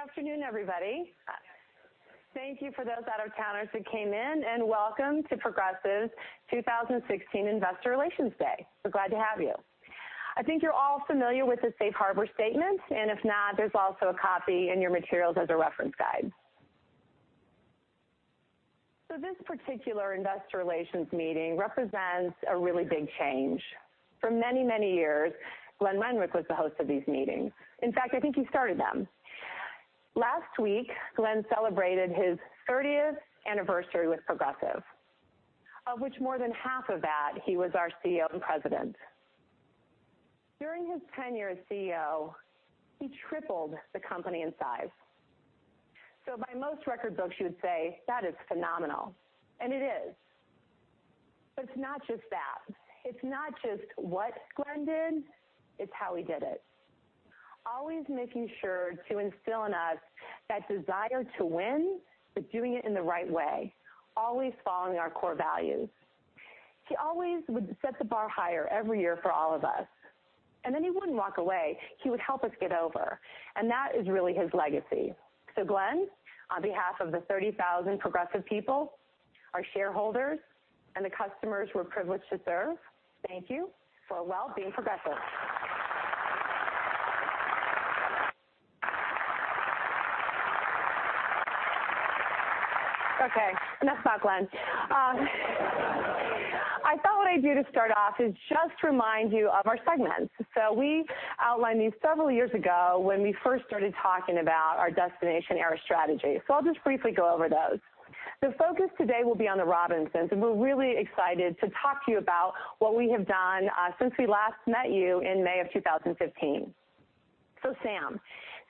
Good afternoon, everybody. Thank you for those out-of-towners who came in, and welcome to Progressive's 2016 Investor Relations Day. We're glad to have you. I think you're all familiar with the safe harbor statement, and if not, there's also a copy in your materials as a reference guide. This particular investor relations meeting represents a really big change. For many, many years, Glenn Renwick was the host of these meetings. In fact, I think he started them. Last week, Glenn celebrated his 30th anniversary with Progressive, of which more than half of that he was our CEO and President. During his tenure as CEO, he tripled the company in size. By most record books, you would say that is phenomenal, and it is. It's not just that. It's not just what Glenn did, it's how he did it. Always making sure to instill in us that desire to win, but doing it in the right way, always following our core values. He always would set the bar higher every year for all of us, and then he wouldn't walk away. He would help us get over, and that is really his legacy. Glenn, on behalf of the 30,000 Progressive people, our shareholders, and the customers we're privileged to serve, thank you for well being Progressive. Okay, enough about Glenn. I thought what I'd do to start off is just remind you of our segments. We outlined these several years ago when we first started talking about our Destination Era strategy. I'll just briefly go over those. The focus today will be on the Robinsons, and we're really excited to talk to you about what we have done since we last met you in May of 2015. Sam.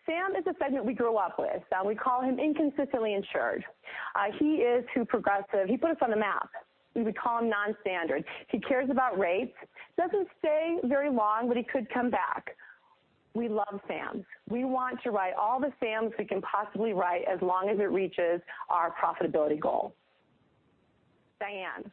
Sam is a segment we grew up with, and we call him inconsistently insured. He is who Progressive put us on the map. We would call him non-standard. He cares about rates. Doesn't stay very long, but he could come back. We love Sams. We want to write all the Sams we can possibly write as long as it reaches our profitability goal. Diane.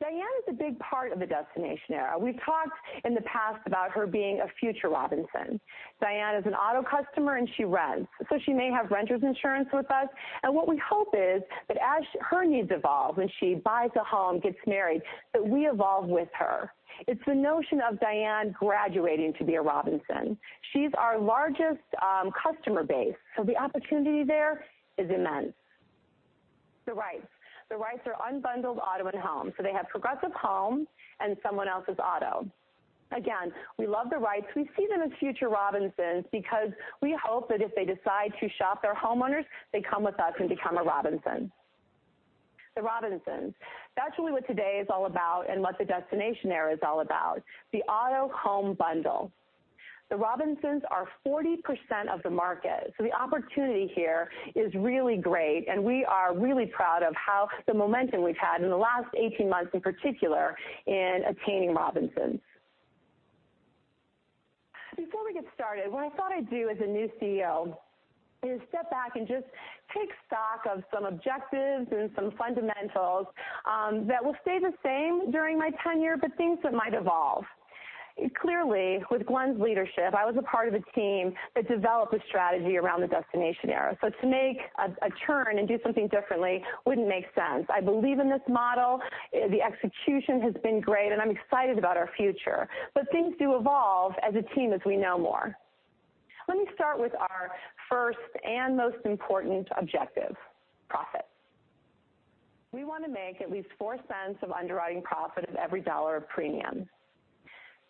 Diane is a big part of the Destination Era. We've talked in the past about her being a future Robinson. Diane is an auto customer, and she rents, so she may have renter's insurance with us, and what we hope is that as her needs evolve, when she buys a home, gets married, that we evolve with her. It's the notion of Diane graduating to be a Robinson. She's our largest customer base, so the opportunity there is immense. The Wrights. The Wrights are unbundled auto and home, so they have Progressive home and someone else's auto. Again, we love the Wrights. We see them as future Robinsons because we hope that if they decide to shop their homeowners, they come with us and become a Robinson. The Robinsons. That's really what today is all about and what the Destination Era is all about, the auto home bundle. The Robinsons are 40% of the market, so the opportunity here is really great, and we are really proud of the momentum we've had in the last 18 months, in particular, in obtaining Robinsons. Before we get started, what I thought I'd do as a new CEO is step back and just take stock of some objectives and some fundamentals that will stay the same during my tenure, but things that might evolve. Clearly, with Glenn's leadership, I was a part of a team that developed a strategy around the Destination Era. To make a turn and do something differently wouldn't make sense. I believe in this model, the execution has been great, and I'm excited about our future. Things do evolve as a team as we know more. Let me start with our first and most important objective, profit. We want to make at least $0.04 of underwriting profit of every dollar of premium.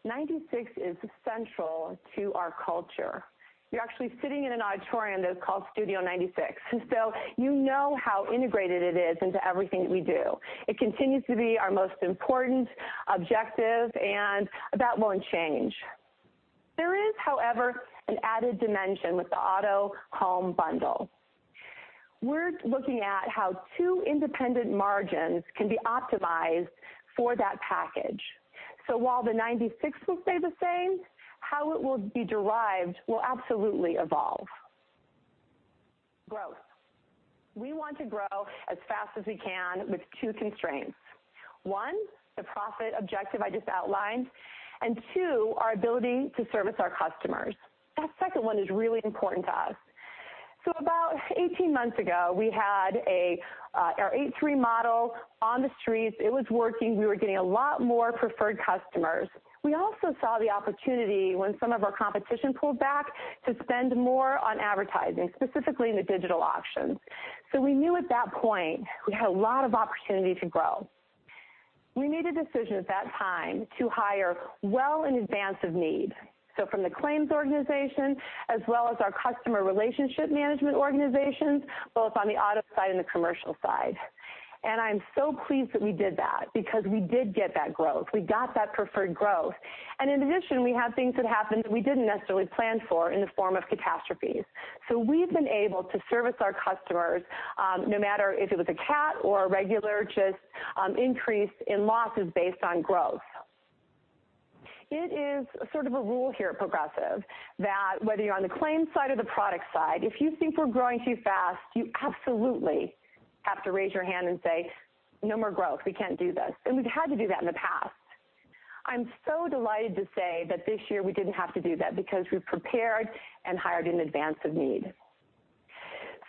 96 is central to our culture. You're actually sitting in an auditorium that is called Studio 96, and so you know how integrated it is into everything we do. It continues to be our most important objective, and that won't change. There is, however, an added dimension with the auto home bundle. We're looking at how two independent margins can be optimized for that package. While the 96 will stay the same, how it will be derived will absolutely evolve. Growth. We want to grow as fast as we can with two constraints. One, the profit objective I just outlined, and two, our ability to service our customers. That second one is really important to us. About 18 months ago, we had our H3 model on the streets. It was working. We were getting a lot more preferred customers. We also saw the opportunity when some of our competition pulled back to spend more on advertising, specifically in the digital options. We knew at that point we had a lot of opportunity to grow. We made a decision at that time to hire well in advance of need, so from the claims organization as well as our customer relationship management organizations, both on the auto side and the commercial side. I'm so pleased that we did that because we did get that growth. We got that preferred growth. In addition, we had things that happened that we didn't necessarily plan for in the form of catastrophes. We've been able to service our customers, no matter if it was a cat or a regular, just increase in losses based on growth. It is sort of a rule here at Progressive that whether you're on the claims side or the product side, if you think we're growing too fast, you absolutely have to raise your hand and say, "No more growth. We can't do this." We've had to do that in the past. I'm so delighted to say that this year we didn't have to do that because we prepared and hired in advance of need.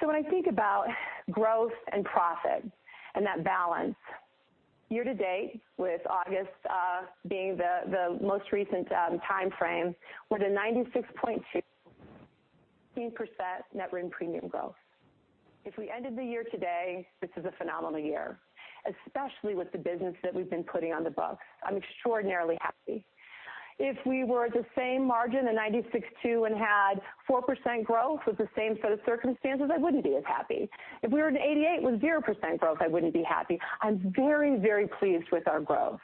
When I think about growth and profit and that balance, year-to-date with August being the most recent timeframe, we're at a 96.2% net written premium growth. If we ended the year today, this is a phenomenal year, especially with the business that we've been putting on the books. I'm extraordinarily happy. If we were at the same margin in 96.2 and had 4% growth with the same set of circumstances, I wouldn't be as happy. If we were at an 88 with 0% growth, I wouldn't be happy. I'm very, very pleased with our growth.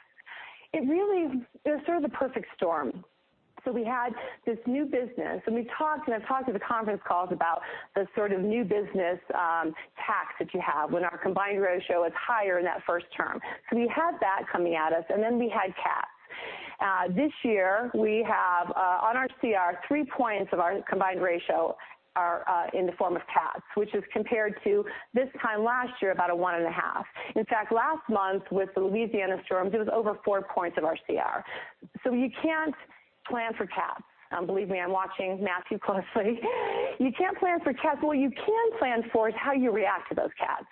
It really is sort of the perfect storm. We had this new business, and we've talked, and I've talked to the conference calls about the sort of new business tax that you have when our combined ratio is higher in that first term. We had that coming at us, then we had CATs. This year, we have, on our CR, three points of our combined ratio are in the form of CATs, which is compared to this time last year, about 1.5. In fact, last month, with the Louisiana storms, it was over four points of our CR. You can't plan for CATs. Believe me, I'm watching Matthew closely. You can't plan for CATs, but what you can plan for is how you react to those CATs.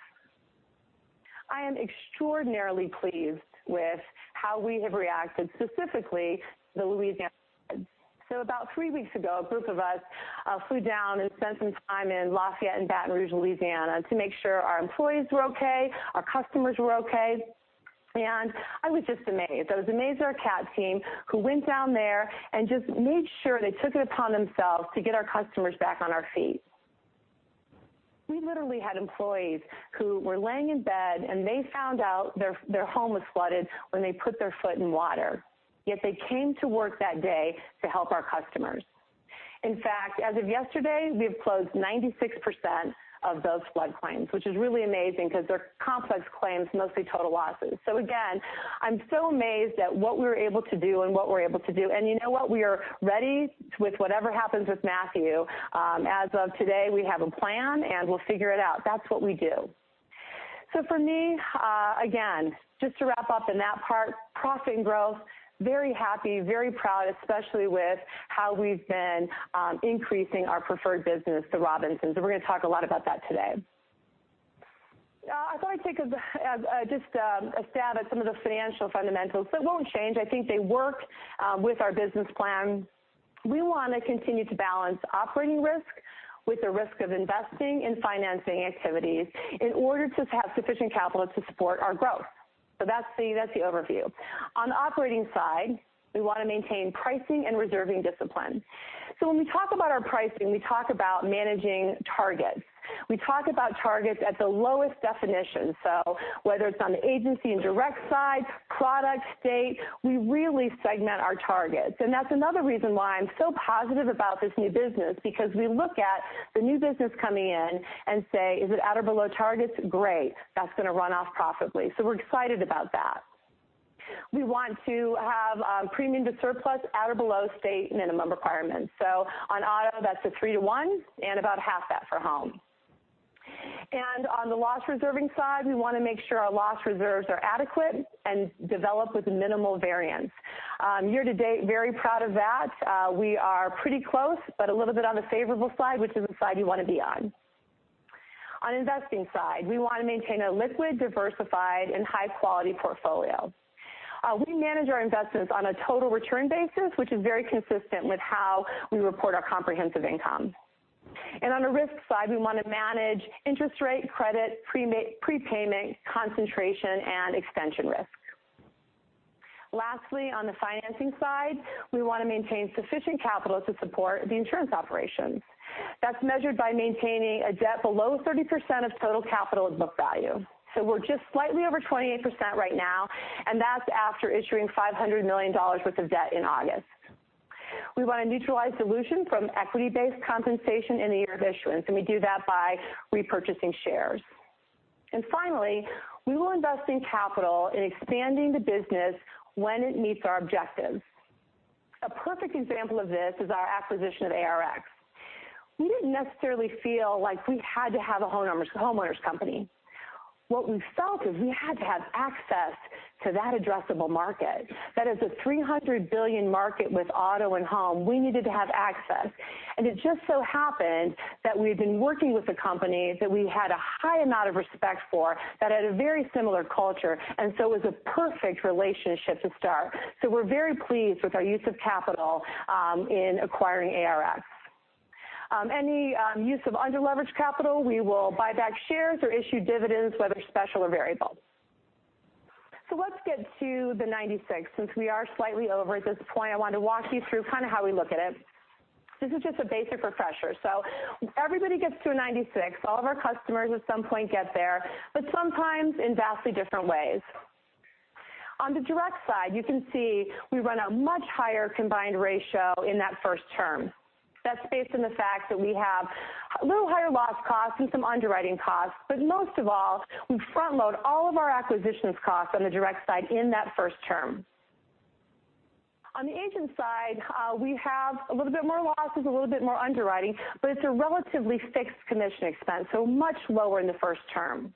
I am extraordinarily pleased with how we have reacted, specifically the Louisiana flood. About three weeks ago, a group of us flew down and spent some time in Lafayette and Baton Rouge, Louisiana, to make sure our employees were okay, our customers were okay, and I was just amazed. I was amazed at our CAT team who went down there and just made sure they took it upon themselves to get our customers back on our feet. We literally had employees who were laying in bed and they found out their home was flooded when they put their foot in water, yet they came to work that day to help our customers. In fact, as of yesterday, we have closed 96% of those flood claims, which is really amazing because they're complex claims, mostly total losses. Again, I'm so amazed at what we were able to do and what we're able to do. You know what? We are ready with whatever happens with Matthew. As of today, we have a plan and we'll figure it out. That's what we do. For me, again, just to wrap up in that part, profit and growth, very happy, very proud, especially with how we've been increasing our preferred business to Robinsons, and we're going to talk a lot about that today. I thought I'd take just a stab at some of the financial fundamentals that won't change. I think they work with our business plan. We want to continue to balance operating risk with the risk of investing in financing activities in order to have sufficient capital to support our growth. That's the overview. On the operating side, we want to maintain pricing and reserving discipline. When we talk about our pricing, we talk about managing targets. We talk about targets at the lowest definition. Whether it's on the agency and direct side, product, state, we really segment our targets. That's another reason why I'm so positive about this new business, because we look at the new business coming in and say, "Is it at or below targets? Great. That's going to run off profitably." We're excited about that. We want to have premium to surplus at or below state minimum requirements. On auto, that's a 3 to 1 and about half that for home. On the loss reserving side, we want to make sure our loss reserves are adequate and develop with minimal variance. Year to date, very proud of that. We are pretty close, but a little bit on the favorable side, which is the side we want to be on. On investing side, we want to maintain a liquid, diversified and high-quality portfolio. We manage our investments on a total return basis, which is very consistent with how we report our comprehensive income. On the risk side, we want to manage interest rate, credit, prepayment, concentration, and extension risk. Lastly, on the financing side, we want to maintain sufficient capital to support the insurance operations. That's measured by maintaining a debt below 30% of total capital and book value. We're just slightly over 28% right now, and that's after issuing $500 million worth of debt in August. We want a neutralized solution from equity-based compensation in the year of issuance, and we do that by repurchasing shares. Finally, we will invest in capital in expanding the business when it meets our objectives. A perfect example of this is our acquisition of ARX. We didn't necessarily feel like we had to have a homeowners company. What we felt is we had to have access to that addressable market. That is a $300 billion market with auto and home. We needed to have access. It just so happened that we had been working with a company that we had a high amount of respect for, that had a very similar culture, and it was a perfect relationship to start. We're very pleased with our use of capital in acquiring ARX. Any use of under-leveraged capital, we will buy back shares or issue dividends, whether special or variable. Let's get to the 96. Since we are slightly over at this point, I want to walk you through kind of how we look at it. This is just a basic refresher. Everybody gets to a 96. All of our customers at some point get there, but sometimes in vastly different ways. On the direct side, you can see we run a much higher combined ratio in that first term. That's based on the fact that we have a little higher loss costs and some underwriting costs, but most of all, we front-load all of our acquisitions costs on the direct side in that first term. On the agent side, we have a little bit more losses, a little bit more underwriting, but it's a relatively fixed commission expense, so much lower in the first term.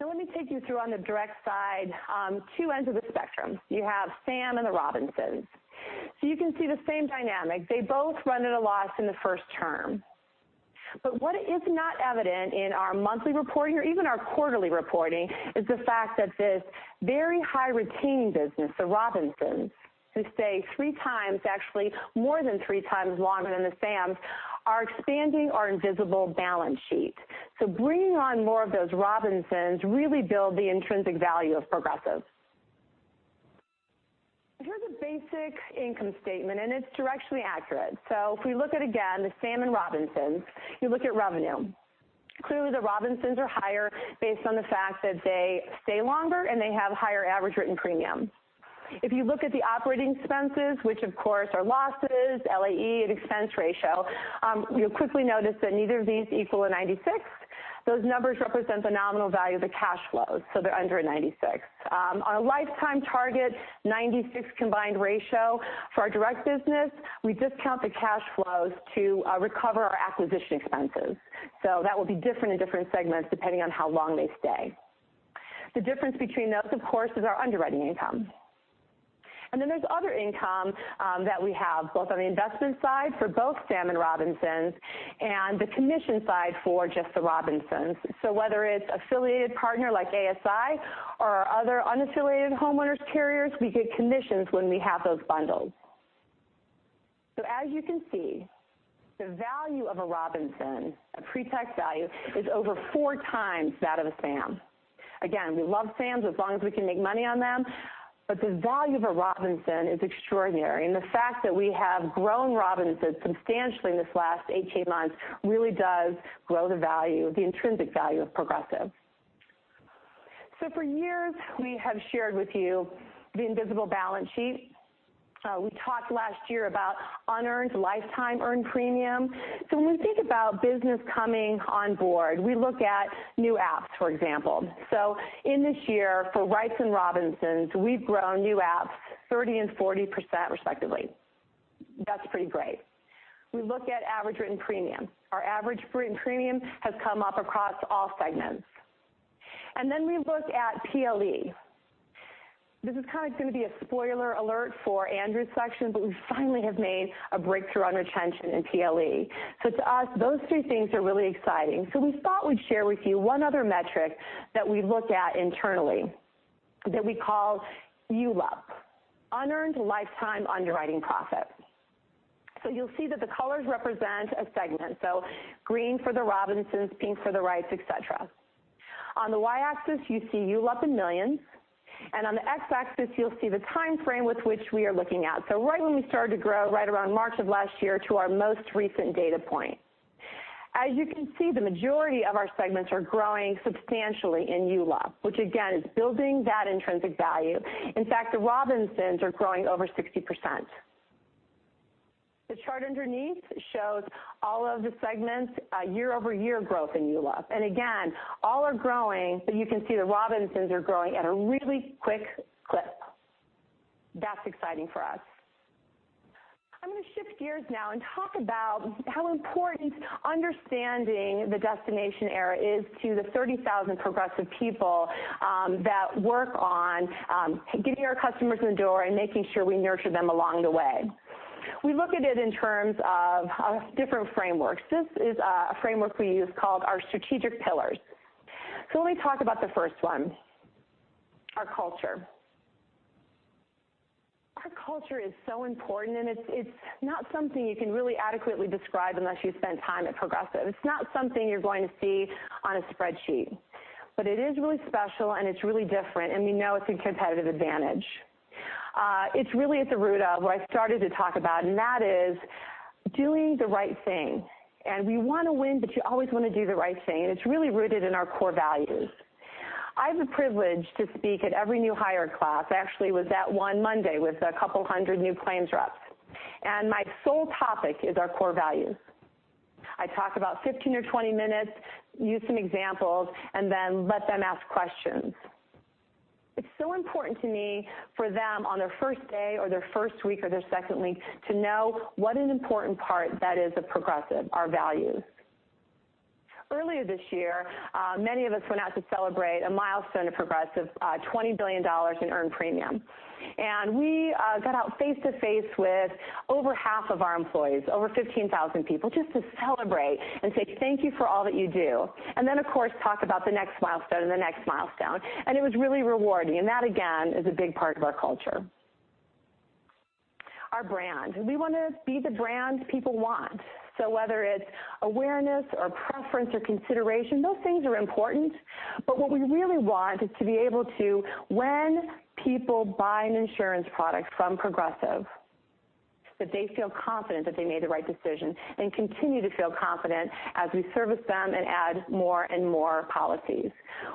Let me take you through on the direct side, two ends of the spectrum. You have Sam and the Robinsons. You can see the same dynamic. They both run at a loss in the first term. What is not evident in our monthly reporting or even our quarterly reporting is the fact that this very high retaining business, the Robinsons, who stay three times, actually more than three times longer than the Sams, are expanding our invisible balance sheet. Bringing on more of those Robinsons really build the intrinsic value of Progressive. Here's a basic income statement, and it's directionally accurate. If we look at, again, the Sam and Robinsons, you look at revenue. Clearly, the Robinsons are higher based on the fact that they stay longer and they have higher average written premium. If you look at the operating expenses, which of course are losses, LAE, and expense ratio, you will quickly notice that neither of these equal a 96. Those numbers represent the nominal value of the cash flows, so they are under a 96. Our lifetime target 96 combined ratio for our direct business, we discount the cash flows to recover our acquisition expenses. That will be different in different segments depending on how long they stay. The difference between those, of course, is our underwriting income. There is other income that we have, both on the investment side for both Sam and Robinsons and the commission side for just the Robinsons. Whether it is affiliated partner like ASI or our other unaffiliated homeowners carriers, we get commissions when we have those bundles. As you can see, the value of a Robinson, a pre-tax value, is over four times that of a Sam. Again, we love Sams as long as we can make money on them, but the value of a Robinson is extraordinary, and the fact that we have grown Robinsons substantially in this last 18 months really does grow the value, the intrinsic value of Progressive. For years, we have shared with you the invisible balance sheet. We talked last year about unearned lifetime earned premium. When we think about business coming on board, we look at new apps, for example. In this year, for Wrights and Robinsons, we have grown new apps 30% and 40% respectively. That is pretty great. We look at average written premium. Our average written premium has come up across all segments. We look at PLE. This is kind of going to be a spoiler alert for Andrew's section, but we finally have made a breakthrough on retention in PLE. To us, those three things are really exciting. We thought we would share with you one other metric that we look at internally that we call ULUP, unearned lifetime underwriting profit. You will see that the colors represent a segment, green for the Robinsons, pink for the Wrights, et cetera. On the Y-axis, you see ULUP in millions, and on the X-axis, you will see the time frame with which we are looking at. Right when we started to grow, right around March of last year, to our most recent data point. As you can see, the majority of our segments are growing substantially in ULUP, which again is building that intrinsic value. In fact, the Robinsons are growing over 60%. The chart underneath shows all of the segments year-over-year growth in ULUP. All are growing, but you can see the Robinsons are growing at a really quick clip. That is exciting for us. I am going to shift gears now and talk about how important understanding the Destination Era is to the 30,000 Progressive people that work on getting our customers in the door and making sure we nurture them along the way. We look at it in terms of different frameworks. This is a framework we use called our strategic pillars. Let me talk about the first one, our culture. Our culture is so important. It's not something you can really adequately describe unless you spend time at Progressive. It's not something you're going to see on a spreadsheet. It is really special, and it's really different, and we know it's a competitive advantage. It's really at the root of what I started to talk about. That is doing the right thing. We want to win, but you always want to do the right thing, and it's really rooted in our core values. I have the privilege to speak at every new hire class. I actually was at one Monday with a couple hundred new claims reps, and my sole topic is our core values. I talk about 15 or 20 minutes, use some examples, and then let them ask questions. It's so important to me for them on their first day or their first week or their second week to know what an important part that is of Progressive, our values. Earlier this year, many of us went out to celebrate a milestone at Progressive, $20 billion in earned premium. We got out face to face with over half of our employees, over 15,000 people, just to celebrate and say thank you for all that you do, and of course, talk about the next milestone and the next milestone. It was really rewarding, and that again is a big part of our culture. Our brand. We want to be the brand people want. Whether it's awareness or preference or consideration, those things are important. What we really want is to be able to, when people buy an insurance product from Progressive, that they feel confident that they made the right decision and continue to feel confident as we service them and add more and more policies.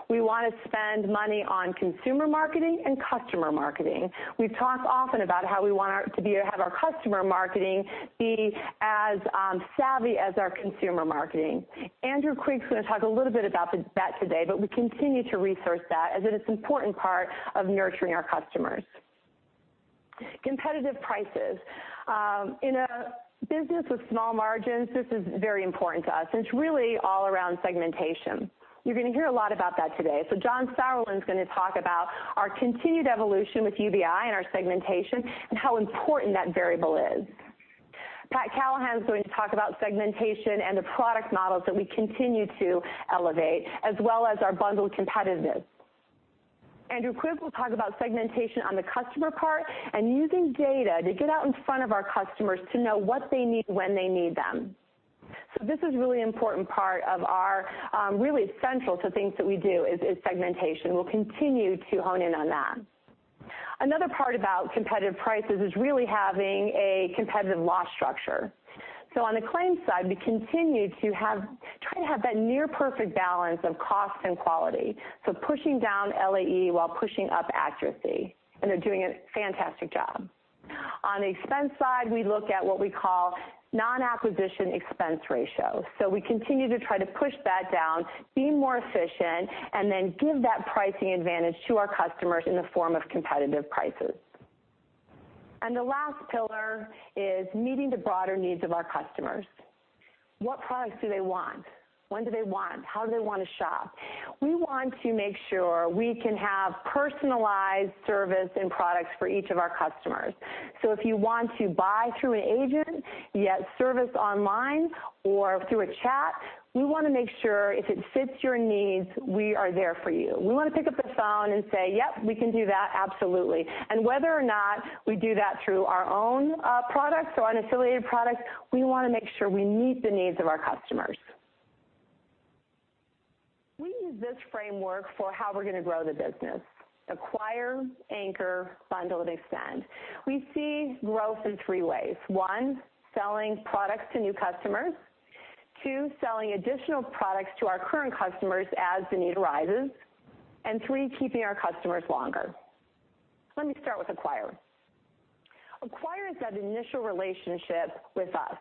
We want to spend money on consumer marketing and customer marketing. We talk often about how we want to have our customer marketing be as savvy as our consumer marketing. Andrew Quigg's going to talk a little bit about that today, but we continue to resource that as it is important part of nurturing our customers. Competitive prices. In a business with small margins, this is very important to us, and it's really all around segmentation. You're going to hear a lot about that today. John Sauerland's going to talk about our continued evolution with UBI and our segmentation and how important that variable is. Pat Callahan's going to talk about segmentation and the product models that we continue to elevate, as well as our bundled competitiveness. Andrew Quigg will talk about segmentation on the customer part and using data to get out in front of our customers to know what they need when they need them. This is really important part of our really essential to things that we do is segmentation. We'll continue to hone in on that. Another part about competitive prices is really having a competitive loss structure. On the claims side, we continue to try to have that near perfect balance of cost and quality. Pushing down LAE while pushing up accuracy, and they're doing a fantastic job. On the expense side, we look at what we call non-acquisition expense ratio. We continue to try to push that down, be more efficient, and then give that pricing advantage to our customers in the form of competitive prices. The last pillar is meeting the broader needs of our customers. What products do they want? When do they want? How do they want to shop? We want to make sure we can have personalized service and products for each of our customers. If you want to buy through an agent, yet service online or through a chat, we want to make sure if it fits your needs, we are there for you. We want to pick up the phone and say, "Yep, we can do that absolutely." Whether or not we do that through our own products or unaffiliated products, we want to make sure we meet the needs of our customers. We use this framework for how we're going to grow the business, acquire, anchor, bundle, and extend. We see growth in three ways. One, selling products to new customers. Two, selling additional products to our current customers as the need arises. Three, keeping our customers longer. Let me start with acquire. Acquire is that initial relationship with us.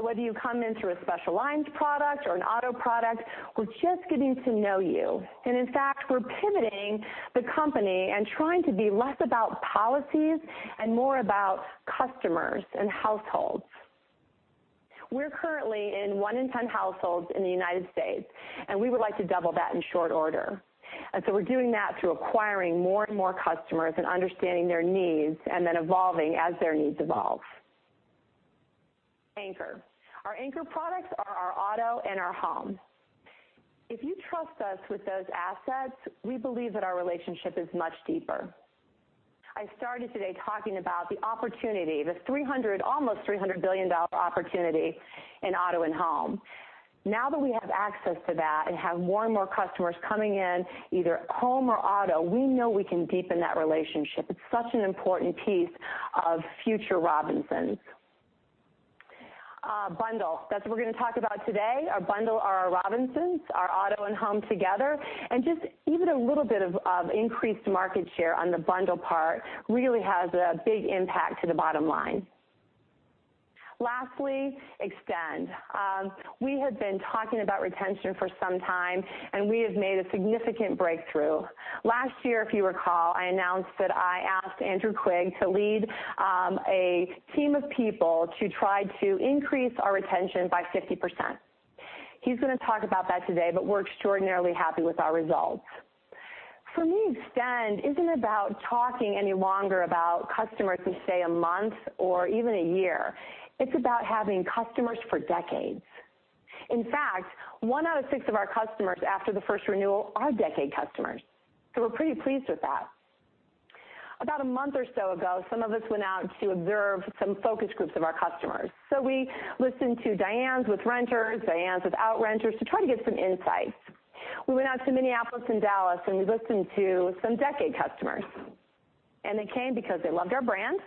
Whether you come in through a special lines product or an auto product, we're just getting to know you. In fact, we're pivoting the company and trying to be less about policies and more about customers and households. We're currently in one in 10 households in the U.S., and we would like to double that in short order. We're doing that through acquiring more and more customers and understanding their needs and then evolving as their needs evolve. Anchor. Our anchor products are our auto and our home. If you trust us with those assets, we believe that our relationship is much deeper. I started today talking about the opportunity, the almost $300 billion opportunity in auto and home. Now that we have access to that and have more and more customers coming in, either home or auto, we know we can deepen that relationship. It's such an important piece of future Robinsons. Bundle. That's what we're going to talk about today. Our bundle are our Robinsons, our auto and home together. Just even a little bit of increased market share on the bundle part really has a big impact to the bottom line. Lastly, extend. We have been talking about retention for some time, and we have made a significant breakthrough. Last year, if you recall, I announced that I asked Andrew Quigg to lead a team of people to try to increase our retention by 50%. He's going to talk about that today, but we're extraordinarily happy with our results. For me, extend isn't about talking any longer about customers who stay a month or even a year. It's about having customers for decades. In fact, one out of six of our customers after the first renewal are decade customers. We're pretty pleased with that. About a month or so ago, some of us went out to observe some focus groups of our customers. We listened to Diannes with renters, Diannes without renters to try to get some insights. We went out to Minneapolis and Dallas, and we listened to some decade customers. They came because they loved our brand,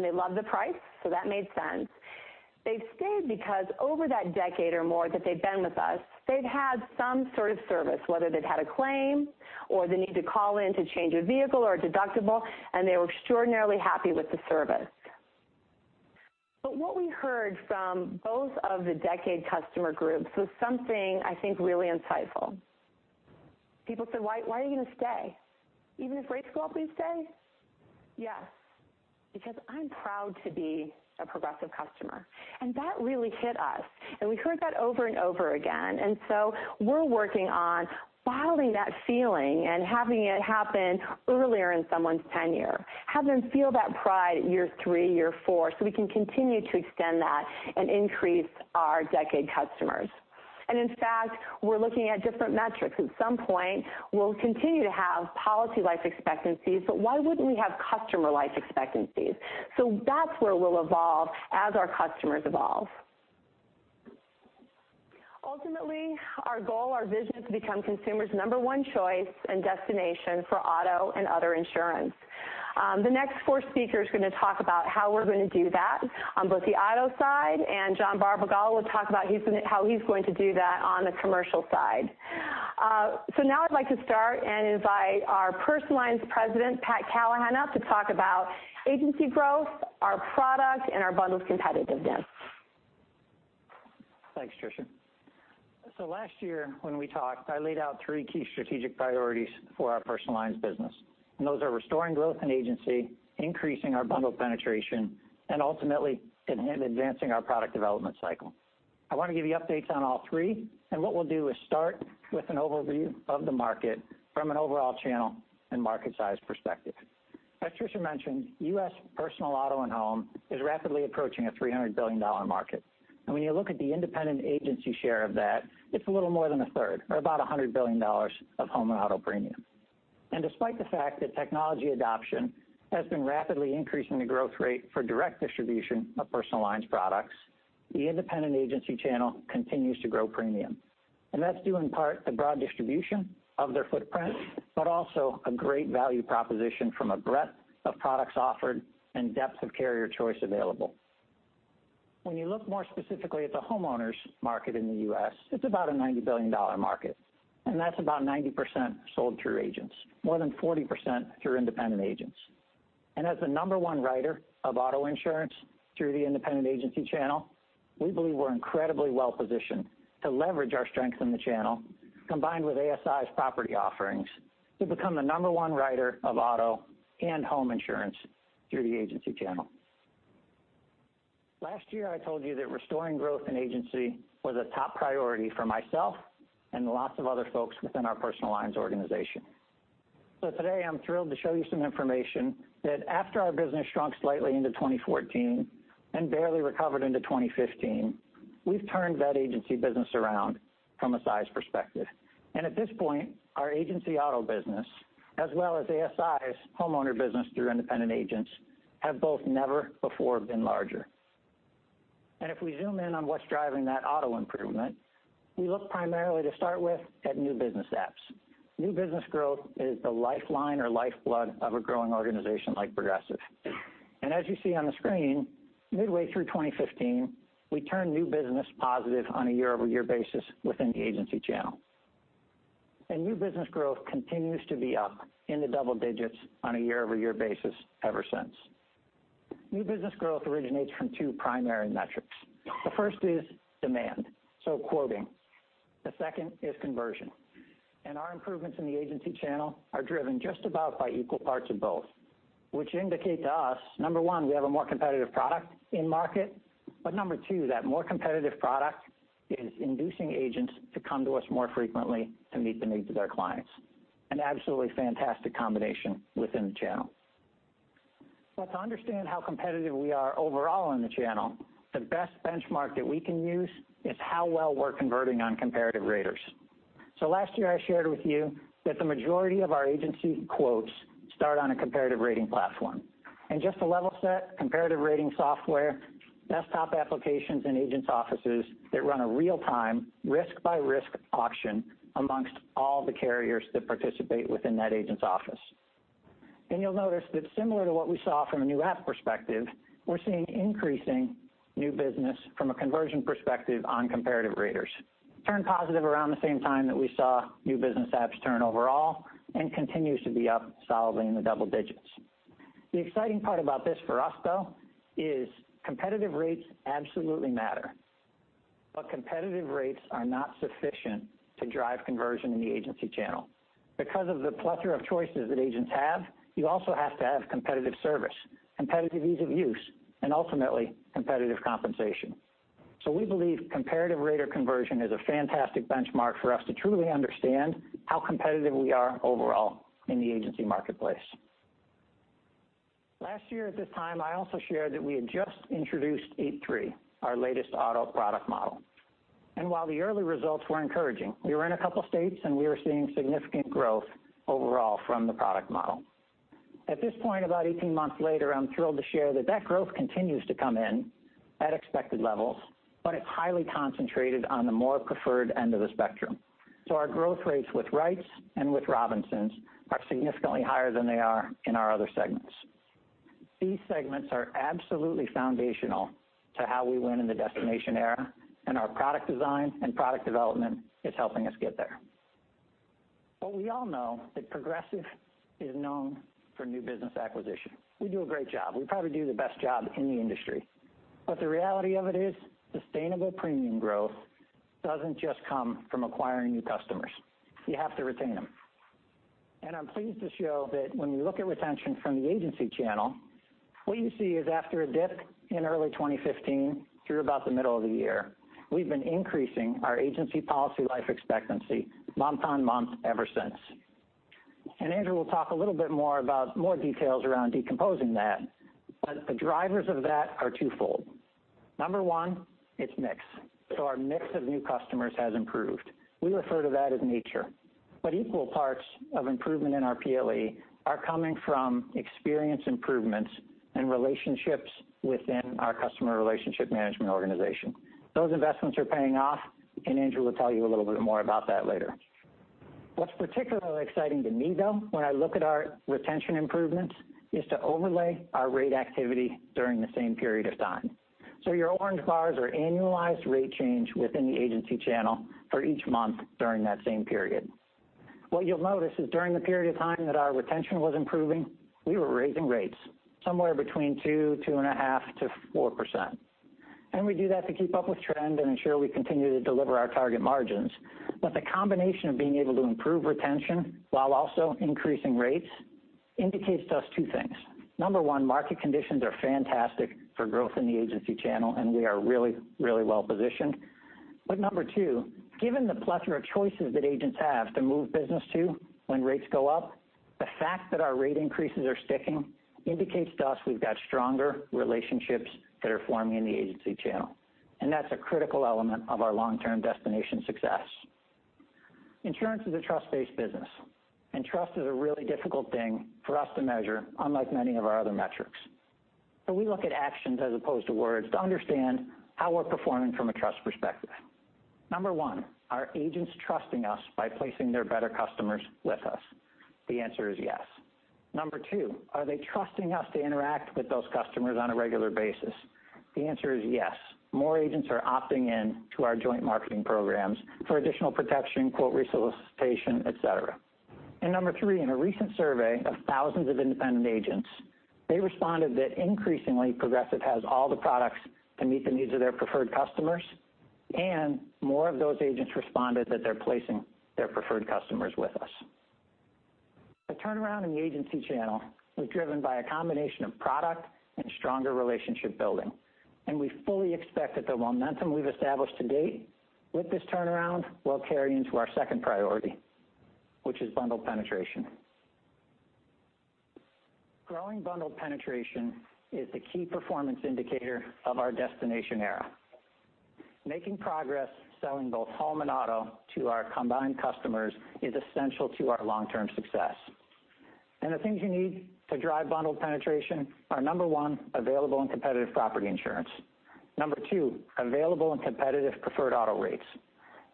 they loved the price, that made sense. They stayed because over that decade or more that they've been with us, they've had some sort of service, whether they've had a claim or the need to call in to change a vehicle or a deductible, and they were extraordinarily happy with the service. What we heard from both of the decade customer groups was something I think really insightful. People said, "Why are you going to stay? Even if rates go up, you stay?" "Yes, because I'm proud to be a Progressive customer." That really hit us, and we heard that over and over again. We're working on filing that feeling and having it happen earlier in someone's tenure, have them feel that pride year three, year four, we can continue to extend that and increase our decade customers. In fact, we're looking at different metrics. At some point, we'll continue to have policy life expectancies, but why wouldn't we have customer life expectancies? That's where we'll evolve as our customers evolve. Ultimately, our goal, our vision is to become consumers' number one choice and destination for auto and other insurance. The next four speakers are going to talk about how we're going to do that on both the auto side and John Barbagallo will talk about how he's going to do that on the commercial side. Now I'd like to start and invite our Personal Lines President, Pat Callahan, up to talk about agency growth, our product, and our bundles competitiveness. Thanks, Tricia. Last year when we talked, I laid out three key strategic priorities for our personal lines business, and those are restoring growth in agency, increasing our bundle penetration, and ultimately advancing our product development cycle. I want to give you updates on all three, and what we'll do is start with an overview of the market from an overall channel and market size perspective. As Tricia mentioned, U.S. personal auto and home is rapidly approaching a $300 billion market. When you look at the independent agency share of that, it's a little more than a third, or about $100 billion of home and auto premium. Despite the fact that technology adoption has been rapidly increasing the growth rate for direct distribution of personal lines products, the independent agency channel continues to grow premium. That's due in part to broad distribution of their footprint, but also a great value proposition from a breadth of products offered and depth of carrier choice available. When you look more specifically at the homeowners market in the U.S., it's about a $90 billion market, and that's about 90% sold through agents, more than 40% through independent agents. As the number one writer of auto insurance through the independent agency channel, we believe we're incredibly well-positioned to leverage our strength in the channel, combined with ASI's property offerings, to become the number one writer of auto and home insurance through the agency channel. Last year, I told you that restoring growth in agency was a top priority for myself and lots of other folks within our Personal Lines organization. Today, I'm thrilled to show you some information that after our business shrunk slightly into 2014 and barely recovered into 2015, we've turned that agency business around from a size perspective. At this point, our agency auto business, as well as ASI's homeowner business through independent agents, have both never before been larger. If we zoom in on what's driving that auto improvement, we look primarily to start with at new business apps. New business growth is the lifeline or lifeblood of a growing organization like Progressive. As you see on the screen, midway through 2015, we turned new business positive on a year-over-year basis within the agency channel. New business growth continues to be up in the double digits on a year-over-year basis ever since. New business growth originates from two primary metrics. The first is demand, so quoting. The second is conversion. Our improvements in the agency channel are driven just about by equal parts of both, which indicate to us, number 1, we have a more competitive product in market, but number 2, that more competitive product is inducing agents to come to us more frequently to meet the needs of their clients. An absolutely fantastic combination within the channel. To understand how competitive we are overall in the channel, the best benchmark that we can use is how well we're converting on comparative raters. Last year, I shared with you that the majority of our agency quotes start on a comparative rating platform. Just to level set, comparative rating software, desktop applications in agents' offices that run a real-time, risk-by-risk auction amongst all the carriers that participate within that agent's office. You'll notice that similar to what we saw from a new app perspective, we're seeing increasing new business from a conversion perspective on comparative raters. Turned positive around the same time that we saw new business apps turn overall and continues to be up solidly in the double digits. The exciting part about this for us, though, is competitive rates absolutely matter, but competitive rates are not sufficient to drive conversion in the agency channel. Because of the plethora of choices that agents have, you also have to have competitive service, competitive ease of use, and ultimately, competitive compensation. We believe comparative rater conversion is a fantastic benchmark for us to truly understand how competitive we are overall in the agency marketplace. Last year at this time, I also shared that we had just introduced 8.3, our latest auto product model. While the early results were encouraging, we were in a couple of states, and we were seeing significant growth overall from the product model. At this point, about 18 months later, I'm thrilled to share that that growth continues to come in at expected levels, but it's highly concentrated on the more preferred end of the spectrum. Our growth rates with Wrights and with Robinsons are significantly higher than they are in our other segments. These segments are absolutely foundational to how we win in the Destination Era, and our product design and product development is helping us get there. We all know that Progressive is known for new business acquisition. We do a great job. We probably do the best job in the industry. The reality of it is, sustainable premium growth doesn't just come from acquiring new customers. You have to retain them. I'm pleased to show that when we look at retention from the agency channel, what you see is after a dip in early 2015 through about the middle of the year, we've been increasing our agency policy life expectancy month-on-month, ever since. Andrew will talk a little bit more about more details around decomposing that, but the drivers of that are twofold. Number one, it's mix. Our mix of new customers has improved. We refer to that as nature. Equal parts of improvement in our PLE are coming from experience improvements and relationships within our Customer Relationship Management organization. Those investments are paying off, and Andrew will tell you a little bit more about that later. What's particularly exciting to me, though, when I look at our retention improvements, is to overlay our rate activity during the same period of time. Your orange bars are annualized rate change within the agency channel for each month during that same period. What you'll notice is during the period of time that our retention was improving, we were raising rates somewhere between 2%, 2.5%-4%. We do that to keep up with trend and ensure we continue to deliver our target margins. The combination of being able to improve retention while also increasing rates indicates to us two things. Number one, market conditions are fantastic for growth in the agency channel, and we are really well-positioned. Number two, given the plethora of choices that agents have to move business to when rates go up, the fact that our rate increases are sticking indicates to us we've got stronger relationships that are forming in the agency channel, and that's a critical element of our long-term destination success. Insurance is a trust-based business, trust is a really difficult thing for us to measure, unlike many of our other metrics. We look at actions as opposed to words to understand how we're performing from a trust perspective. Number one, are agents trusting us by placing their better customers with us? The answer is yes. Number two, are they trusting us to interact with those customers on a regular basis? The answer is yes. More agents are opting in to our joint marketing programs for additional protection, quote, re-solicitation, et cetera. Number three, in a recent survey of thousands of independent agents, they responded that increasingly Progressive has all the products to meet the needs of their preferred customers, and more of those agents responded that they're placing their preferred customers with us. The turnaround in the agency channel was driven by a combination of product and stronger relationship building. We fully expect that the momentum we've established to date with this turnaround will carry into our second priority, which is bundle penetration. Growing bundle penetration is the key performance indicator of our Destination Era. Making progress selling both home and auto to our combined customers is essential to our long-term success. The things you need to drive bundle penetration are, number 1, available and competitive property insurance. Number 2, available and competitive preferred auto rates.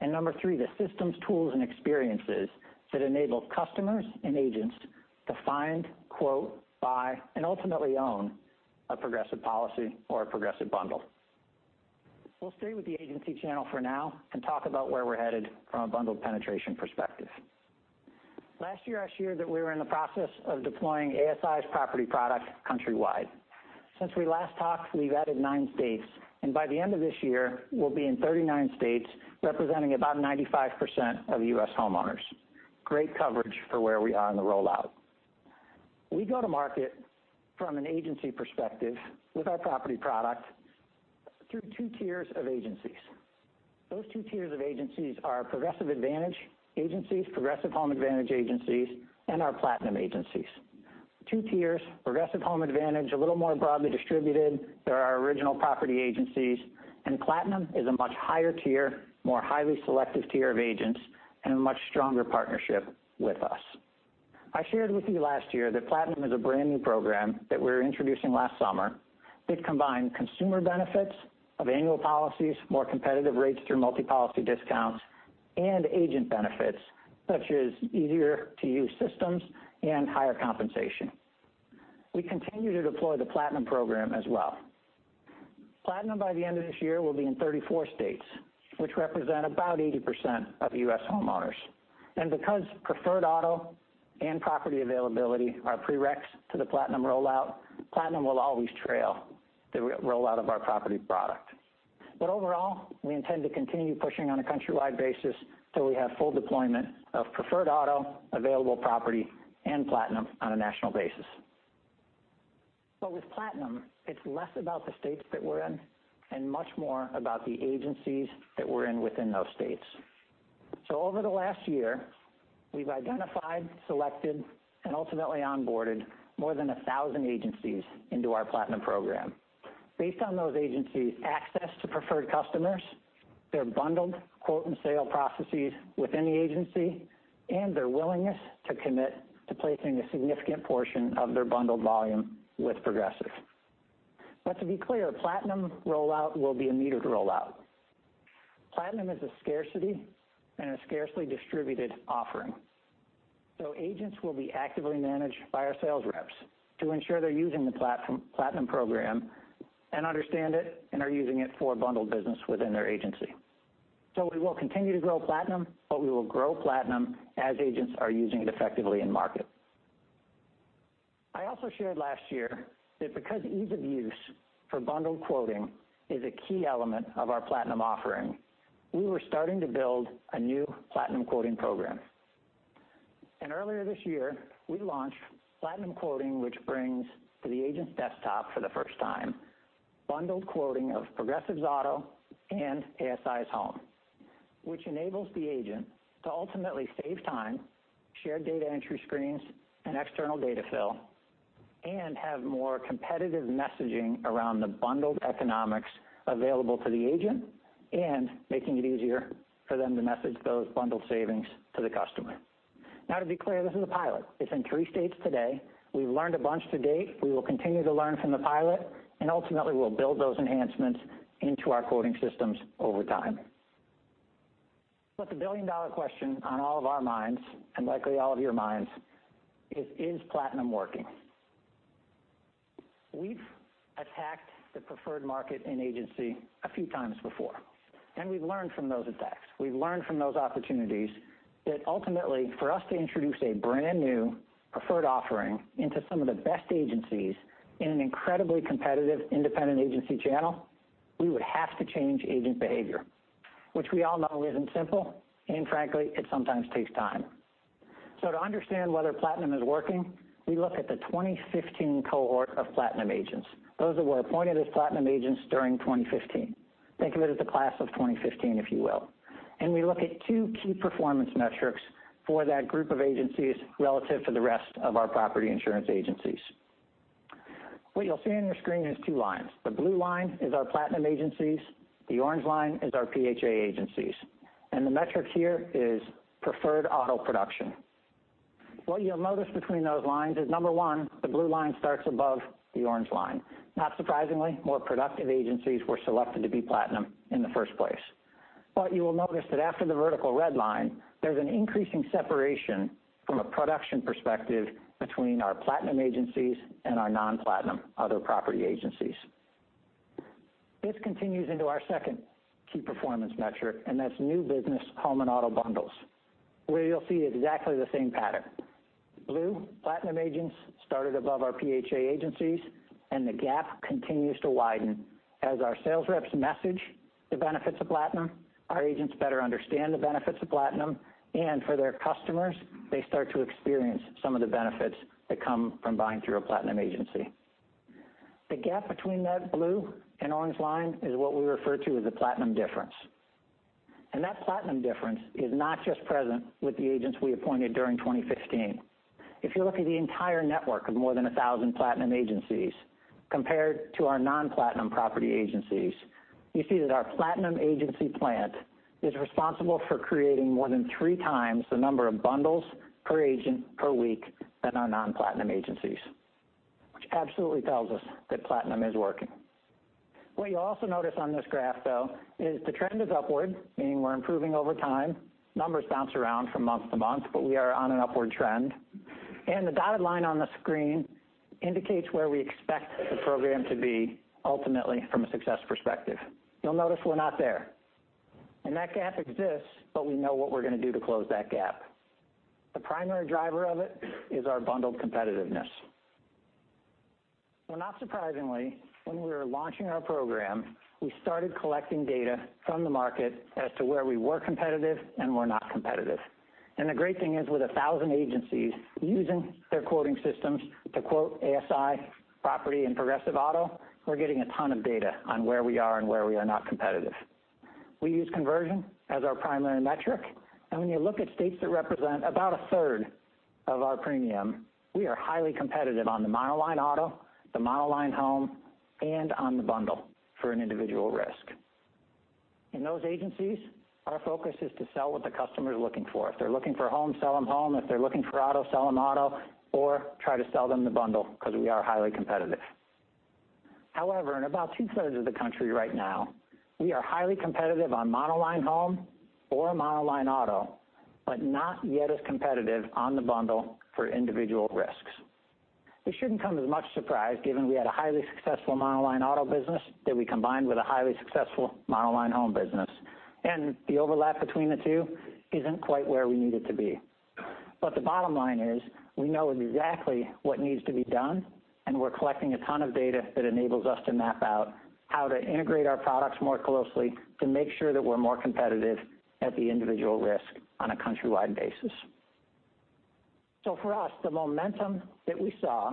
Number 3, the systems, tools, and experiences that enable customers and agents to find, quote, buy, and ultimately own a Progressive policy or a Progressive bundle. We'll stay with the agency channel for now and talk about where we're headed from a bundled penetration perspective. Last year, I shared that we were in the process of deploying ASI's property product countrywide. Since we last talked, we've added nine states. By the end of this year, we'll be in 39 states, representing about 95% of U.S. homeowners. Great coverage for where we are in the rollout. We go to market from an agency perspective with our property product through 2 tiers of agencies. Those 2 tiers of agencies are Progressive Advantage agencies, Progressive Home Advantage agencies, and our Platinum agencies. 2 tiers, Progressive Home Advantage, a little more broadly distributed. They're our original property agencies. Platinum is a much higher tier, more highly selective tier of agents and a much stronger partnership with us. I shared with you last year that Platinum is a brand-new program that we were introducing last summer that combined consumer benefits of annual policies, more competitive rates through multi-policy discounts, and agent benefits, such as easier-to-use systems and higher compensation. We continue to deploy the Platinum program as well. Platinum, by the end of this year, will be in 34 states, which represent about 80% of U.S. homeowners. Because preferred auto and property availability are prereqs to the Platinum rollout, Platinum will always trail the rollout of our property product. Overall, we intend to continue pushing on a countrywide basis till we have full deployment of preferred auto, available property, and Platinum on a national basis. With Platinum, it's less about the states that we're in and much more about the agencies that we're in within those states. Over the last year, we've identified, selected, and ultimately onboarded more than 1,000 agencies into our Platinum program based on those agencies' access to preferred customers, their bundled quote and sale processes within the agency, and their willingness to commit to placing a significant portion of their bundled volume with Progressive. To be clear, Platinum rollout will be a metered rollout. Platinum is a scarcity and a scarcely distributed offering. Agents will be actively managed by our sales reps to ensure they're using the Platinum program and understand it and are using it for bundled business within their agency. We will continue to grow Platinum. We will grow Platinum as agents are using it effectively in market. I also shared last year that because ease of use for bundled quoting is a key element of our Platinum offering, we were starting to build a new Platinum quoting program. Earlier this year, we launched Platinum quoting, which brings to the agent's desktop for the first time bundled quoting of Progressive's auto and ASI's home, which enables the agent to ultimately save time, share data entry screens and external data fill, and have more competitive messaging around the bundled economics available to the agent and making it easier for them to message those bundled savings to the customer. To be clear, this is a pilot. It's in three states today. We've learned a bunch to date. We will continue to learn from the pilot, and ultimately, we'll build those enhancements into our quoting systems over time. The billion-dollar question on all of our minds, and likely all of your minds, is Platinum working? We've attacked the preferred market and agency a few times before, and we've learned from those attacks. We've learned from those opportunities that ultimately, for us to introduce a brand-new preferred offering into some of the best agencies in an incredibly competitive independent agency channel, we would have to change agent behavior, which we all know isn't simple, and frankly, it sometimes takes time. To understand whether Platinum is working, we look at the 2015 cohort of Platinum agents, those that were appointed as Platinum agents during 2015. Think of it as the class of 2015, if you will. We look at two key performance metrics for that group of agencies relative to the rest of our property insurance agencies. What you'll see on your screen is two lines. The blue line is our Platinum agencies, the orange line is our PHA agencies, and the metric here is preferred auto production. What you'll notice between those lines is, number one, the blue line starts above the orange line. Not surprisingly, more productive agencies were selected to be Platinum in the first place. You will notice that after the vertical red line, there's an increasing separation from a production perspective between our Platinum agencies and our non-Platinum other property agencies. This continues into our second key performance metric, and that's new business home and auto bundles, where you'll see exactly the same pattern. Blue Platinum agents started above our PHA agencies, and the gap continues to widen. As our sales reps message the benefits of Platinum, our agents better understand the benefits of Platinum, and for their customers, they start to experience some of the benefits that come from buying through a Platinum agency. The gap between that blue and orange line is what we refer to as the Platinum difference. That Platinum difference is not just present with the agents we appointed during 2015. If you look at the entire network of more than 1,000 Platinum agencies compared to our non-Platinum property agencies, you see that our Platinum agency plant is responsible for creating more than three times the number of bundles per agent per week than our non-Platinum agencies, which absolutely tells us that Platinum is working. What you'll also notice on this graph, though, is the trend is upward, meaning we're improving over time. The dotted line on the screen indicates where we expect the program to be ultimately from a success perspective. You'll notice we're not there. That gap exists, but we know what we're going to do to close that gap. The primary driver of it is our bundled competitiveness. Not surprisingly, when we were launching our program, we started collecting data from the market as to where we were competitive and were not competitive. The great thing is, with 1,000 agencies using their quoting systems to quote ASI, property, and Progressive auto, we're getting a ton of data on where we are and where we are not competitive. We use conversion as our primary metric. When you look at states that represent about a third of our premium, we are highly competitive on the monoline auto, the monoline home, and on the bundle for an individual risk. In those agencies, our focus is to sell what the customer is looking for. If they're looking for home, sell them home. If they're looking for auto, sell them auto, or try to sell them the bundle because we are highly competitive. However, in about two-thirds of the country right now, we are highly competitive on monoline home or monoline auto, but not yet as competitive on the bundle for individual risks. This shouldn't come as much surprise, given we had a highly successful monoline auto business that we combined with a highly successful monoline home business. The overlap between the two isn't quite where we need it to be. The bottom line is we know exactly what needs to be done. We're collecting a ton of data that enables us to map out how to integrate our products more closely to make sure that we're more competitive at the individual risk on a countrywide basis. For us, the momentum that we saw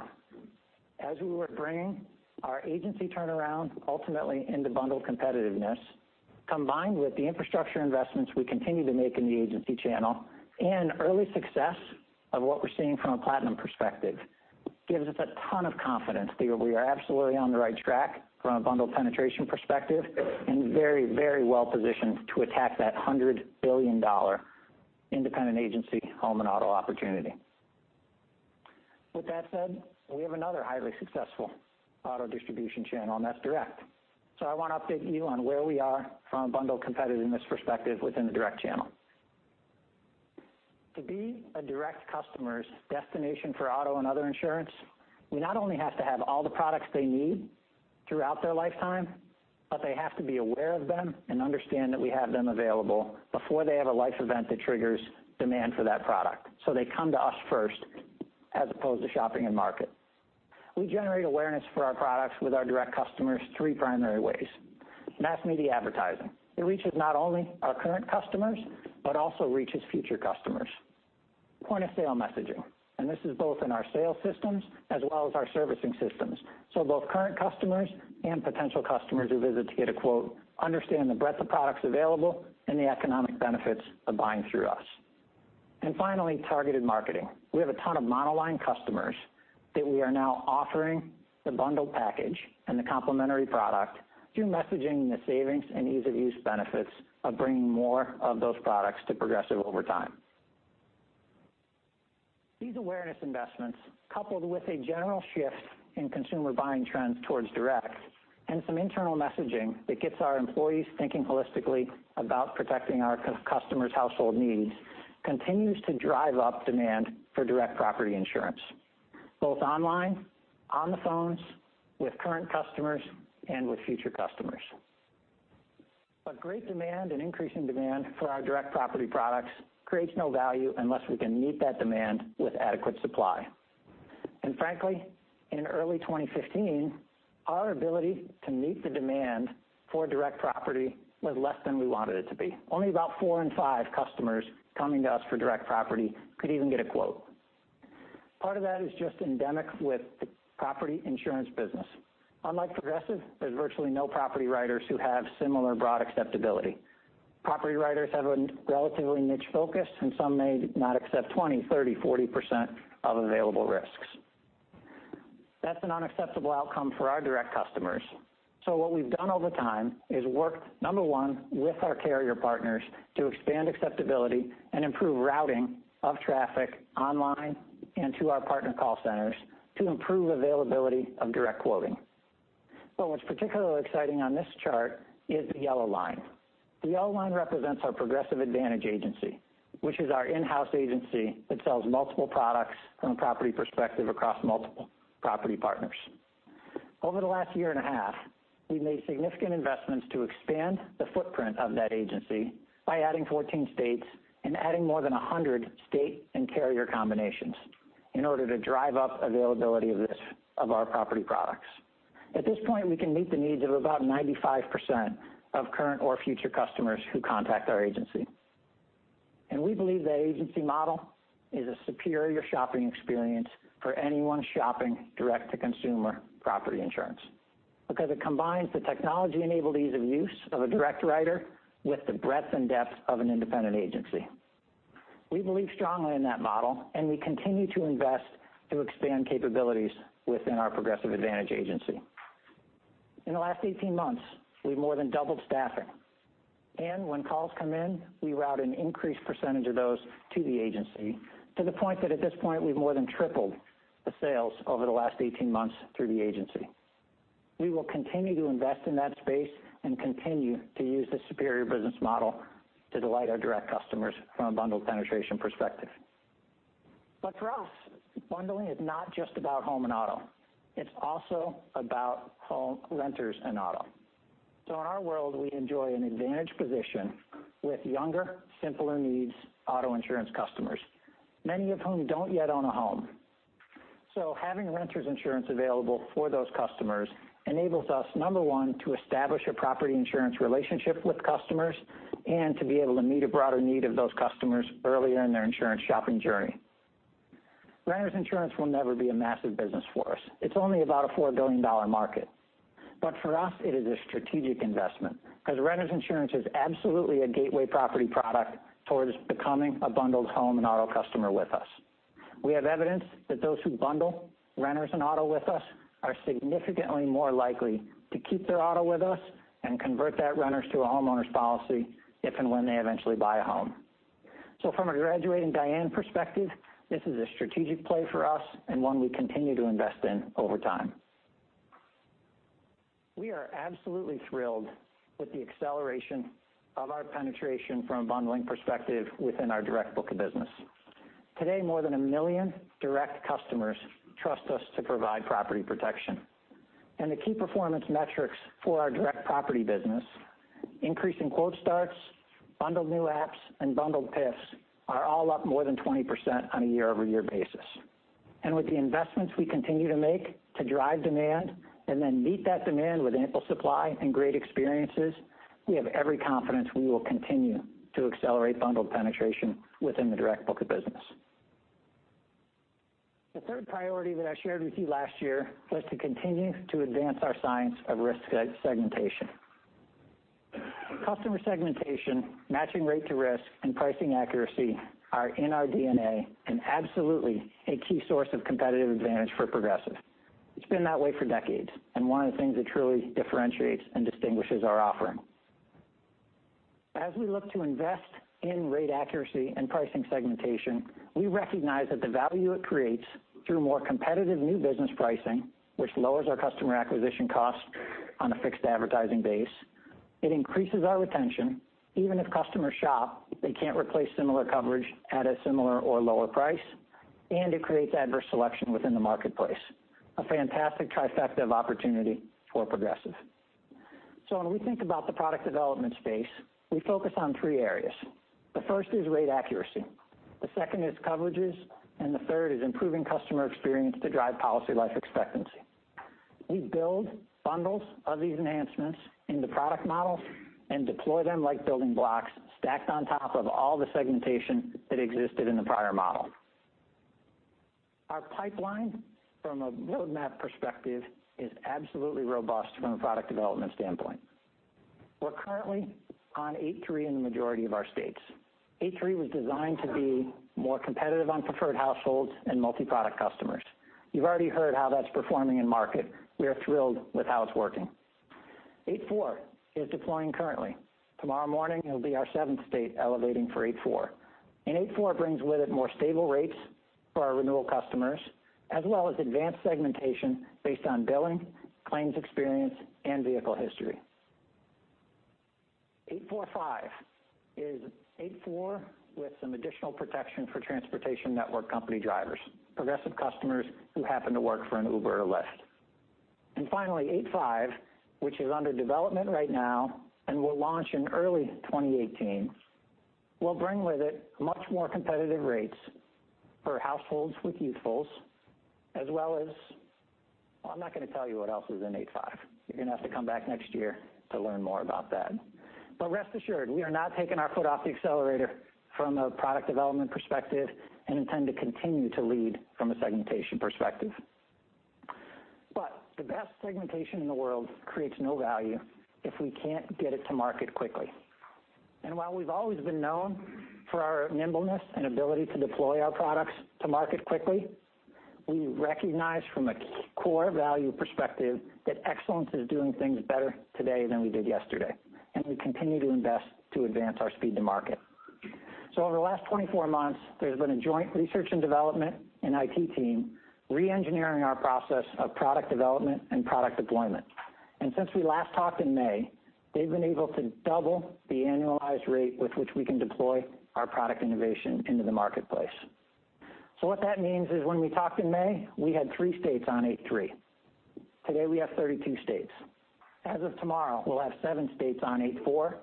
as we were bringing our agency turnaround ultimately into bundle competitiveness, combined with the infrastructure investments we continue to make in the agency channel and early success of what we're seeing from a Platinum perspective, gives us a ton of confidence that we are absolutely on the right track from a bundle penetration perspective and very well-positioned to attack that $100 billion independent agency home and auto opportunity. With that said, we have another highly successful auto distribution channel. That's direct. I want to update you on where we are from a bundle competitiveness perspective within the direct channel. To be a direct customer's destination for auto and other insurance, we not only have to have all the products they need throughout their lifetime, but they have to be aware of them and understand that we have them available before they have a life event that triggers demand for that product, so they come to us first, as opposed to shopping in market. We generate awareness for our products with our direct customers three primary ways. Mass media advertising. It reaches not only our current customers but also reaches future customers. This is both in our sales systems as well as our servicing systems. Both current customers and potential customers who visit to get a quote understand the breadth of products available and the economic benefits of buying through us. Finally, targeted marketing. We have a ton of monoline customers that we are now offering the bundle package and the complementary product through messaging the savings and ease-of-use benefits of bringing more of those products to Progressive over time. These awareness investments, coupled with a general shift in consumer buying trends towards direct and some internal messaging that gets our employees thinking holistically about protecting our customers' household needs continues to drive up demand for direct property insurance, both online, on the phones, with current customers, and with future customers. Great demand and increasing demand for our direct property products creates no value unless we can meet that demand with adequate supply. Frankly, in early 2015, our ability to meet the demand for direct property was less than we wanted it to be. Only about four in five customers coming to us for direct property could even get a quote. Part of that is just endemic with the property insurance business. Unlike Progressive, there's virtually no property writers who have similar broad acceptability. Property writers have a relatively niche focus, and some may not accept 20%, 30%, 40% of available risks. That's an unacceptable outcome for our direct customers. What we've done over time is work, number one, with our carrier partners to expand acceptability and improve routing of traffic online and to our partner call centers to improve availability of direct quoting. What's particularly exciting on this chart is the yellow line. The yellow line represents our Progressive Advantage Agency, which is our in-house agency that sells multiple products from a property perspective across multiple property partners. Over the last year and a half, we've made significant investments to expand the footprint of that agency by adding 14 states and adding more than 100 state and carrier combinations in order to drive up availability of our property products. At this point, we can meet the needs of about 95% of current or future customers who contact our agency. We believe that agency model is a superior shopping experience for anyone shopping direct-to-consumer property insurance because it combines the technology-enabled ease of use of a direct writer with the breadth and depth of an independent agency. We believe strongly in that model, and we continue to invest to expand capabilities within our Progressive Advantage Agency. In the last 18 months, we've more than doubled staffing. When calls come in, we route an increased percentage of those to the agency, to the point that at this point we've more than tripled the sales over the last 18 months through the agency. We will continue to invest in that space, continue to use this superior business model to delight our direct customers from a bundled penetration perspective. For us, bundling is not just about home and auto. It's also about home, renters, and auto. In our world, we enjoy an advantage position with younger, simpler needs auto insurance customers, many of whom don't yet own a home. Having renters insurance available for those customers enables us, number 1, to establish a property insurance relationship with customers, to be able to meet a broader need of those customers earlier in their insurance shopping journey. Renters insurance will never be a massive business for us. It's only about a $4 billion market. For us, it is a strategic investment because renters insurance is absolutely a gateway property product towards becoming a bundled home and auto customer with us. We have evidence that those who bundle renters and auto with us are significantly more likely to keep their auto with us and convert that renters to a homeowners policy if and when they eventually buy a home. From a graduating Diane perspective, this is a strategic play for us and one we continue to invest in over time. We are absolutely thrilled with the acceleration of our penetration from a bundling perspective within our direct book of business. Today, more than a million direct customers trust us to provide property protection. The key performance metrics for our direct property business, increase in quote starts, bundled new apps, and bundled PIFs, are all up more than 20% on a year-over-year basis. With the investments we continue to make to drive demand then meet that demand with ample supply and great experiences, we have every confidence we will continue to accelerate bundled penetration within the direct book of business. The third priority that I shared with you last year was to continue to advance our science of risk segmentation. Customer segmentation, matching rate to risk, and pricing accuracy are in our DNA and absolutely a key source of competitive advantage for Progressive. It's been that way for decades, one of the things that truly differentiates and distinguishes our offering. As we look to invest in rate accuracy and pricing segmentation, we recognize that the value it creates through more competitive new business pricing, which lowers our customer acquisition cost on a fixed advertising base, it increases our retention, even if customers shop, they can't replace similar coverage at a similar or lower price, it creates adverse selection within the marketplace, a fantastic trifecta of opportunity for Progressive. When we think about the product development space, we focus on three areas. The first is rate accuracy, the second is coverages, the third is improving customer experience to drive policy life expectancy. We build bundles of these enhancements in the product model and deploy them like building blocks stacked on top of all the segmentation that existed in the prior model. Our pipeline from a roadmap perspective is absolutely robust from a product development standpoint. We're currently on 8.3 in the majority of our states. 8.3 was designed to be more competitive on preferred households and multi-product customers. You've already heard how that's performing in-market. We are thrilled with how it's working. 8.4 is deploying currently. Tomorrow morning it'll be our seventh state elevating for 8.4. 8.4 brings with it more stable rates for our renewal customers, as well as advanced segmentation based on billing, claims experience, and vehicle history. 8.45 is 8.4 with some additional protection for transportation network company drivers, Progressive customers who happen to work for an Uber or Lyft. Finally, 8.5, which is under development right now and will launch in early 2018, will bring with it much more competitive rates for households with youthfulness as well as Well, I'm not going to tell you what else is in 8.5. You're going to have to come back next year to learn more about that. Rest assured, we are not taking our foot off the accelerator from a product development perspective and intend to continue to lead from a segmentation perspective. The best segmentation in the world creates no value if we can't get it to market quickly. While we've always been known for our nimbleness and ability to deploy our products to market quickly, we recognize from a core value perspective that excellence is doing things better today than we did yesterday, and we continue to invest to advance our speed to market. Over the last 24 months, there's been a joint research and development and IT team re-engineering our process of product development and product deployment. Since we last talked in May, they've been able to double the annualized rate with which we can deploy our product innovation into the marketplace. What that means is when we talked in May, we had three states on 8.3. Today, we have 32 states. As of tomorrow, we'll have seven states on 8.4.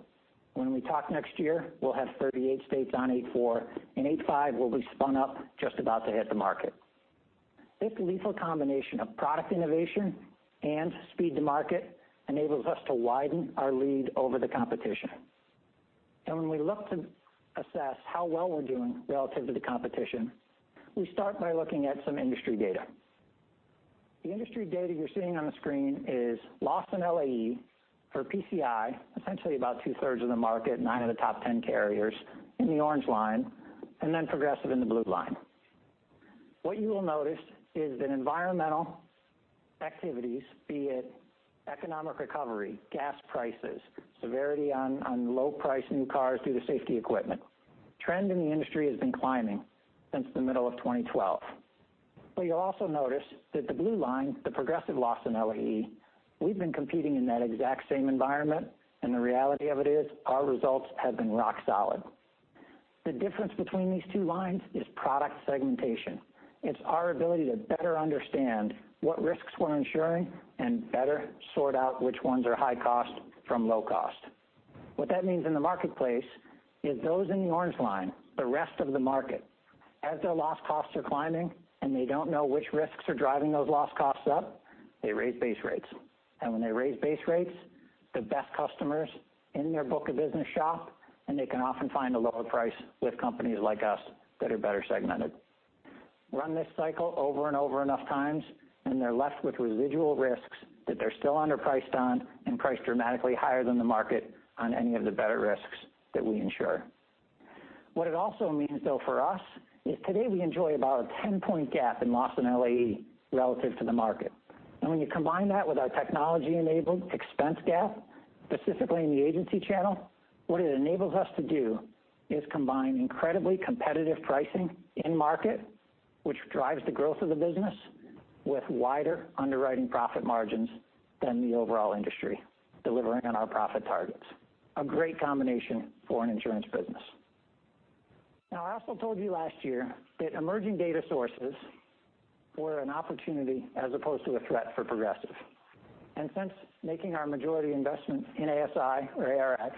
When we talk next year, we'll have 38 states on 8.4 and 8.5 will be spun up just about to hit the market. This lethal combination of product innovation and speed to market enables us to widen our lead over the competition. When we look to assess how well we're doing relative to the competition, we start by looking at some industry data. The industry data you're seeing on the screen is loss and LAE for PCI, essentially about two-thirds of the market, nine of the top 10 carriers in the orange line, and then Progressive in the blue line. What you will notice is that environmental activities, be it economic recovery, gas prices, severity on low price, new cars due to safety equipment, trend in the industry has been climbing since the middle of 2012. You'll also notice that the blue line, the Progressive loss in LAE, we've been competing in that exact same environment, and the reality of it is our results have been rock solid. The difference between these two lines is product segmentation. It's our ability to better understand what risks we're insuring and better sort out which ones are high cost from low cost. What that means in the marketplace is those in the orange line, the rest of the market, as their loss costs are climbing and they don't know which risks are driving those loss costs up, they raise base rates. When they raise base rates, the best customers in their book of business shop, and they can often find a lower price with companies like us that are better segmented. Run this cycle over and over enough times, and they're left with residual risks that they're still underpriced on and priced dramatically higher than the market on any of the better risks that we insure. What it also means, though, for us, is today we enjoy about a 10-point gap in loss and LAE relative to the market. When you combine that with our technology-enabled expense gap, specifically in the agency channel, what it enables us to do is combine incredibly competitive pricing in market, which drives the growth of the business, with wider underwriting profit margins than the overall industry delivering on our profit targets. A great combination for an insurance business. I also told you last year that emerging data sources were an opportunity as opposed to a threat for Progressive. Since making our majority investment in ASI or ARX,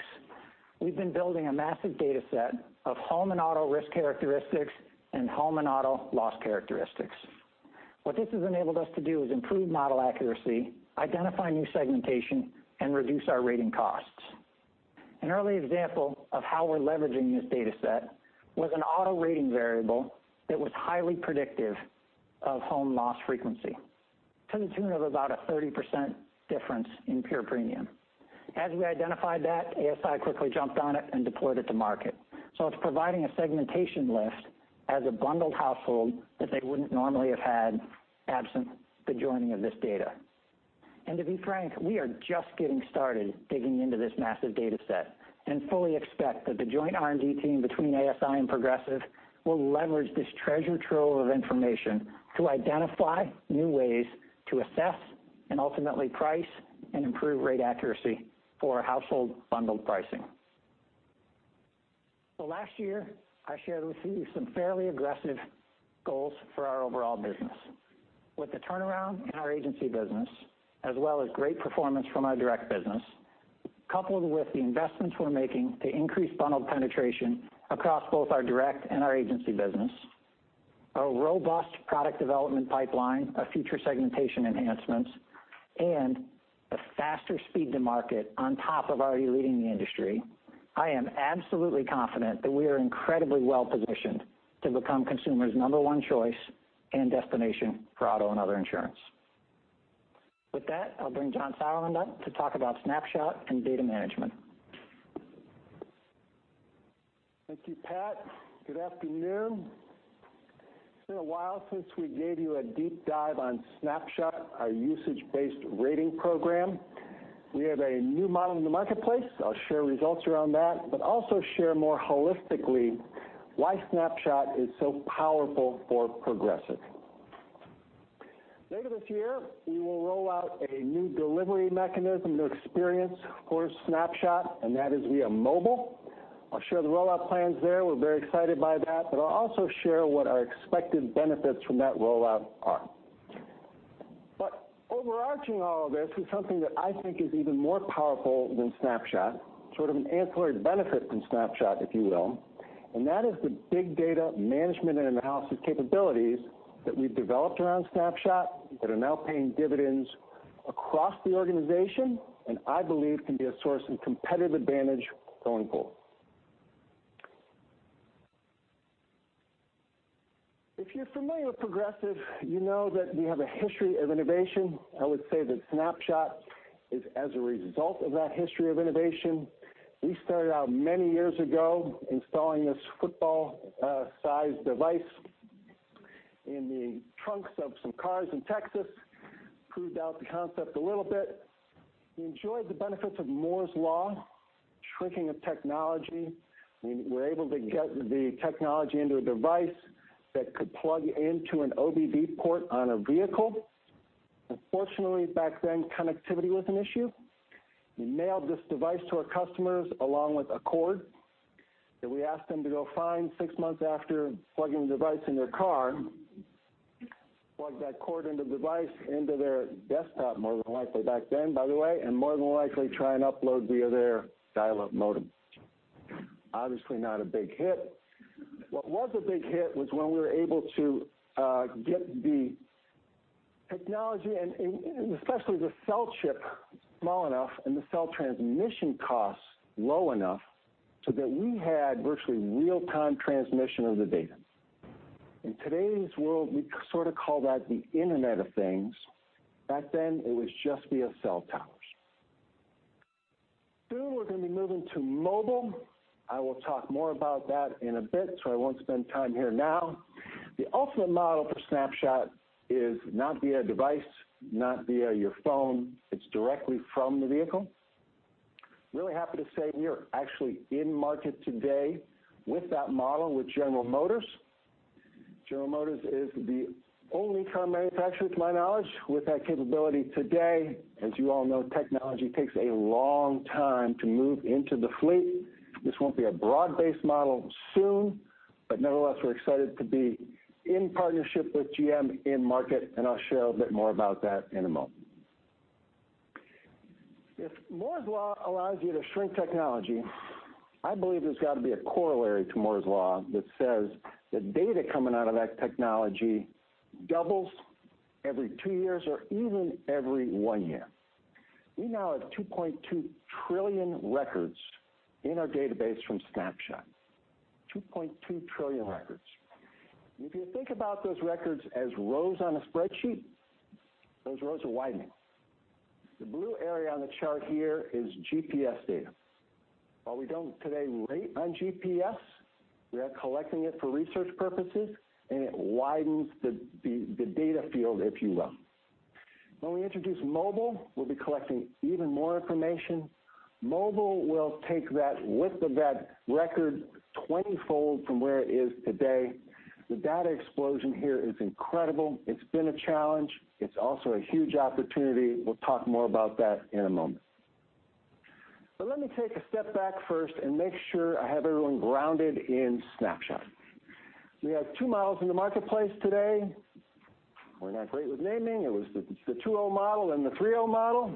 we've been building a massive data set of home and auto risk characteristics and home and auto loss characteristics. What this has enabled us to do is improve model accuracy, identify new segmentation, and reduce our rating costs. An early example of how we're leveraging this data set was an auto rating variable that was highly predictive of home loss frequency to the tune of about a 30% difference in pure premium. As we identified that, ASI quickly jumped on it and deployed it to market. It's providing a segmentation list as a bundled household that they wouldn't normally have had absent the joining of this data. To be frank, we are just getting started digging into this massive data set and fully expect that the joint R&D team between ASI and Progressive will leverage this treasure trove of information to identify new ways to assess and ultimately price and improve rate accuracy for household bundled pricing. Last year, I shared with you some fairly aggressive goals for our overall business. With the turnaround in our agency business, as well as great performance from our direct business, coupled with the investments we're making to increase bundled penetration across both our direct and our agency business, a robust product development pipeline of future segmentation enhancements, and a faster speed to market on top of already leading the industry, I am absolutely confident that we are incredibly well-positioned to become consumers' number one choice and destination for auto and other insurance. With that, I'll bring John Sauerland up to talk about Snapshot and data management. Thank you, Pat. Good afternoon. It's been a while since we gave you a deep dive on Snapshot, our usage-based rating program. We have a new model in the marketplace. I'll share results around that, but also share more holistically why Snapshot is so powerful for Progressive. Later this year, we will roll out a new delivery mechanism, new experience for Snapshot, that is via mobile. I'll share the rollout plans there. We're very excited by that, I'll also share what our expected benefits from that rollout are. Overarching all of this is something that I think is even more powerful than Snapshot, sort of an ancillary benefit from Snapshot, if you will, that is the big data management and in-house capabilities that we've developed around Snapshot that are now paying dividends across the organization, and I believe can be a source of competitive advantage going forward. If you're familiar with Progressive, you know that we have a history of innovation. I would say that Snapshot is as a result of that history of innovation. We started out many years ago installing this football size device in the trunks of some cars in Texas, proved out the concept a little bit. We enjoyed the benefits of Moore's Law, shrinking of technology. We were able to get the technology into a device that could plug into an OBD port on a vehicle. Unfortunately, back then, connectivity was an issue. We mailed this device to our customers along with a cord that we asked them to go find six months after plugging the device in their car, plug that cord into the device, into their desktop, more than likely back then, by the way, more than likely try and upload via their dial-up modem. Obviously not a big hit. What was a big hit was when we were able to get the technology and especially the cell chip small enough and the cell transmission costs low enough so that we had virtually real-time transmission of the data. In today's world, we call that the Internet of Things. Back then, it was just via cell towers. Soon we're going to be moving to mobile. I will talk more about that in a bit, I won't spend time here now. The ultimate model for Snapshot is not via device, not via your phone. It's directly from the vehicle. Really happy to say we are actually in market today with that model with General Motors. General Motors is the only car manufacturer, to my knowledge, with that capability today. As you all know, technology takes a long time to move into the fleet. Nevertheless, we're excited to be in partnership with GM in market, I'll share a bit more about that in a moment. If Moore's Law allows you to shrink technology, I believe there's got to be a corollary to Moore's Law that says that data coming out of that technology doubles every two years or even every one year. We now have 2.2 trillion records in our database from Snapshot, 2.2 trillion records. If you think about those records as rows on a spreadsheet, those rows are widening. The blue area on the chart here is GPS data. While we don't today rate on GPS, we are collecting it for research purposes, and it widens the data field, if you will. When we introduce mobile, we'll be collecting even more information. Mobile will take that width of that record twentyfold from where it is today. The data explosion here is incredible. It's been a challenge. It's also a huge opportunity. We'll talk more about that in a moment. Let me take a step back first and make sure I have everyone grounded in Snapshot. We have two models in the marketplace today. We're not great with naming. It was the 2.0 model and the 3.0 model.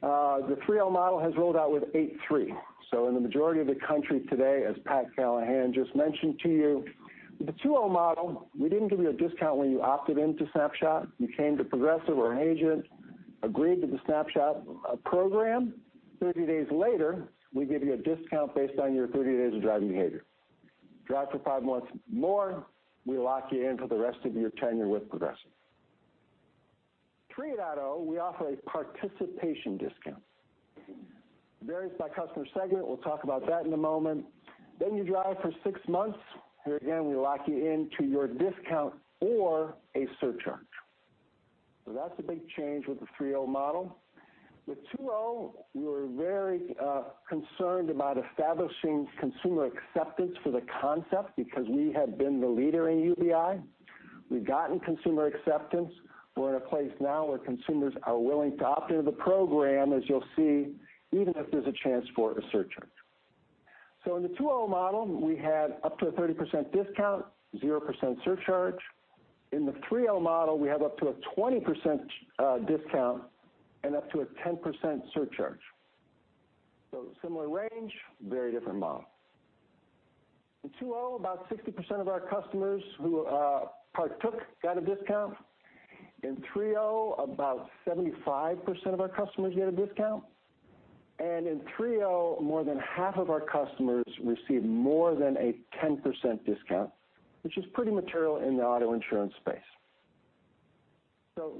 The 3.0 model has rolled out with 8.3. In the majority of the country today, as Pat Callahan just mentioned to you, with the 2.0 model, we didn't give you a discount when you opted into Snapshot. You came to Progressive or an agent, agreed to the Snapshot program. 30 days later, we give you a discount based on your 30 days of driving behavior. Drive for 5 months more, we lock you in for the rest of your tenure with Progressive. In 3.0, we offer a participation discount. It varies by customer segment. We'll talk about that in a moment. You drive for 6 months. Here again, we lock you into your discount or a surcharge. That's a big change with the 3.0 model. With 2.0, we were very concerned about establishing consumer acceptance for the concept because we had been the leader in UBI. We've gotten consumer acceptance. We're at a place now where consumers are willing to opt into the program, as you'll see, even if there's a chance for a surcharge. In the 2.0 model, we had up to a 30% discount, 0% surcharge. In the 3.0 model, we have up to a 20% discount and up to a 10% surcharge. Similar range, very different model. In 2.0, about 60% of our customers who partook got a discount. In 3.0, about 75% of our customers get a discount. In 3.0, more than half of our customers receive more than a 10% discount, which is pretty material in the auto insurance space.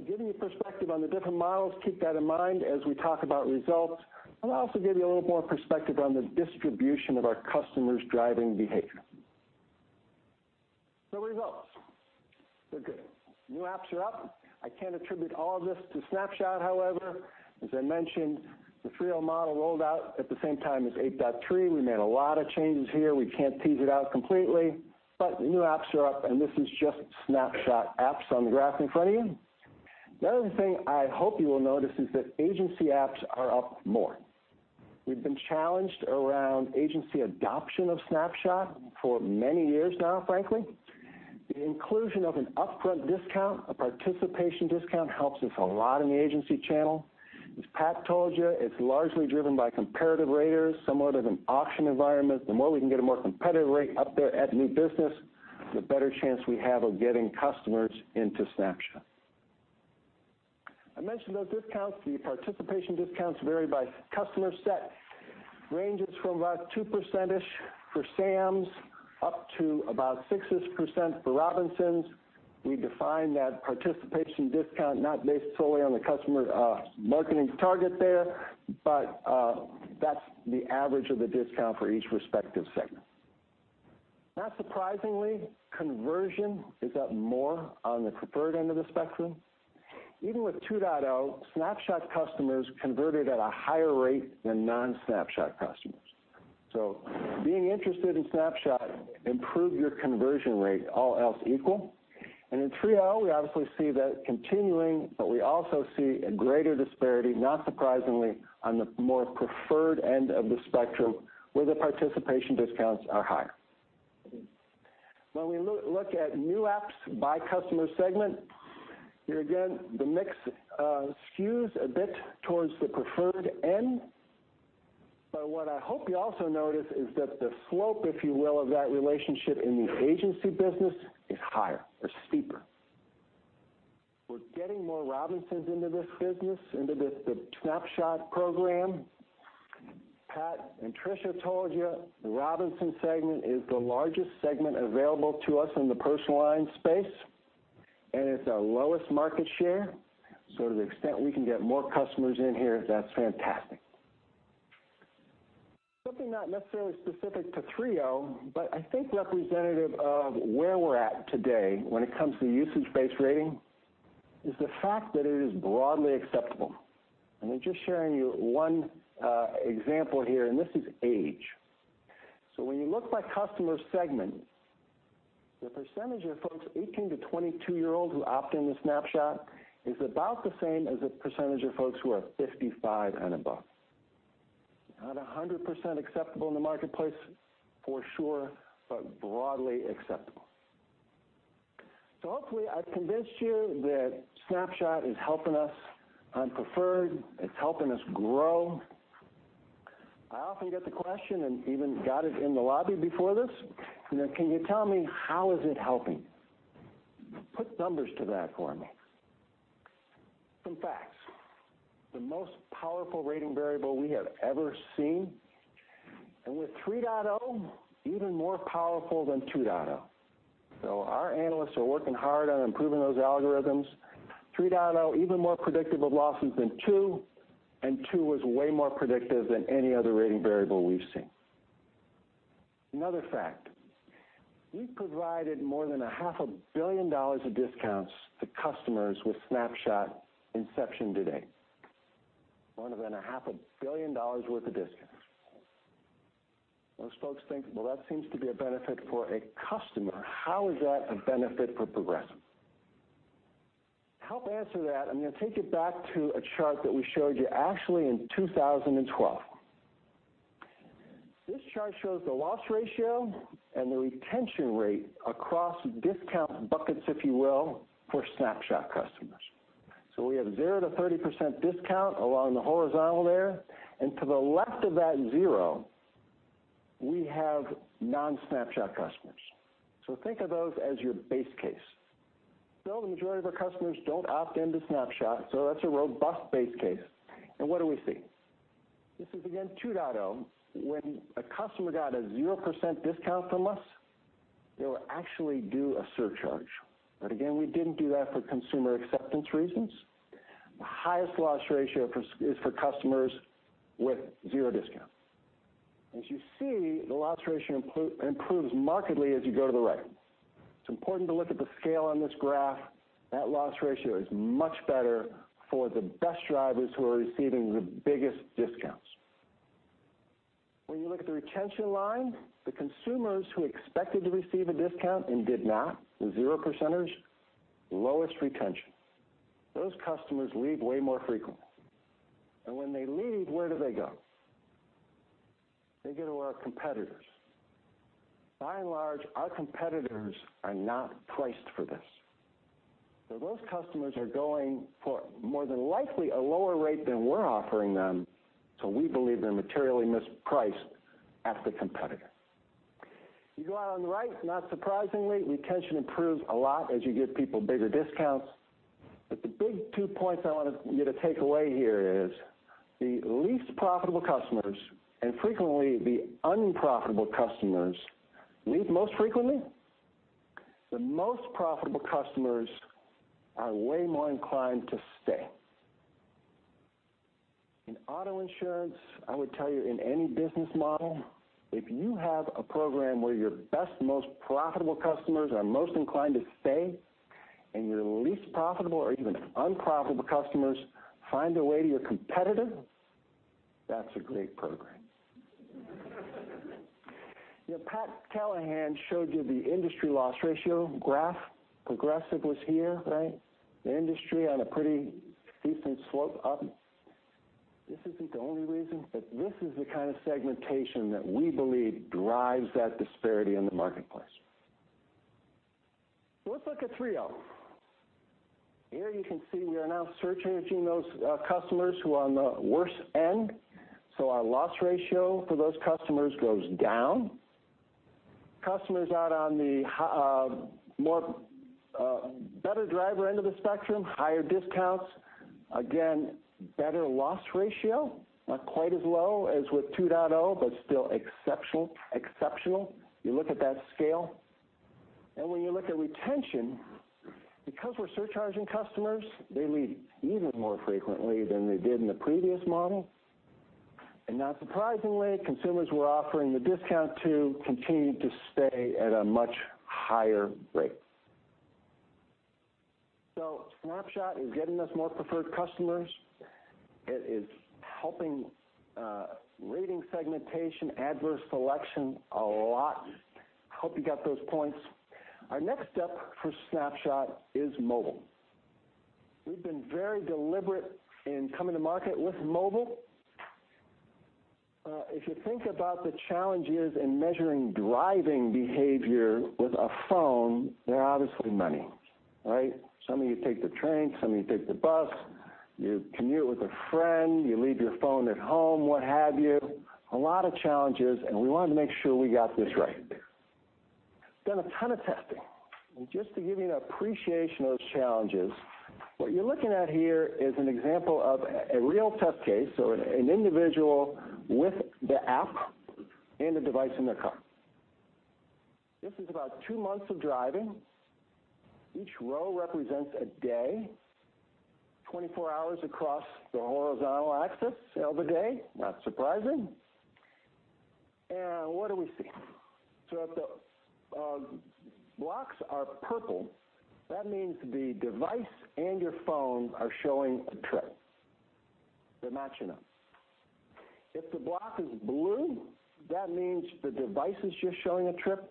Giving you perspective on the different models, keep that in mind as we talk about results. I'll also give you a little more perspective on the distribution of our customers' driving behavior. Results. They're good. New apps are up. I can't attribute all of this to Snapshot, however. As I mentioned, the 3.0 model rolled out at the same time as 8.3. We made a lot of changes here. We can't tease it out completely. The new apps are up, and this is just Snapshot apps on the graph in front of you. The other thing I hope you will notice is that agency apps are up more. We've been challenged around agency adoption of Snapshot for many years now, frankly. The inclusion of an upfront discount, a participation discount, helps us a lot in the agency channel. As Pat told you, it's largely driven by comparative raters, somewhat of an auction environment. The more we can get a more competitive rate up there at new business, the better chance we have of getting customers into Snapshot. I mentioned those discounts, the participation discounts vary by customer set. Ranges from about 2%-ish for Sams, up to about 6%-ish for Robinsons. We define that participation discount not based solely on the customer marketing target there, but that's the average of the discount for each respective segment. Not surprisingly, conversion is up more on the preferred end of the spectrum. Even with 2.0, Snapshot customers converted at a higher rate than non-Snapshot customers. Being interested in Snapshot improved your conversion rate, all else equal. In 3.0, we obviously see that continuing, but we also see a greater disparity, not surprisingly, on the more preferred end of the spectrum, where the participation discounts are higher. When we look at new apps by customer segment, here again, the mix skews a bit towards the preferred end. What I hope you also notice is that the slope, if you will, of that relationship in the agency business is higher or steeper. We're getting more Robinsons into this business, into the Snapshot program. Pat and Tricia told you the Robinsons segment is the largest segment available to us in the Personal Lines space, and it's our lowest market share. To the extent we can get more customers in here, that's fantastic. Something not necessarily specific to 3.0, but I think representative of where we're at today when it comes to usage-based rating, is the fact that it is broadly acceptable. I'm just sharing you one example here, and this is age. When you look by customer segment, the percentage of folks 18 to 22 years old who opt into Snapshot is about the same as the percentage of folks who are 55 and above. Not 100% acceptable in the marketplace, for sure, but broadly acceptable. Hopefully, I've convinced you that Snapshot is helping us on preferred, it's helping us grow. I often get the question, and even got it in the lobby before this, "Can you tell me how is it helping? Put numbers to that for me." Some facts. The most powerful rating variable we have ever seen, and with 3.0, even more powerful than 2.0. Our analysts are working hard on improving those algorithms. 3.0 is even more predictive of losses than 2.0, and 2.0 was way more predictive than any other rating variable we've seen. Another fact. We've provided more than a half a billion dollars of discounts to customers with Snapshot inception to date. More than a half a billion dollars worth of discounts. Most folks think, "Well, that seems to be a benefit for a customer. How is that a benefit for Progressive?" To help answer that, I'm going to take you back to a chart that we showed you actually in 2012. This chart shows the loss ratio and the retention rate across discount buckets, if you will, for Snapshot customers. We have 0%-30% discount along the horizontal there, and to the left of that 0, we have non-Snapshot customers. Think of those as your base case. Still, the majority of our customers don't opt into Snapshot, so that's a robust base case. What do we see? This is again 2.0. When a customer got a 0% discount from us, they will actually do a surcharge. Again, we didn't do that for consumer acceptance reasons. The highest loss ratio is for customers with 0 discount. As you see, the loss ratio improves markedly as you go to the right. It's important to look at the scale on this graph. That loss ratio is much better for the best drivers who are receiving the biggest discounts. When you look at the retention line, the consumers who expected to receive a discount and did not, the zero percenters, lowest retention. Those customers leave way more frequently. When they leave, where do they go? They go to our competitors. By and large, our competitors are not priced for this. Those customers are going for more than likely a lower rate than we're offering them, so we believe they're materially mispriced at the competitor. You go out on the right, not surprisingly, retention improves a lot as you give people bigger discounts. The big two points I wanted you to take away here is the least profitable customers, and frequently the unprofitable customers leave most frequently. The most profitable customers are way more inclined to stay. In auto insurance, I would tell you in any business model, if you have a program where your best, most profitable customers are most inclined to stay, and your least profitable or even unprofitable customers find a way to your competitive, that's a great program. Pat Callahan showed you the industry loss ratio graph. Progressive was here, right? The industry on a pretty decent slope up. This isn't the only reason, but this is the kind of segmentation that we believe drives that disparity in the marketplace. Let's look at 3.0. Here you can see we are now surcharging those customers who are on the worst end. Our loss ratio for those customers goes down. Customers out on the better driver end of the spectrum, higher discounts, again, better loss ratio, not quite as low as with 2.0, but still exceptional. You look at that scale. When you look at retention, because we're surcharging customers, they leave even more frequently than they did in the previous model. Not surprisingly, consumers we're offering the discount to continued to stay at a much higher rate. Snapshot is getting us more preferred customers. It is helping rating segmentation, adverse selection a lot. I hope you got those points. Our next step for Snapshot is mobile. We've been very deliberate in coming to market with mobile. If you think about the challenges in measuring driving behavior with a phone, there are obviously many, right? Some of you take the train, some of you take the bus, you commute with a friend, you leave your phone at home, what have you. A lot of challenges, we wanted to make sure we got this right. Done a ton of testing. Just to give you an appreciation of those challenges, what you're looking at here is an example of a real test case, an individual with the app and the device in their car. This is about two months of driving. Each row represents a day, 24 hours across the horizontal axis of the day, not surprising. What do we see? If the blocks are purple, that means the device and your phone are showing a trip. They're matching up. If the block is blue, that means the device is just showing a trip,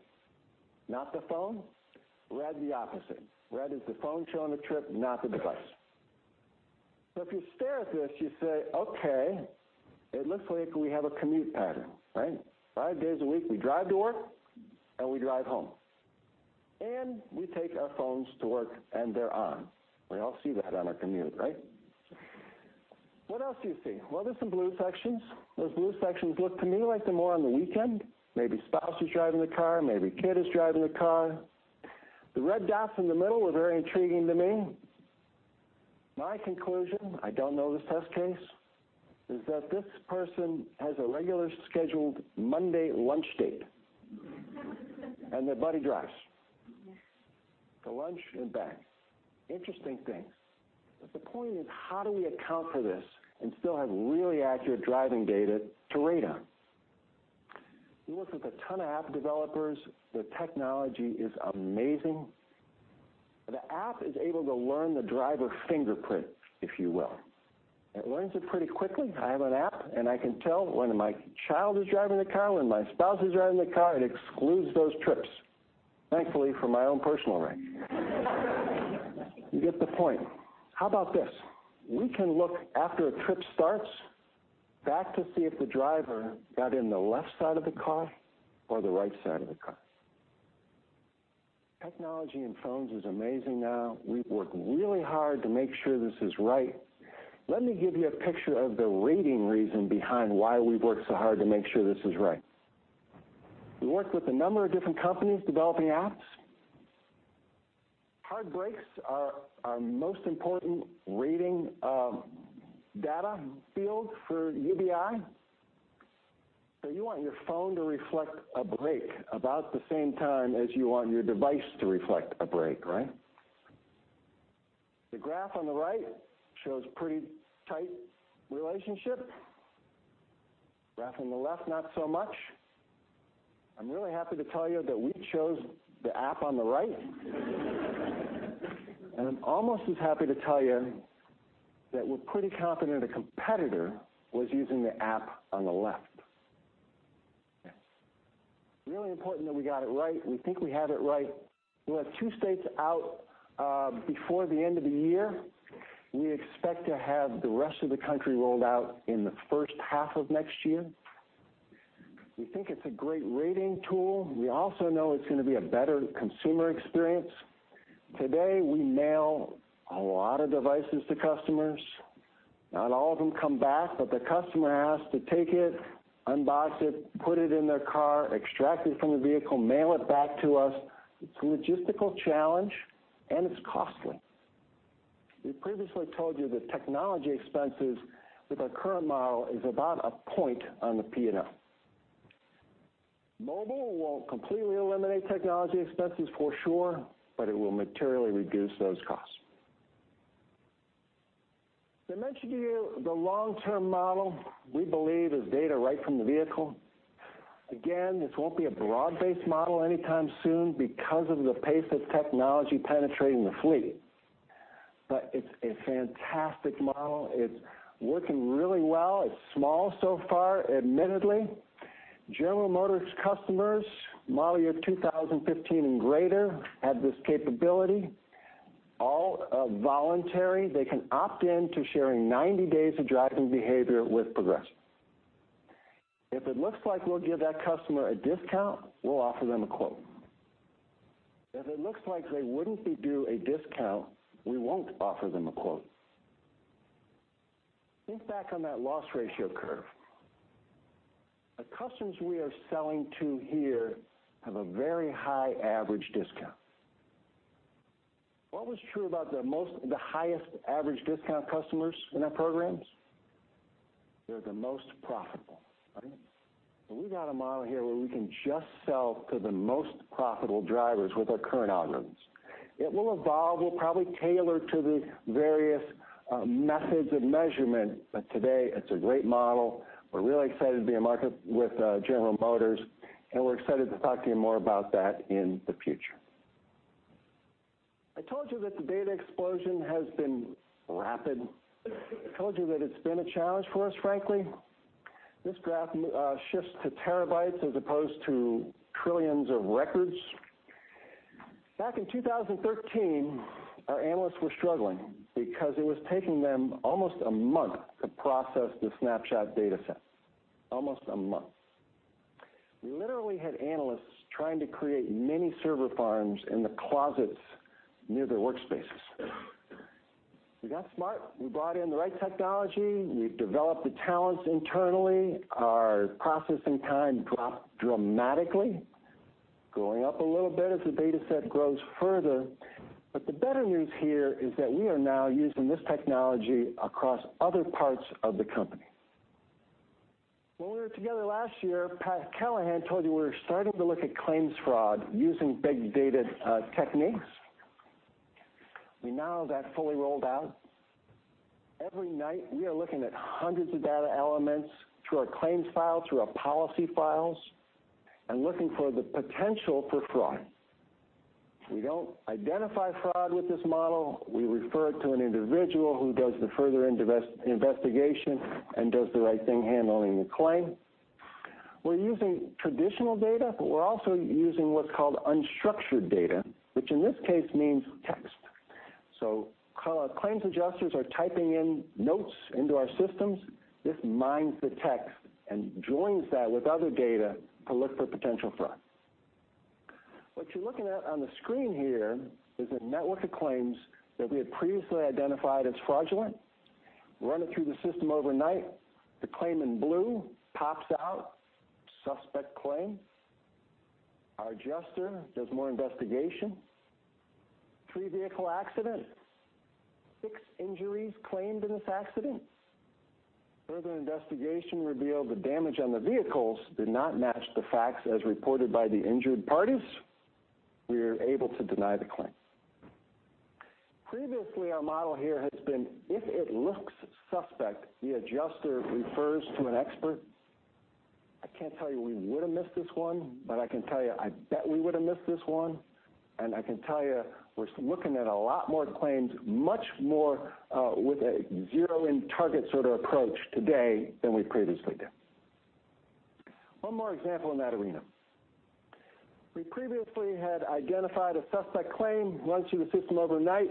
not the phone. Red, the opposite. Red is the phone showing the trip, not the device. If you stare at this, you say, okay, it looks like we have a commute pattern, right? Five days a week, we drive to work, and we drive home. We take our phones to work, and they're on. We all see that on our commute, right? What else do you see? There's some blue sections. Those blue sections look to me like they're more on the weekend. Maybe spouse is driving the car, maybe a kid is driving the car. The red dots in the middle were very intriguing to me. My conclusion, I don't know this test case, is that this person has a regular scheduled Monday lunch date. Their buddy drives for lunch and back. Interesting things. The point is, how do we account for this and still have really accurate driving data to rate on? We worked with a ton of app developers. The technology is amazing. The app is able to learn the driver's fingerprint, if you will. It learns it pretty quickly. I have an app, and I can tell when my child is driving the car, when my spouse is driving the car. It excludes those trips, thankfully for my own personal rate. You get the point. How about this? We can look after a trip starts back to see if the driver got in the left side of the car or the right side of the car. Technology in phones is amazing now. We've worked really hard to make sure this is right. Let me give you a picture of the rating reason behind why we've worked so hard to make sure this is right. We worked with a number of different companies developing apps. Hard brakes are our most important rating data field for UBI. You want your phone to reflect a brake about the same time as you want your device to reflect a brake, right? The graph on the right shows pretty tight relationship. Graph on the left, not so much. I'm really happy to tell you that we chose the app on the right. I'm almost as happy to tell you that we're pretty confident a competitor was using the app on the left. Really important that we got it right. We think we have it right. We'll have two states out before the end of the year. We expect to have the rest of the country rolled out in the first half of next year. We think it's a great rating tool. We also know it's going to be a better consumer experience. Today, we mail a lot of devices to customers. Not all of them come back, but the customer has to take it, unbox it, put it in their car, extract it from the vehicle, mail it back to us. It's a logistical challenge, and it's costly. We previously told you that technology expenses with our current model is about a point on the P&L. Mobile won't completely eliminate technology expenses for sure, but it will materially reduce those costs. I mentioned to you the long-term model we believe is data right from the vehicle. This won't be a broad-based model anytime soon because of the pace of technology penetrating the fleet, but it's a fantastic model. It's working really well. It's small so far, admittedly. General Motors customers, model year 2015 and greater, have this capability, all voluntary. They can opt in to sharing 90 days of driving behavior with Progressive. If it looks like we'll give that customer a discount, we'll offer them a quote. If it looks like they wouldn't be due a discount, we won't offer them a quote. Think back on that loss ratio curve. The customers we are selling to here have a very high average discount. What was true about the highest average discount customers in our programs? They're the most profitable, right? We've got a model here where we can just sell to the most profitable drivers with our current algorithms. It will evolve. We'll probably tailor to the various methods of measurement, but today it's a great model. We're really excited to be in market with General Motors. We're excited to talk to you more about that in the future. I told you that the data explosion has been rapid. I told you that it's been a challenge for us, frankly. This graph shifts to terabytes as opposed to trillions of records. Back in 2013, our analysts were struggling because it was taking them almost a month to process the Snapshot dataset. Almost a month. We literally had analysts trying to create mini server farms in the closets near their workspaces. We got smart. We brought in the right technology. We've developed the talents internally. Our processing time dropped dramatically, going up a little bit as the dataset grows further. The better news here is that we are now using this technology across other parts of the company. When we were together last year, Pat Callahan told you we were starting to look at claims fraud using big data techniques. We now have that fully rolled out. Every night, we are looking at hundreds of data elements through our claims file, through our policy files, and looking for the potential for fraud. We don't identify fraud with this model. We refer it to an individual who does the further investigation and does the right thing handling the claim. We're using traditional data, but we're also using what's called unstructured data, which in this case means text. Claims adjusters are typing in notes into our systems. This mines the text and joins that with other data to look for potential fraud. What you're looking at on the screen here is a network of claims that we had previously identified as fraudulent. Run it through the system overnight, the claim in blue pops out, suspect claim. Our adjuster does more investigation. Three-vehicle accident, six injuries claimed in this accident. Further investigation revealed the damage on the vehicles did not match the facts as reported by the injured parties. We were able to deny the claim. Previously, our model here has been if it looks suspect, the adjuster refers to an expert. I can't tell you we would have missed this one, but I can tell you I bet we would have missed this one, and I can tell you we're looking at a lot more claims, much more with a zero in target sort of approach today than we previously did. One more example in that arena. We previously had identified a suspect claim, run through the system overnight,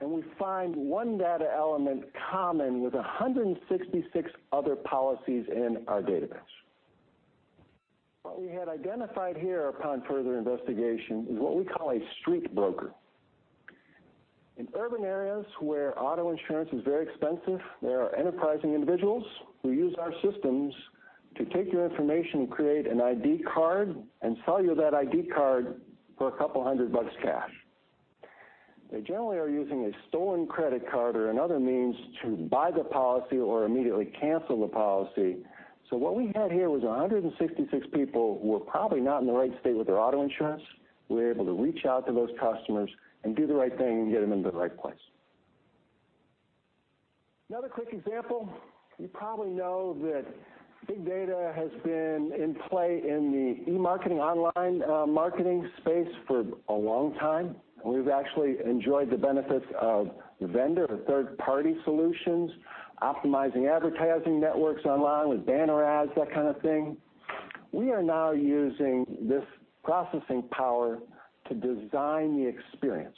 we find one data element common with 166 other policies in our database. What we had identified here upon further investigation is what we call a street broker. In urban areas where auto insurance is very expensive, there are enterprising individuals who use our systems to take your information and create an ID card and sell you that ID card for a couple hundred bucks cash. They generally are using a stolen credit card or another means to buy the policy or immediately cancel the policy. What we had here was 166 people who were probably not in the right state with their auto insurance. We were able to reach out to those customers and do the right thing and get them into the right place. Another quick example, you probably know that big data has been in play in the e-marketing online marketing space for a long time. We've actually enjoyed the benefits of vendor, the third-party solutions, optimizing advertising networks online with banner ads, that kind of thing. We are now using this processing power to design the experience.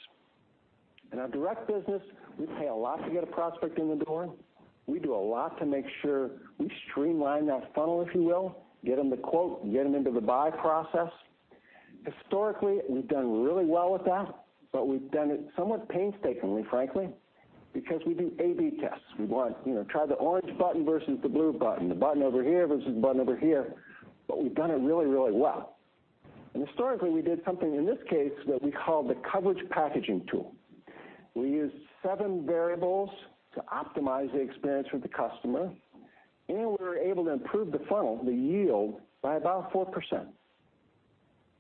In our direct business, we pay a lot to get a prospect in the door. We do a lot to make sure we streamline that funnel, if you will, get them the quote, and get them into the buy process. Historically, we've done really well with that, we've done it somewhat painstakingly, frankly, because we do A/B tests. We want try the orange button versus the blue button, the button over here versus the button over here, we've done it really, really well. Historically, we did something in this case that we called the coverage packaging tool. We used seven variables to optimize the experience with the customer, we were able to improve the funnel, the yield, by about 4%.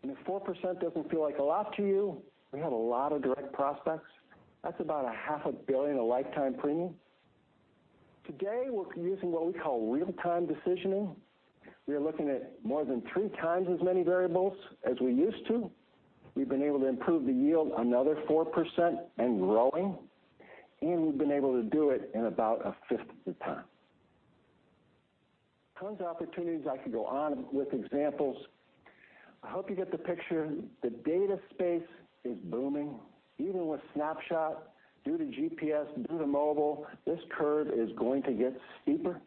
If 4% doesn't feel like a lot to you, we have a lot of direct prospects. That's about a half a billion in lifetime premium. Today, we're using what we call real-time decisioning. We are looking at more than three times as many variables as we used to. We've been able to improve the yield another 4% and growing, we've been able to do it in about a fifth of the time. Tons of opportunities. I could go on with examples. I hope you get the picture. The data space is booming. Even with Snapshot, due to GPS, due to mobile, this curve is going to get steeper.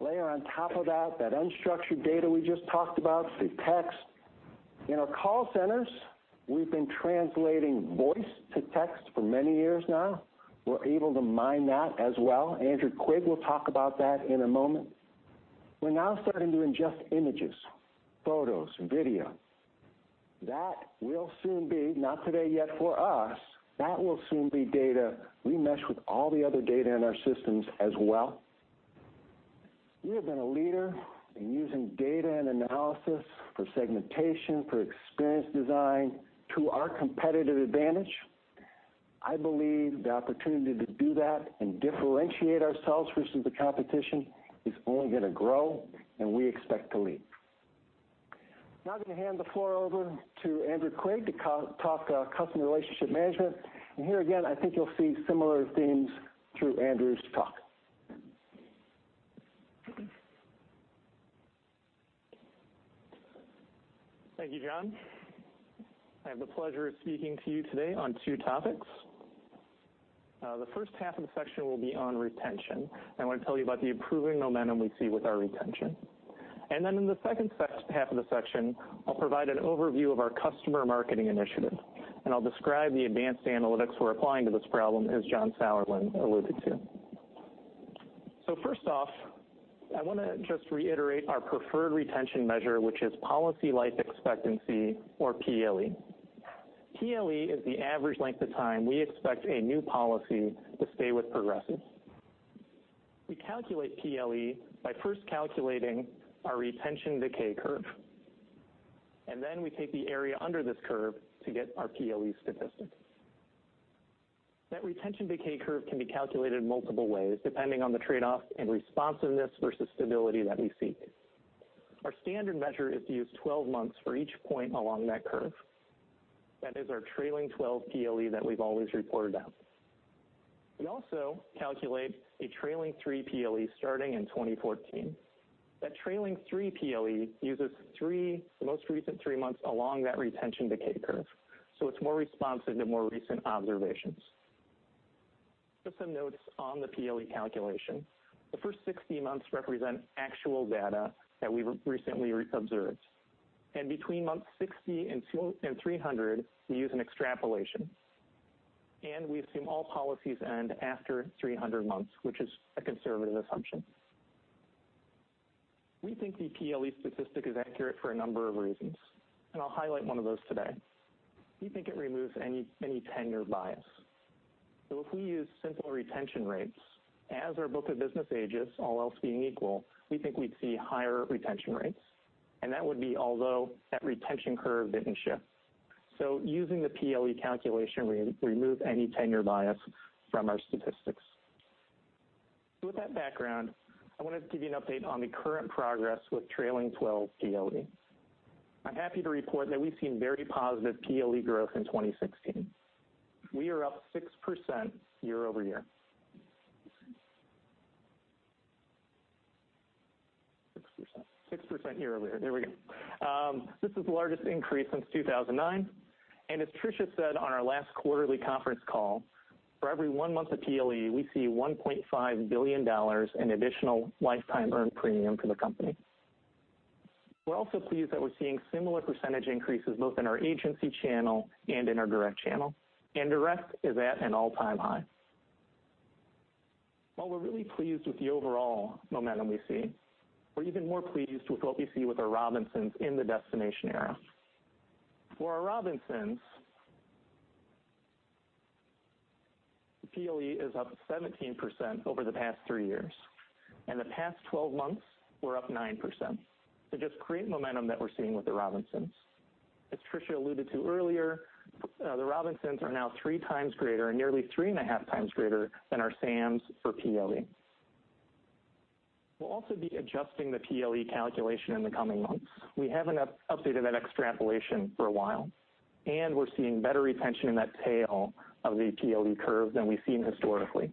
Layer on top of that unstructured data we just talked about, the text. In our call centers, we've been translating voice to text for many years now. We're able to mine that as well. Andrew Quigg will talk about that in a moment. We're now starting to ingest images, photos, and video. That will soon be, not today yet for us, that will soon be data we mesh with all the other data in our systems as well. We have been a leader in using data and analysis for segmentation, for experience design to our competitive advantage. I believe the opportunity to do that and differentiate ourselves versus the competition is only going to grow, we expect to lead. I'm going to hand the floor over to Andrew Quigg to talk customer relationship management, and here again, I think you'll see similar themes through Andrew's talk. Thank you, John. I have the pleasure of speaking to you today on two topics. The first half of the section will be on retention. I want to tell you about the improving momentum we see with our retention. In the second half of the section, I'll provide an overview of our customer marketing initiative, and I'll describe the advanced analytics we're applying to this problem, as John Sauerland alluded to. First off, I want to just reiterate our preferred retention measure, which is policy life expectancy or PLE. PLE is the average length of time we expect a new policy to stay with Progressive. We calculate PLE by first calculating our retention decay curve, and then we take the area under this curve to get our PLE statistic. That retention decay curve can be calculated multiple ways, depending on the trade-off and responsiveness versus stability that we seek. Our standard measure is to use 12 months for each point along that curve. That is our trailing 12 PLE that we've always reported out. We also calculate a trailing 3 PLE starting in 2014. That trailing 3 PLE uses the most recent 3 months along that retention decay curve, so it's more responsive to more recent observations. Just some notes on the PLE calculation. The first 60 months represent actual data that we've recently observed. Between month 60 and 300, we use an extrapolation. We assume all policies end after 300 months, which is a conservative assumption. We think the PLE statistic is accurate for a number of reasons, and I'll highlight one of those today. We think it removes any tenure bias. If we use simple retention rates, as our book of business ages, all else being equal, we think we'd see higher retention rates, and that would be although that retention curve didn't shift. Using the PLE calculation, we remove any tenure bias from our statistics. With that background, I wanted to give you an update on the current progress with trailing 12 PLE. I'm happy to report that we've seen very positive PLE growth in 2016. We are up 6% year-over-year. 6% year-over-year. There we go. This is the largest increase since 2009, and as Tricia said on our last quarterly conference call, for every 1 month of PLE, we see $1.5 billion in additional lifetime earned premium for the company. We're also pleased that we're seeing similar percentage increases both in our agency channel and in our direct channel, and direct is at an all-time high. While we're really pleased with the overall momentum we see, we're even more pleased with what we see with our Robinsons in the Destination Era. For our Robinsons, the PLE is up 17% over the past 3 years. In the past 12 months, we're up 9%, so just great momentum that we're seeing with the Robinsons. As Tricia alluded to earlier, the Robinsons are now 3 times greater, nearly 3 and a half times greater than our Sams for PLE. We'll also be adjusting the PLE calculation in the coming months. We haven't updated that extrapolation for a while, and we're seeing better retention in that tail of the PLE curve than we've seen historically.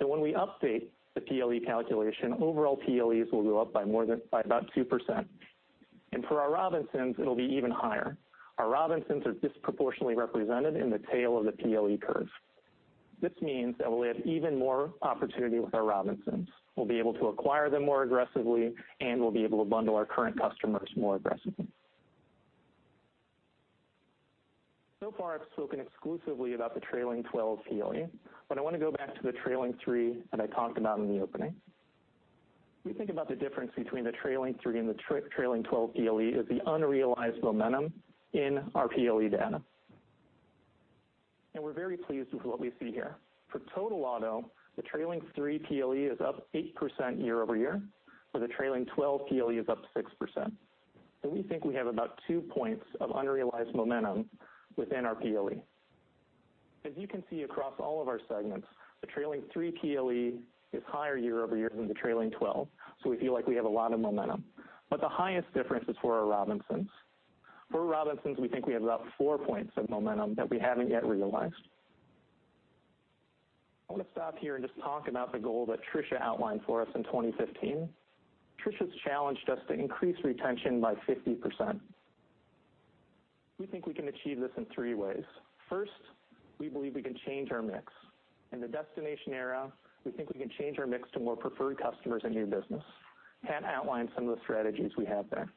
When we update the PLE calculation, overall PLEs will go up by about 2%. For our Robinsons, it'll be even higher. Our Robinsons are disproportionately represented in the tail of the PLE curve. This means that we'll have even more opportunity with our Robinsons. We'll be able to acquire them more aggressively, and we'll be able to bundle our current customers more aggressively. Far, I've spoken exclusively about the trailing 12 PLE, but I want to go back to the trailing three that I talked about in the opening. We think about the difference between the trailing three and the trailing 12 PLE as the unrealized momentum in our PLE data. We're very pleased with what we see here. For total auto, the trailing three PLE is up 8% year over year, where the trailing 12 PLE is up 6%. We think we have about two points of unrealized momentum within our PLE. As you can see across all of our segments, the trailing three PLE is higher year over year than the trailing 12, so we feel like we have a lot of momentum. The highest difference is for our Robinsons. For Robinsons, we think we have about four points of momentum that we haven't yet realized. I want to stop here and just talk about the goal that Tricia outlined for us in 2015. Tricia's challenged us to increase retention by 50%. We think we can achieve this in three ways. First, we believe we can change our mix. In the Destination Era, we think we can change our mix to more preferred customers and new business. Pat outlined some of the strategies we have there.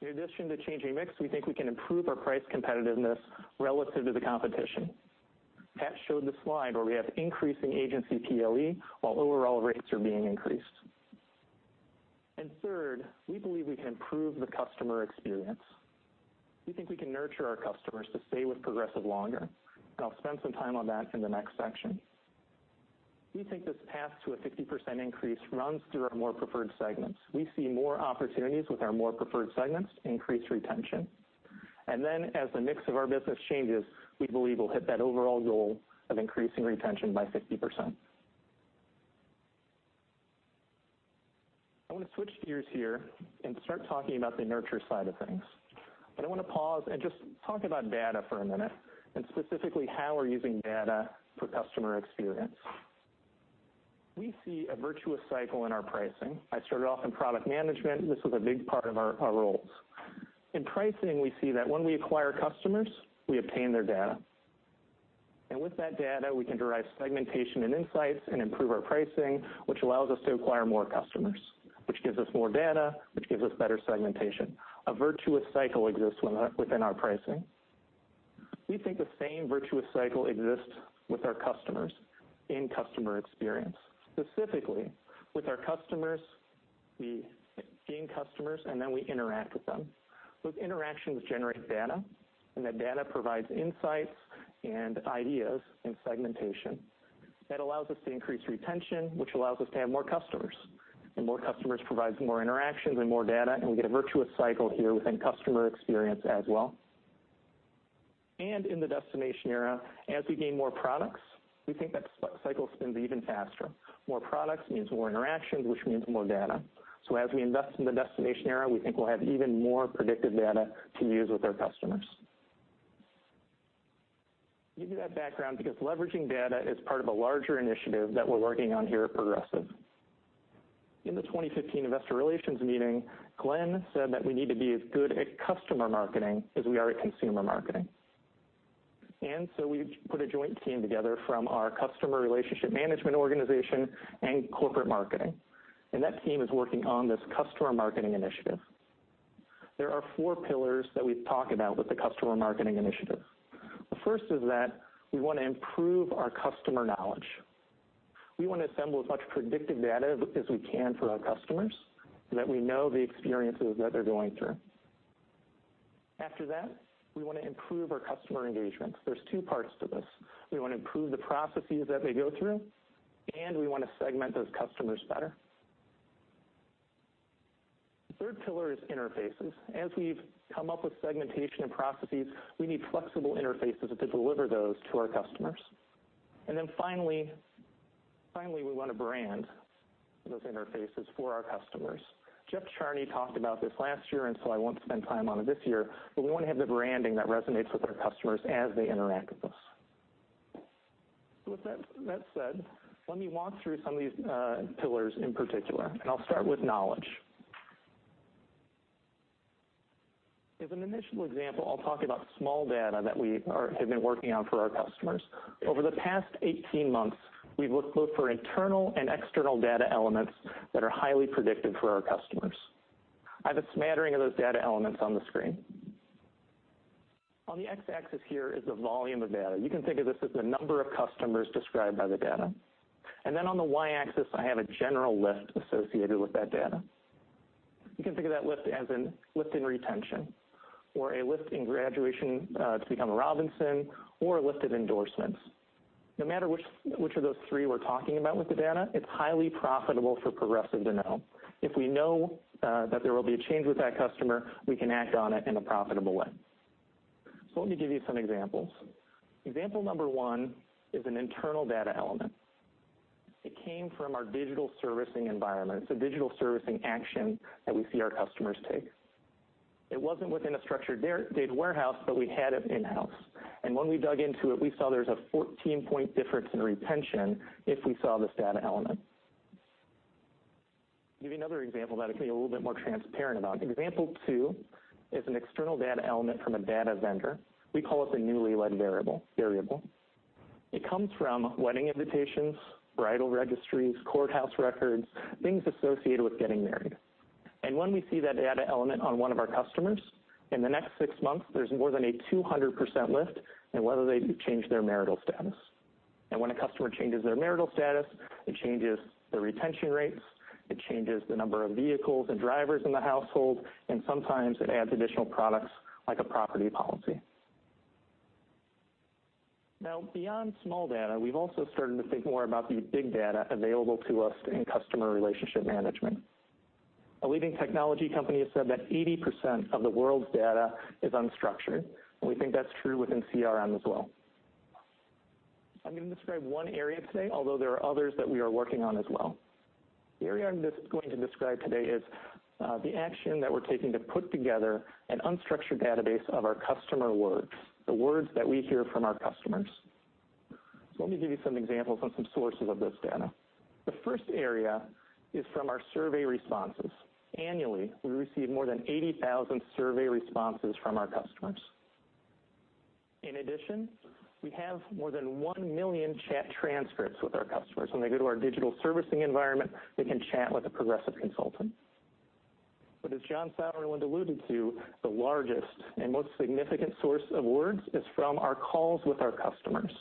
In addition to changing mix, we think we can improve our price competitiveness relative to the competition. Pat showed the slide where we have increasing agency PLE while overall rates are being increased. Third, we believe we can improve the customer experience. We think we can nurture our customers to stay with Progressive longer, and I'll spend some time on that in the next section. We think this path to a 50% increase runs through our more preferred segments. We see more opportunities with our more preferred segments to increase retention. As the mix of our business changes, we believe we'll hit that overall goal of increasing retention by 50%. I want to switch gears here and start talking about the nurture side of things. I want to pause and just talk about data for a minute, and specifically how we're using data for customer experience. We see a virtuous cycle in our pricing. I started off in product management. This was a big part of our roles. In pricing, we see that when we acquire customers, we obtain their data. With that data, we can derive segmentation and insights and improve our pricing, which allows us to acquire more customers, which gives us more data, which gives us better segmentation. A virtuous cycle exists within our pricing. We think the same virtuous cycle exists with our customers in customer experience. Specifically, with our customers, we gain customers, and then we interact with them. Those interactions generate data, and that data provides insights and ideas in segmentation. That allows us to increase retention, which allows us to have more customers. More customers provides more interactions and more data, and we get a virtuous cycle here within customer experience as well. In the Destination Era, as we gain more products, we think that cycle spins even faster. More products means more interactions, which means more data. As we invest in the Destination Era, we think we'll have even more predictive data to use with our customers. I give you that background because leveraging data is part of a larger initiative that we're working on here at Progressive. In the 2015 investor relations meeting, Glenn said that we need to be as good at customer marketing as we are at consumer marketing. We put a joint team together from our Customer Relationship Management organization and corporate marketing, and that team is working on this Customer Marketing Initiative. There are four pillars that we've talked about with the Customer Marketing Initiative. The first is that we want to improve our customer knowledge. We want to assemble as much predictive data as we can for our customers so that we know the experiences that they're going through. After that, we want to improve our customer engagements. There are two parts to this. We want to improve the processes that they go through, and we want to segment those customers better. The third pillar is interfaces. As we've come up with segmentation and processes, we need flexible interfaces to deliver those to our customers. Finally, we want to brand those interfaces for our customers. Jeff Charney talked about this last year, I won't spend time on it this year, but we want to have the branding that resonates with our customers as they interact with us. With that said, let me walk through some of these pillars in particular, and I'll start with knowledge. As an initial example, I'll talk about small data that we have been working on for our customers. Over the past 18 months, we've looked both for internal and external data elements that are highly predictive for our customers. I have a smattering of those data elements on the screen. On the X-axis here is the volume of data. You can think of this as the number of customers described by the data. On the Y-axis, I have a general lift associated with that data. You can think of that lift as a lift in retention or a lift in graduation to become a Robinson or a lift of endorsements. No matter which of those three we're talking about with the data, it's highly profitable for Progressive to know. If we know that there will be a change with that customer, we can act on it in a profitable way. Let me give you some examples. Example number 1 is an internal data element. It came from our digital servicing environment. It's a digital servicing action that we see our customers take. It wasn't within a structured data warehouse, but we had it in-house. When we dug into it, we saw there's a 14-point difference in retention if we saw this data element. Give you another example that I can be a little bit more transparent about. Example 2 is an external data element from a data vendor. We call it the newlywed variable. It comes from wedding invitations, bridal registries, courthouse records, things associated with getting married. When we see that data element on one of our customers, in the next six months, there is more than a 200% lift in whether they change their marital status. When a customer changes their marital status, it changes the retention rates, it changes the number of vehicles and drivers in the household, and sometimes it adds additional products like a property policy. Beyond small data, we have also started to think more about the big data available to us in customer relationship management. A leading technology company has said that 80% of the world's data is unstructured, and we think that is true within CRM as well. I am going to describe one area today, although there are others that we are working on as well. The area I am just going to describe today is the action that we are taking to put together an unstructured database of our customer words, the words that we hear from our customers. Let me give you some examples on some sources of this data. The first area is from our survey responses. Annually, we receive more than 80,000 survey responses from our customers. In addition, we have more than one million chat transcripts with our customers. When they go to our digital servicing environment, they can chat with a Progressive consultant. As John Sauerland alluded to, the largest and most significant source of words is from our calls with our customers.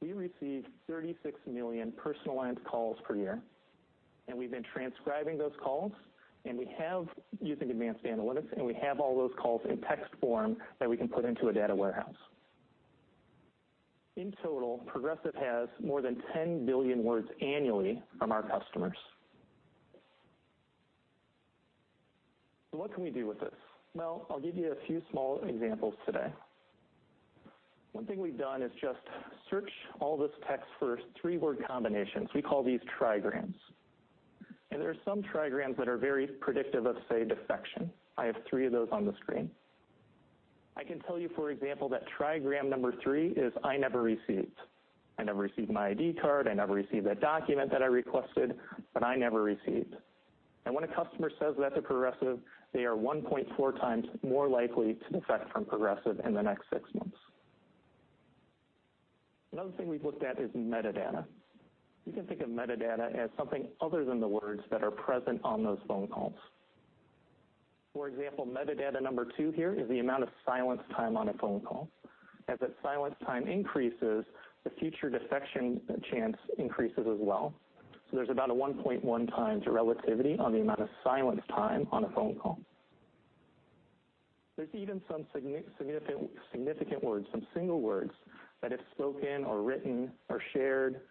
We receive 36 million personalized calls per year, and we have been transcribing those calls, using advanced analytics, and we have all those calls in text form that we can put into a data warehouse. In total, Progressive has more than 10 billion words annually from our customers. What can we do with this? I will give you a few small examples today. One thing we have done is just search all this text for three-word combinations. We call these trigrams. There are some trigrams that are very predictive of, say, defection. I have three of those on the screen. I can tell you, for example, that trigram number three is, "I never received." I never received my ID card, I never received that document that I requested, but I never received. When a customer says that to Progressive, they are 1.4 times more likely to defect from Progressive in the next six months. Another thing we have looked at is metadata. You can think of metadata as something other than the words that are present on those phone calls. For example, metadata number two here is the amount of silence time on a phone call. As that silence time increases, the future defection chance increases as well. There is about a 1.1 times relativity on the amount of silence time on a phone call. There is even some significant words, some single words, that if spoken or written or shared,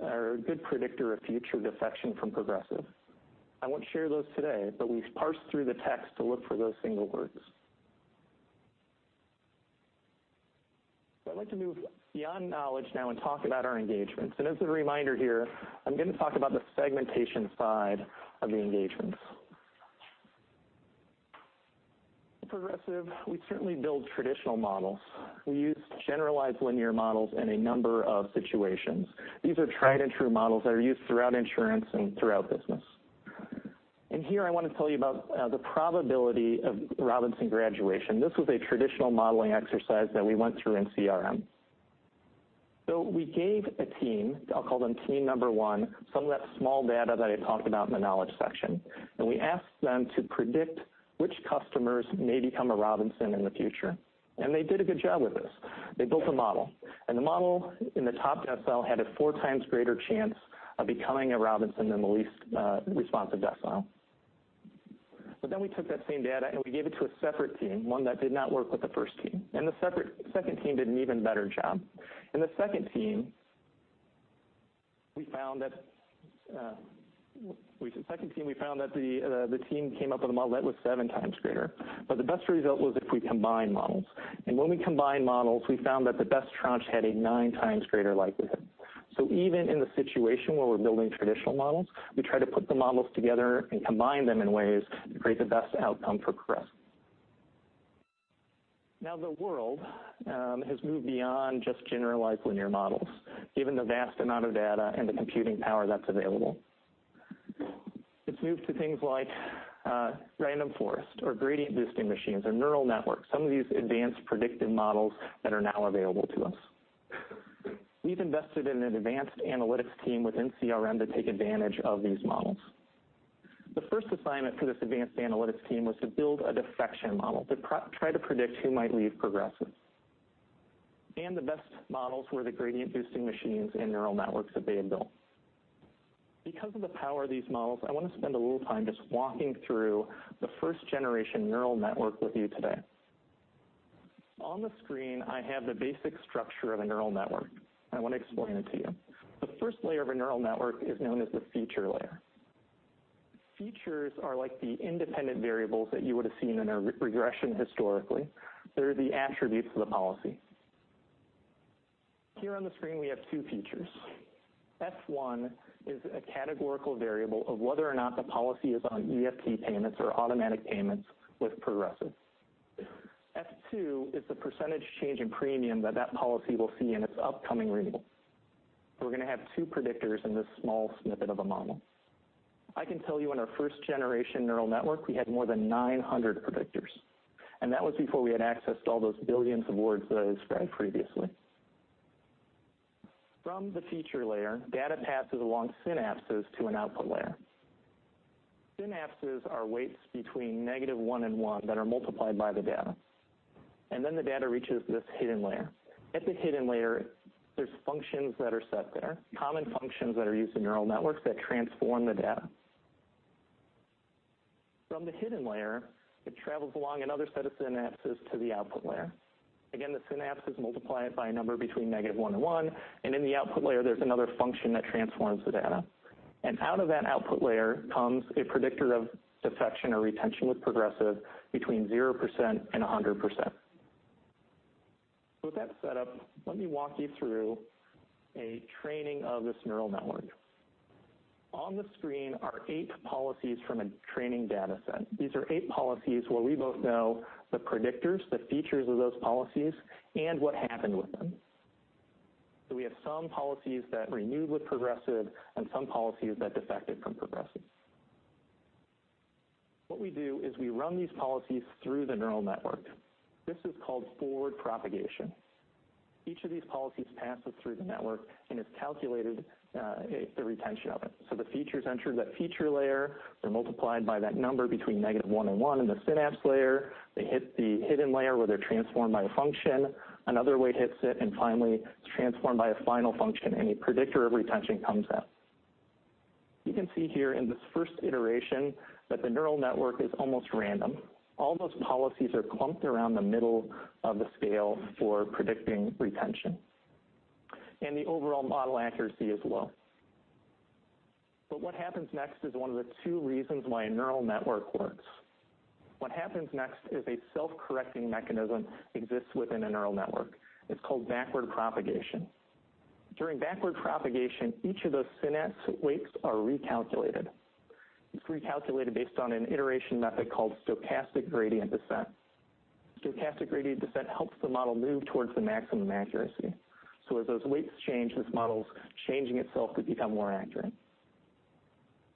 are a good predictor of future defection from Progressive. I will not share those today, but we have parsed through the text to look for those single words. I would like to move beyond knowledge now and talk about our engagements. As a reminder here, I am going to talk about the segmentation side of the engagements. At Progressive, we certainly build traditional models. We use generalized linear models in a number of situations. These are tried and true models that are used throughout insurance and throughout business. Here I want to tell you about the probability of Robinson graduation. This was a traditional modeling exercise that we went through in CRM. We gave a team, I'll call them team 1, some of that small data that I talked about in the knowledge section, and we asked them to predict which customers may become a Robinson in the future. They did a good job with this. They built a model, and the model in the top decile had a 4 times greater chance of becoming a Robinson than the least responsive decile. We took that same data, and we gave it to a separate team, one that did not work with the 1st team, and the 2nd team did an even better job. In the 2nd team, we found that the team came up with a model that was 7 times greater, the best result was if we combined models. When we combined models, we found that the best tranche had a 9 times greater likelihood. Even in the situation where we're building traditional models, we try to put the models together and combine them in ways to create the best outcome for Progressive. The world has moved beyond just generalized linear models, given the vast amount of data and the computing power that's available. It's moved to things like random forest or gradient boosting machines or neural networks, some of these advanced predictive models that are now available to us. We've invested in an advanced analytics team within CRM to take advantage of these models. The 1st assignment for this advanced analytics team was to build a defection model to try to predict who might leave Progressive. The best models were the gradient boosting machines and neural networks that they had built. Because of the power of these models, I want to spend a little time just walking through the 1st generation neural network with you today. On the screen, I have the basic structure of a neural network, and I want to explain it to you. The 1st layer of a neural network is known as the feature layer. Features are like the independent variables that you would have seen in a regression historically. They're the attributes of the policy. Here on the screen, we have 2 features. F1 is a categorical variable of whether or not the policy is on EFT payments or automatic payments with Progressive. F2 is the percentage change in premium that that policy will see in its upcoming renewal. We're going to have 2 predictors in this small snippet of a model. I can tell you in our 1st-generation neural network, we had more than 900 predictors, and that was before we had access to all those billions of words that I described previously. From the feature layer, data passes along synapses to an output layer. Synapses are weights between negative one and one that are multiplied by the data, and then the data reaches this hidden layer. At the hidden layer, there's functions that are set there, common functions that are used in neural networks that transform the data. From the hidden layer, it travels along another set of synapses to the output layer. The synapses multiply it by a number between negative one and one, and in the output layer, there's another function that transforms the data. Out of that output layer comes a predictor of defection or retention with Progressive between 0% and 100%. With that set up, let me walk you through a training of this neural network. On the screen are eight policies from a training data set. These are eight policies where we both know the predictors, the features of those policies, and what happened with them. We have some policies that renewed with Progressive and some policies that defected from Progressive. What we do is we run these policies through the neural network. This is called forward propagation. Each of these policies passes through the network and has calculated the retention of it. The features enter that feature layer. They're multiplied by that number between negative one and one in the synapse layer. They hit the hidden layer, where they're transformed by a function. Another weight hits it, and finally, it's transformed by a final function, and a predictor of retention comes out. You can see here in this first iteration that the neural network is almost random. All those policies are clumped around the middle of the scale for predicting retention, and the overall model accuracy is low. What happens next is one of the two reasons why a neural network works. What happens next is a self-correcting mechanism exists within a neural network. It's called backward propagation. During backward propagation, each of those synapse weights are recalculated. It's recalculated based on an iteration method called stochastic gradient descent. Stochastic gradient descent helps the model move towards the maximum accuracy. As those weights change, this model's changing itself to become more accurate.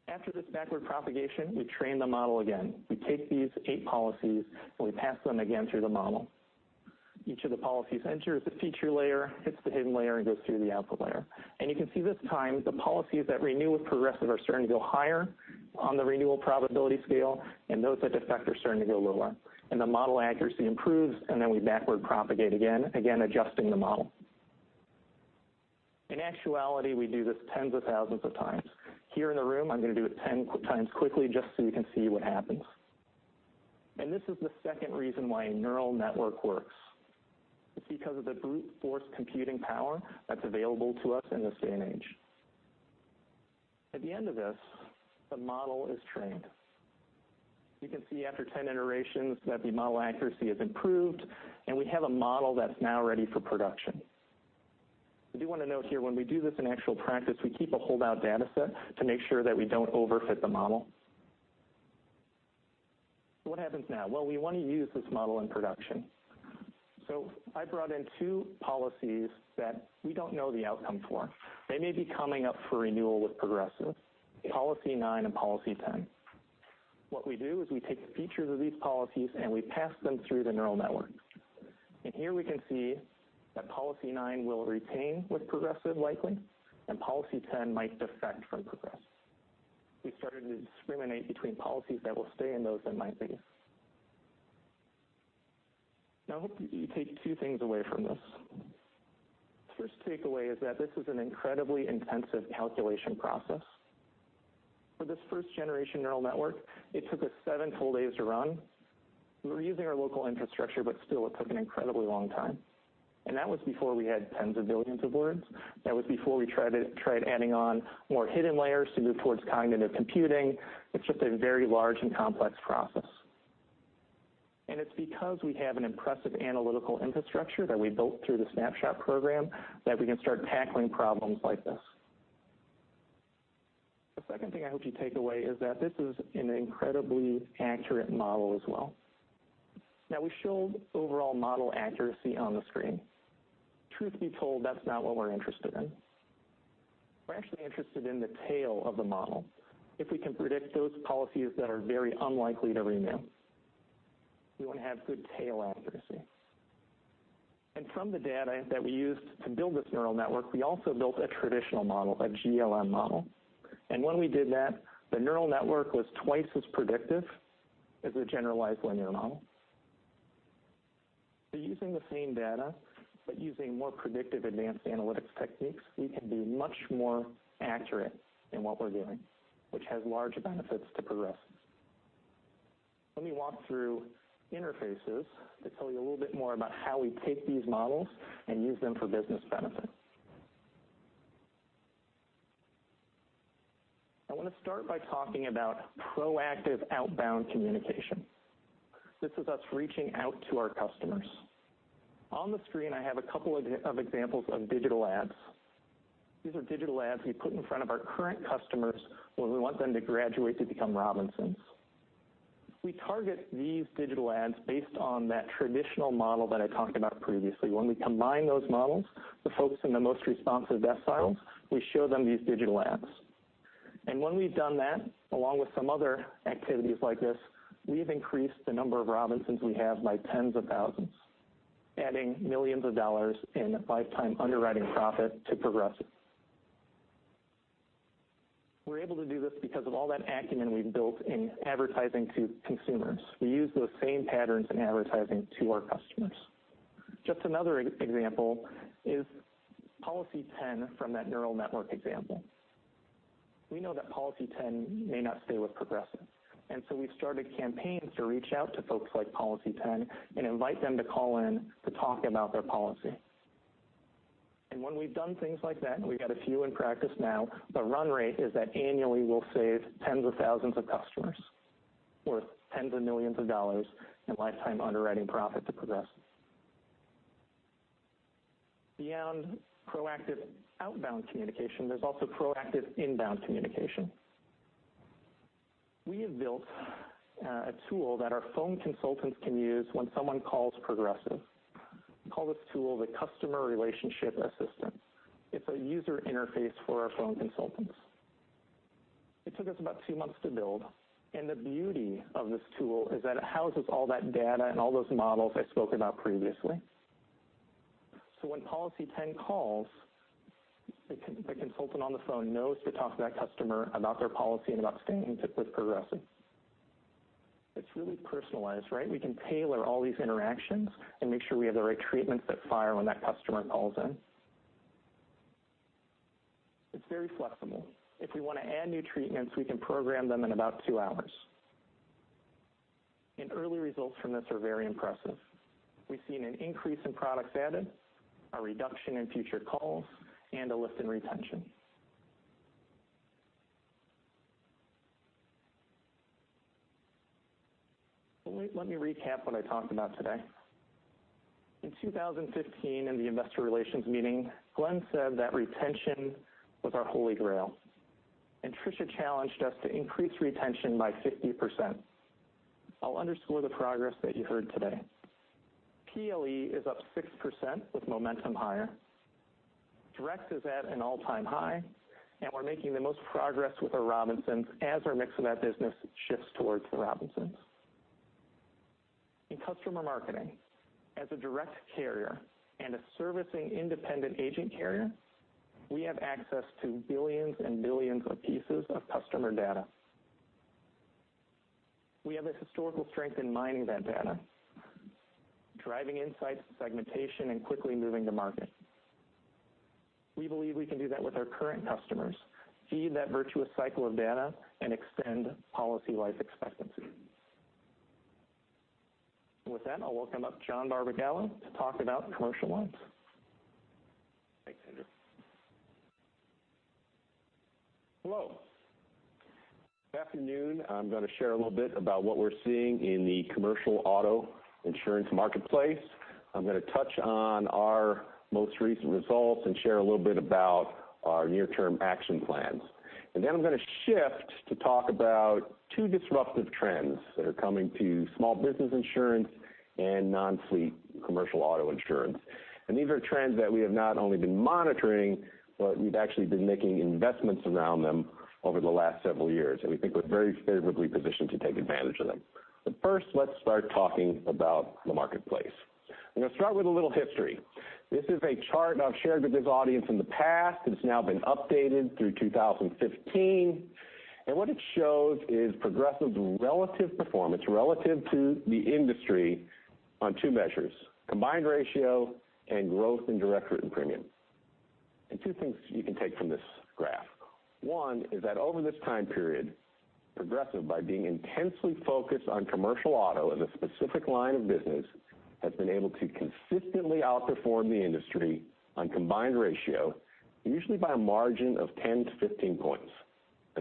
After this backward propagation, we train the model again. We take these eight policies, and we pass them again through the model. Each of the policies enters the feature layer, hits the hidden layer, and goes through the output layer. You can see this time, the policies that renew with Progressive are starting to go higher on the renewal probability scale, and those that defect are starting to go lower. The model accuracy improves, then we backward propagate again adjusting the model. In actuality, we do this tens of thousands of times. Here in the room, I'm going to do it 10 times quickly just so you can see what happens. This is the second reason why a neural network works. It's because of the brute force computing power that's available to us in this day and age. At the end of this, the model is trained. You can see after 10 iterations that the model accuracy has improved, and we have a model that's now ready for production. What happens now? Well, we want to use this model in production. I brought in two policies that we don't know the outcome for. They may be coming up for renewal with Progressive, Policy 9 and Policy 10. What we do is we take the features of these policies, and we pass them through the neural network. Here we can see that Policy 9 will retain with Progressive likely, and Policy 10 might defect from Progressive. We started to discriminate between policies that will stay and those that might leave. I hope you take two things away from this. First takeaway is that this is an incredibly intensive calculation process. For this first-generation neural network, it took us 7 full days to run. We were using our local infrastructure, but still, it took an incredibly long time, and that was before we had tens of billions of words. That was before we tried adding on more hidden layers to move towards cognitive computing. It's just a very large and complex process. It's because we have an impressive analytical infrastructure that we built through the Snapshot program that we can start tackling problems like this. We showed overall model accuracy on the screen. Truth be told, that's not what we're interested in. We're actually interested in the tail of the model. If we can predict those policies that are very unlikely to renew, we want to have good tail accuracy. From the data that we used to build this neural network, we also built a traditional model, a GLM model, and when we did that, the neural network was twice as predictive as a generalized linear model. So using the same data, but using more predictive advanced analytics techniques, we can be much more accurate in what we're doing, which has large benefits to Progressive. Let me walk through interfaces to tell you a little bit more about how we take these models and use them for business benefit. I want to start by talking about proactive outbound communication. This is us reaching out to our customers. On the screen, I have a couple of examples of digital ads. These are digital ads we put in front of our current customers when we want them to graduate to become Robinsons. We target these digital ads based on that traditional model that I talked about previously. When we combine those models, the folks in the most responsive deciles, we show them these digital ads. When we've done that, along with some other activities like this, we've increased the number of Robinsons we have by tens of thousands, adding millions of dollars in lifetime underwriting profit to Progressive. We're able to do this because of all that acumen we've built in advertising to consumers. We use those same patterns in advertising to our customers. Just another example is Policy 10 from that neural network example. We know that Policy 10 may not stay with Progressive, and so we started campaigns to reach out to folks like Policy 10 and invite them to call in to talk about their policy. When we've done things like that, and we've got a few in practice now, the run rate is that annually, we'll save tens of thousands of customers, worth tens of millions of dollars in lifetime underwriting profit to Progressive. Beyond proactive outbound communication, there's also proactive inbound communication. We have built a tool that our phone consultants can use when someone calls Progressive. We call this tool the Customer Relationship Assistant. It's a user interface for our phone consultants. It took us about 2 months to build, the beauty of this tool is that it houses all that data and all those models I spoke about previously. When Policy 10 calls, the consultant on the phone knows to talk to that customer about their policy and about staying with Progressive. It's really personalized, right? We can tailor all these interactions and make sure we have the right treatments that fire when that customer calls in. It's very flexible. If we want to add new treatments, we can program them in about 2 hours. Early results from this are very impressive. We've seen an increase in products added, a reduction in future calls, and a lift in retention. Let me recap what I talked about today. In 2015, in the investor relations meeting, Glenn said that retention was our holy grail, Tricia challenged us to increase retention by 50%. I'll underscore the progress that you heard today. PLE is up 6% with momentum higher. Direct is at an all-time high, we're making the most progress with our Robinsons as our mix of that business shifts towards the Robinsons. In customer marketing, as a direct carrier and a servicing independent agent carrier, we have access to billions and billions of pieces of customer data. We have a historical strength in mining that data, driving insights and segmentation, and quickly moving to market. We believe we can do that with our current customers, feed that virtuous cycle of data, and extend policy life expectancy. With that, I'll welcome up John Barbagallo to talk about commercial lines. Thanks, Andrew. Hello. This afternoon, I'm going to share a little bit about what we're seeing in the commercial auto insurance marketplace. I'm going to touch on our most recent results and share a little bit about our near-term action plans. I'm going to shift to talk about 2 disruptive trends that are coming to small business insurance and non-fleet commercial auto insurance. These are trends that we have not only been monitoring, but we've actually been making investments around them over the last several years, and we think we're very favorably positioned to take advantage of them. First, let's start talking about the marketplace. I'm going to start with a little history. This is a chart I've shared with this audience in the past. It's now been updated through 2015, what it shows is Progressive's relative performance relative to the industry on 2 measures, combined ratio and growth in direct written premium. 2 things you can take from this graph. One is that over this time period, Progressive, by being intensely focused on commercial auto as a specific line of business, has been able to consistently outperform the industry on combined ratio, usually by a margin of 10 to 15 points.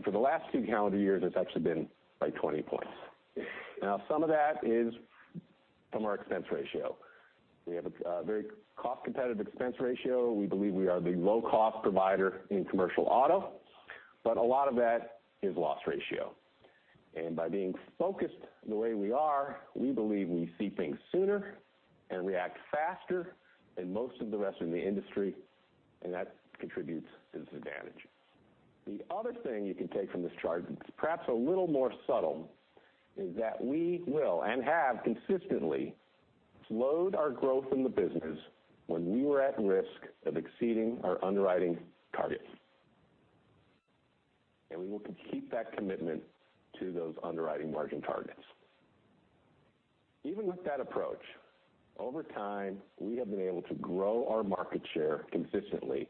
For the last 2 calendar years, it's actually been by 20 points. Some of that is from our expense ratio. We have a very cost-competitive expense ratio. We believe we are the low-cost provider in commercial auto, a lot of that is loss ratio. By being focused the way we are, we believe we see things sooner and react faster than most of the rest of the industry, and that contributes to this advantage. The other thing you can take from this chart, perhaps a little more subtle, is that we will, and have consistently, slowed our growth in the business when we were at risk of exceeding our underwriting targets. We will keep that commitment to those underwriting margin targets. Even with that approach, over time, we have been able to grow our market share consistently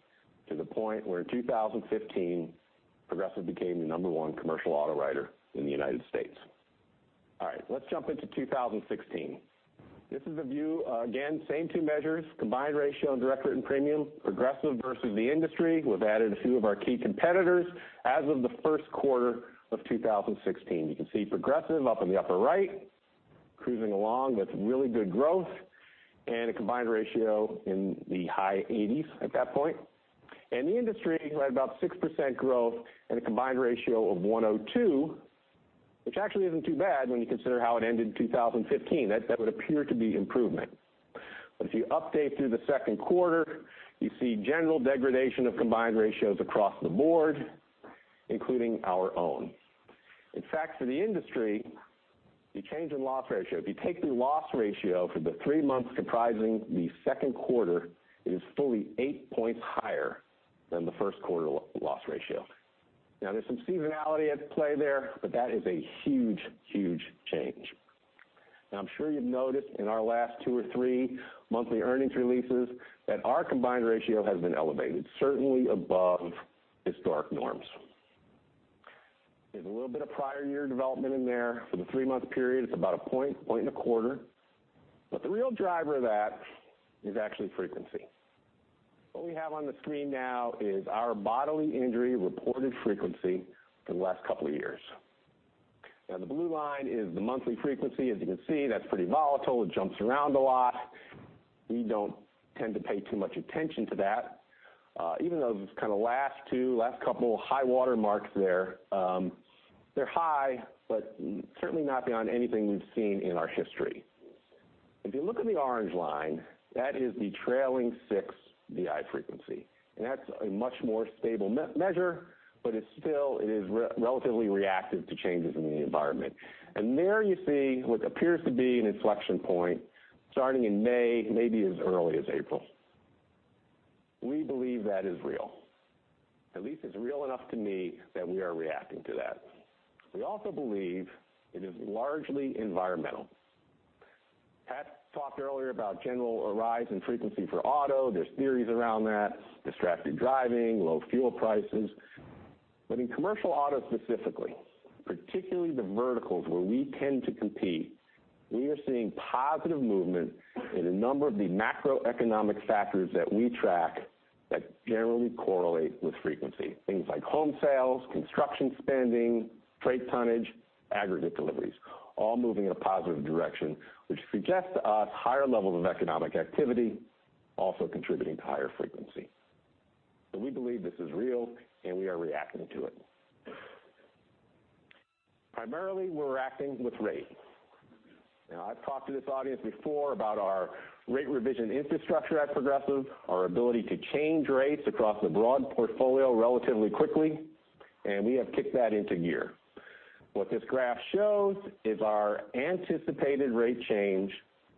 to the point where in 2015, Progressive became the number one commercial auto writer in the United States. All right. Let's jump into 2016. This is a view, again, same two measures, combined ratio and direct written premium, Progressive versus the industry. We've added a few of our key competitors as of the first quarter of 2016. You can see Progressive up in the upper right cruising along with really good growth and a combined ratio in the high 80s at that point. The industry right about 6% growth and a combined ratio of 102, which actually isn't too bad when you consider how it ended 2015. That would appear to be improvement. If you update through the second quarter, you see general degradation of combined ratios across the board, including our own. In fact, for the industry, the change in loss ratio, if you take the loss ratio for the three months comprising the second quarter, it is fully eight points higher than the first quarter loss ratio. There's some seasonality at play there, but that is a huge, huge change. I'm sure you've noticed in our last two or three monthly earnings releases that our combined ratio has been elevated, certainly above historic norms. There's a little bit of prior year development in there for the three-month period. It's about a point in a quarter, but the real driver of that is actually frequency. What we have on the screen now is our bodily injury reported frequency for the last couple of years. The blue line is the monthly frequency. As you can see, that's pretty volatile. It jumps around a lot. We don't tend to pay too much attention to that, even those kind of last two, last couple high water marks there, they're high, but certainly not beyond anything we've seen in our history. If you look at the orange line, that is the trailing six BI frequency, and that's a much more stable measure, but it's still, it is relatively reactive to changes in the environment. There you see what appears to be an inflection point starting in May, maybe as early as April. We believe that is real. At least it's real enough to me that we are reacting to that. We also believe it is largely environmental. Pat talked earlier about general rise in frequency for auto. There's theories around that, distracted driving, low fuel prices. But in commercial auto specifically, particularly the verticals where we tend to compete, we are seeing positive movement in a number of the macroeconomic factors that we track that generally correlate with frequency. Things like home sales, construction spending, freight tonnage, aggregate deliveries, all moving in a positive direction, which suggests to us higher levels of economic activity also contributing to higher frequency. We believe this is real, and we are reacting to it. Primarily, we're reacting with rates. I've talked to this audience before about our rate revision infrastructure at Progressive, our ability to change rates across the broad portfolio relatively quickly, and we have kicked that into gear. What this graph shows is our anticipated rate change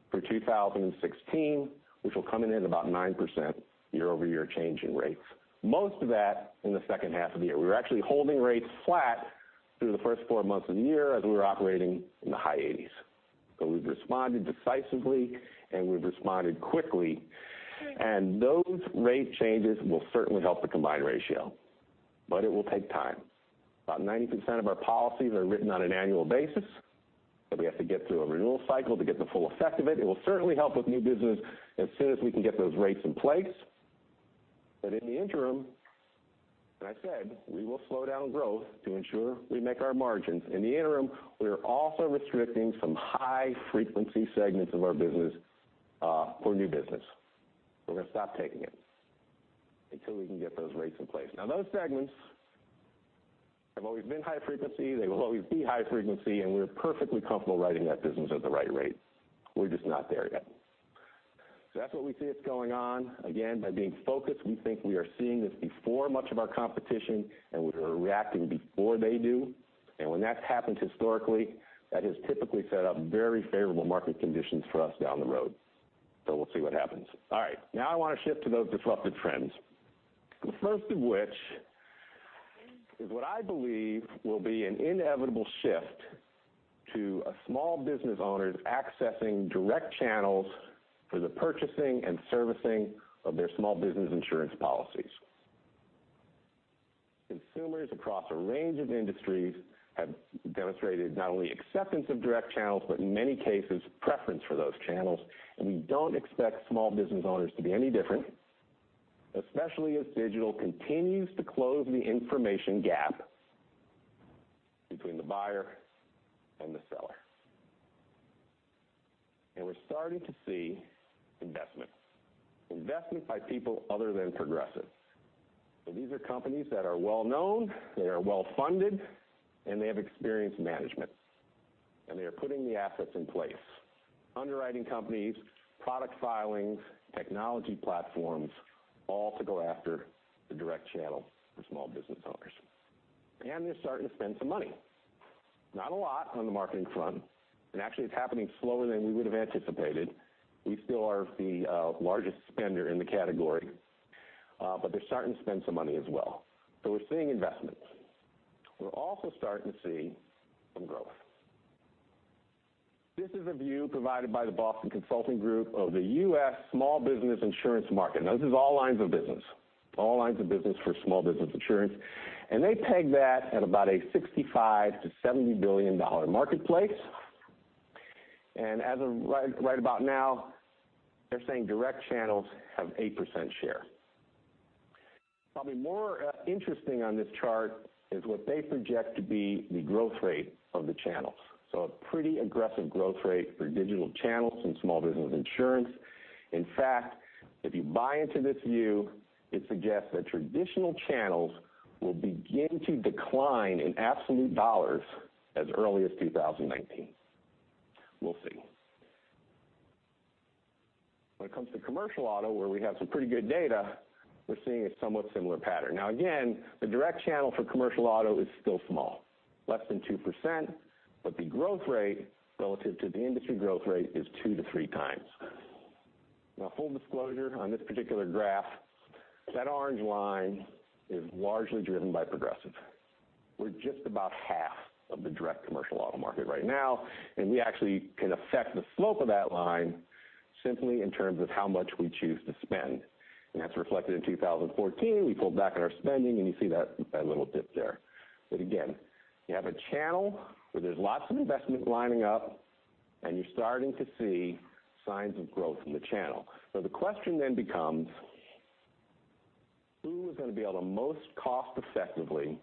for 2016, which will come in at about 9% year-over-year change in rates. Most of that in the second half of the year. We were actually holding rates flat through the first four months of the year as we were operating in the high 80s. We've responded decisively, we've responded quickly, and those rate changes will certainly help the combined ratio. It will take time. About 90% of our policies are written on an annual basis, we have to get through a renewal cycle to get the full effect of it. It will certainly help with new business as soon as we can get those rates in place. In the interim, I said, we will slow down growth to ensure we make our margins. In the interim, we are also restricting some high-frequency segments of our business for new business. We're going to stop taking it until we can get those rates in place. Those segments have always been high frequency, they will always be high frequency, and we're perfectly comfortable writing that business at the right rate. We're just not there yet. That's what we see it's going on. Again, by being focused, we think we are seeing this before much of our competition, we are reacting before they do. When that's happened historically, that has typically set up very favorable market conditions for us down the road. We'll see what happens. All right. I want to shift to those disruptive trends. The first of which is what I believe will be an inevitable shift to small business owners accessing direct channels for the purchasing and servicing of their small business insurance policies. Consumers across a range of industries have demonstrated not only acceptance of direct channels, but in many cases, preference for those channels, and we don't expect small business owners to be any different, especially as digital continues to close the information gap between the buyer and the seller. We're starting to see investment by people other than Progressive. These are companies that are well known, they are well funded, they have experienced management, they are putting the assets in place. Underwriting companies, product filings, technology platforms, all to go after the direct channel for small business owners. They're starting to spend some money. Not a lot on the marketing front, actually it's happening slower than we would have anticipated. We still are the largest spender in the category, they're starting to spend some money as well. We're seeing investments. We're also starting to see some growth. This is a view provided by the Boston Consulting Group of the U.S. small business insurance market. This is all lines of business, all lines of business for small business insurance, and they peg that at about a $65 billion-$70 billion marketplace. As of right about now, they're saying direct channels have 8% share. Probably more interesting on this chart is what they project to be the growth rate of the channels. A pretty aggressive growth rate for digital channels in small business insurance. In fact, if you buy into this view, it suggests that traditional channels will begin to decline in absolute dollars as early as 2019. We'll see. When it comes to commercial auto, where we have some pretty good data, we're seeing a somewhat similar pattern. Again, the direct channel for commercial auto is still small, less than 2%, but the growth rate relative to the industry growth rate is two to three times. Full disclosure, on this particular graph, that orange line is largely driven by Progressive. We're just about half of the direct commercial auto market right now, and we actually can affect the slope of that line simply in terms of how much we choose to spend. That's reflected in 2014. We pulled back on our spending, and you see that little dip there. Again, you have a channel where there's lots of investment lining up, and you're starting to see signs of growth in the channel. The question then becomes, who is going to be able to most cost effectively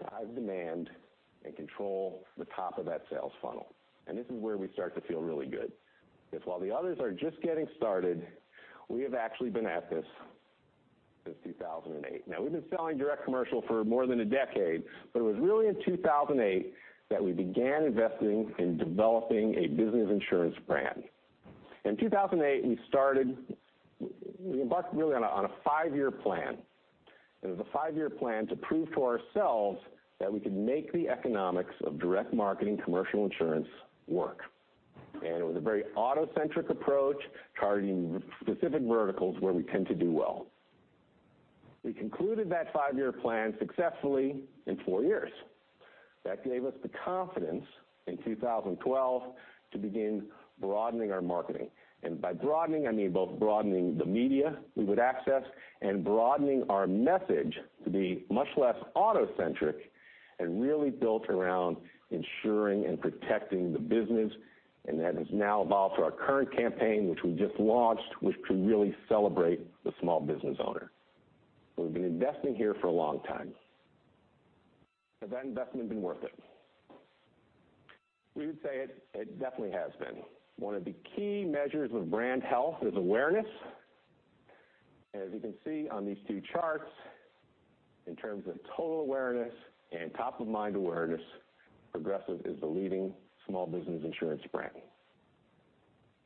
drive demand and control the top of that sales funnel? This is where we start to feel really good. Because while the others are just getting started, we have actually been at this since 2008. We've been selling direct commercial for more than a decade, but it was really in 2008 that we began investing in developing a business insurance brand. In 2008, we embarked really on a five-year plan. It was a five-year plan to prove to ourselves that we could make the economics of direct marketing commercial insurance work. It was a very auto-centric approach, targeting specific verticals where we tend to do well. We concluded that five-year plan successfully in four years. That gave us the confidence in 2012 to begin broadening our marketing, and by broadening, I mean both broadening the media we would access and broadening our message to be much less auto-centric and really built around ensuring and protecting the business. That has now evolved to our current campaign, which we just launched, which can really celebrate the small business owner. We've been investing here for a long time. Has that investment been worth it? We would say it definitely has been. One of the key measures of brand health is awareness, and as you can see on these two charts, in terms of total awareness and top-of-mind awareness, Progressive is the leading small business insurance brand.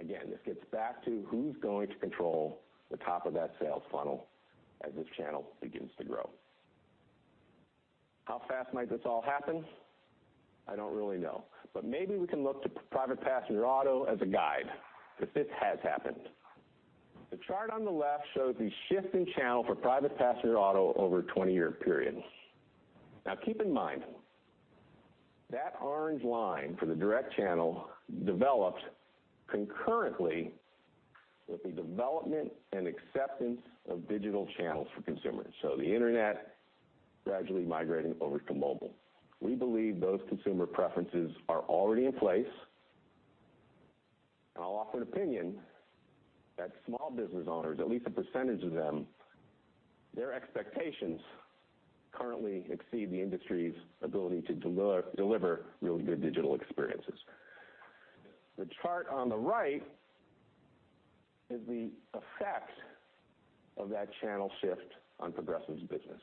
Again, this gets back to who's going to control the top of that sales funnel as this channel begins to grow. How fast might this all happen? I don't really know, but maybe we can look to private passenger auto as a guide, because this has happened. The chart on the left shows the shift in channel for private passenger auto over a 20-year period. Keep in mind, that orange line for the direct channel developed concurrently with the development and acceptance of digital channels for consumers. The internet gradually migrating over to mobile. We believe those consumer preferences are already in place. I'll offer an opinion that small business owners, at least a percentage of them, their expectations currently exceed the industry's ability to deliver really good digital experiences. The chart on the right is the effect of that channel shift on Progressive's business.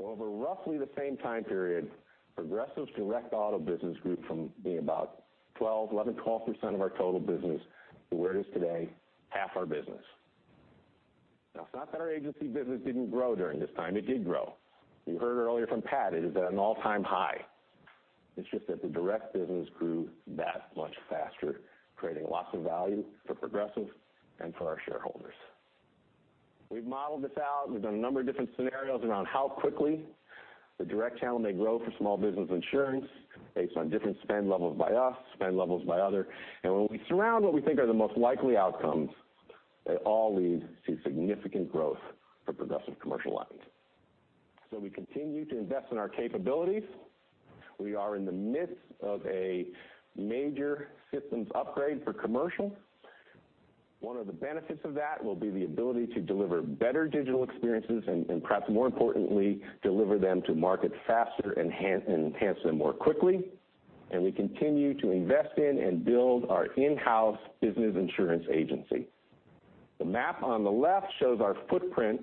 Over roughly the same time period, Progressive's direct auto business grew from being about 11%-12% of our total business to where it is today, half our business. It's not that our agency business didn't grow during this time. It did grow. You heard earlier from Pat, it is at an all-time high. It's just that the direct business grew that much faster, creating lots of value for Progressive and for our shareholders. We've modeled this out. We've done a number of different scenarios around how quickly the direct channel may grow for small business insurance based on different spend levels by us, spend levels by other. When we surround what we think are the most likely outcomes, they all lead to significant growth for Progressive Commercial Lines. We continue to invest in our capabilities. We are in the midst of a major systems upgrade for commercial. One of the benefits of that will be the ability to deliver better digital experiences and perhaps more importantly, deliver them to market faster and enhance them more quickly. We continue to invest in and build our in-house business insurance agency. The map on the left shows our footprint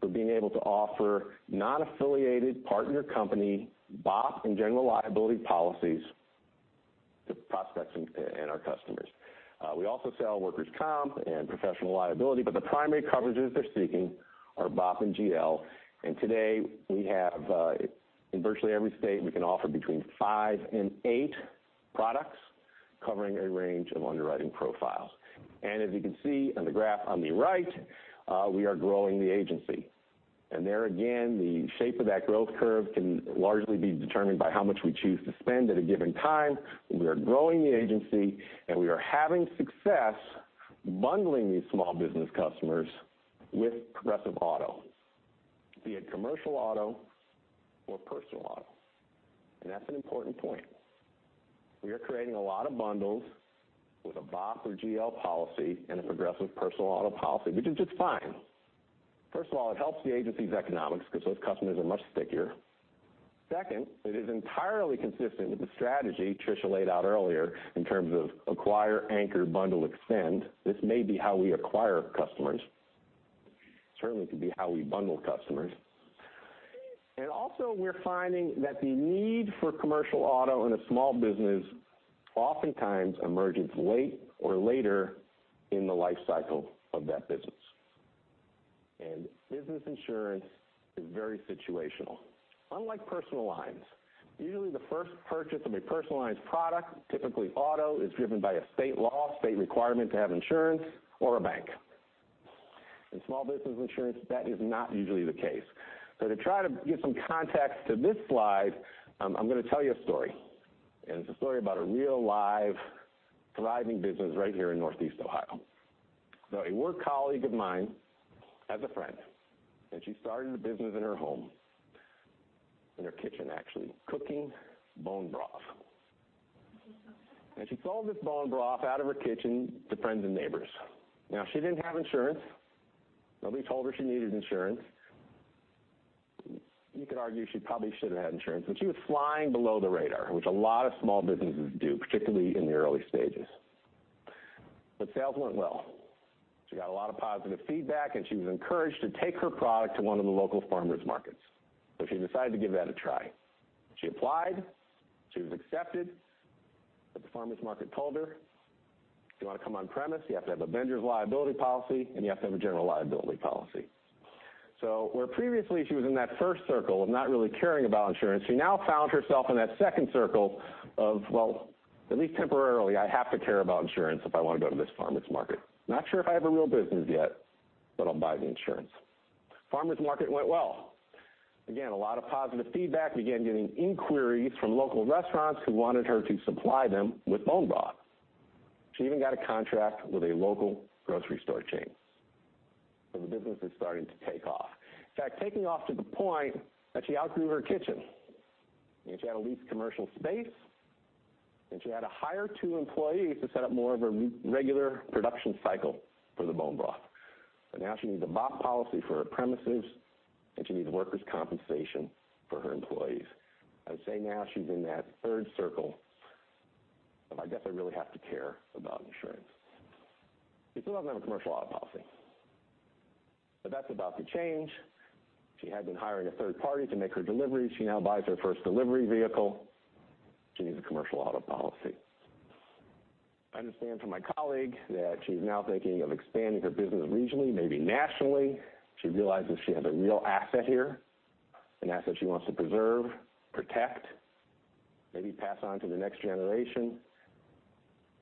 for being able to offer non-affiliated partner company, BOP, and general liability policies to prospects and our customers. We also sell workers' comp and professional liability, but the primary coverages they're seeking are BOP and GL, and today, in virtually every state, we can offer between five and eight products covering a range of underwriting profiles. As you can see on the graph on the right, we are growing the agency. There again, the shape of that growth curve can largely be determined by how much we choose to spend at a given time. We are growing the agency, and we are having success bundling these small business customers with Progressive Auto, be it commercial auto or personal auto. That's an important point. We are creating a lot of bundles with a BOP or GL policy and a Progressive personal auto policy, which is just fine. First of all, it helps the agency's economics because those customers are much stickier. Second, it is entirely consistent with the strategy Tricia laid out earlier in terms of acquire, anchor, bundle, extend. This may be how we acquire customers. Certainly could be how we bundle customers. Also, we're finding that the need for commercial auto in a small business oftentimes emerges late or later in the life cycle of that business. Business insurance is very situational. Unlike personal lines, usually the first purchase of a personalized product, typically auto, is driven by a state law, state requirement to have insurance, or a bank. In small business insurance, that is not usually the case. To try to give some context to this slide, I'm going to tell you a story. It's a story about a real live, thriving business right here in Northeast Ohio. A work colleague of mine has a friend, she started a business in her home, in her kitchen actually, cooking bone broth. She sold this bone broth out of her kitchen to friends and neighbors. She didn't have insurance. Nobody told her she needed insurance. You could argue she probably should have had insurance, she was flying below the radar, which a lot of small businesses do, particularly in the early stages. Sales went well. She got a lot of positive feedback, she was encouraged to take her product to one of the local farmers markets. She decided to give that a try. She applied, she was accepted, the farmers market told her, "If you want to come on premise, you have to have a vendor's liability policy, you have to have a general liability policy." Where previously she was in that first circle of not really caring about insurance, she now found herself in that second circle of, well, at least temporarily, I have to care about insurance if I want to go to this farmers market. Not sure if I have a real business yet, I'll buy the insurance. Farmers market went well. Again, a lot of positive feedback. Began getting inquiries from local restaurants who wanted her to supply them with bone broth. She even got a contract with a local grocery store chain. The business is starting to take off. In fact, taking off to the point that she outgrew her kitchen, she had to lease commercial space, she had to hire two employees to set up more of a regular production cycle for the bone broth. Now she needs a BOP policy for her premises, she needs workers' compensation for her employees. I'd say now she's in that third circle of, I guess I really have to care about insurance. She still doesn't have a commercial auto policy. That's about to change. She had been hiring a third party to make her deliveries. She now buys her first delivery vehicle. She needs a commercial auto policy. I understand from my colleague that she's now thinking of expanding her business regionally, maybe nationally. She realizes she has a real asset here, an asset she wants to preserve, protect, maybe pass on to the next generation.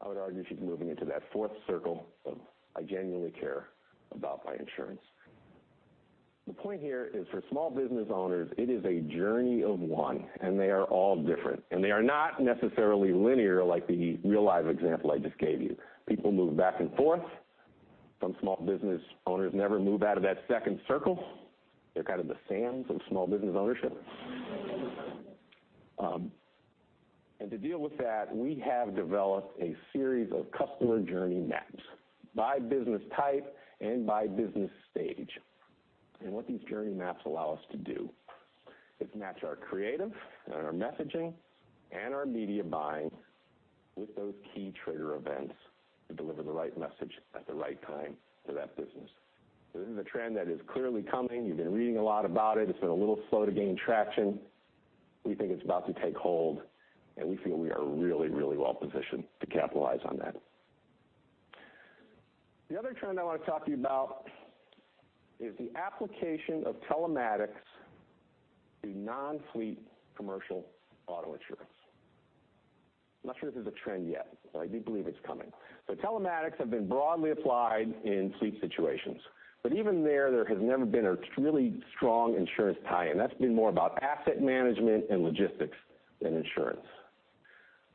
I would argue she's moving into that fourth circle of, I genuinely care about my insurance. The point here is for small business owners, it is a journey of one, they are all different. They are not necessarily linear like the real-life example I just gave you. People move back and forth. Some small business owners never move out of that second circle. They're kind of the Sams of small business ownership. To deal with that, we have developed a series of customer journey maps by business type and by business stage. What these journey maps allow us to do is match our creative and our messaging and our media buying with those key trigger events to deliver the right message at the right time to that business. This is a trend that is clearly coming. You've been reading a lot about it. It's been a little slow to gain traction. We think it's about to take hold, and we feel we are really, really well-positioned to capitalize on that. The other trend I want to talk to you about is the application of telematics to non-fleet commercial auto insurance. I'm not sure this is a trend yet, but I do believe it's coming. Telematics have been broadly applied in fleet situations. Even there has never been a really strong insurance tie-in. That's been more about asset management and logistics than insurance.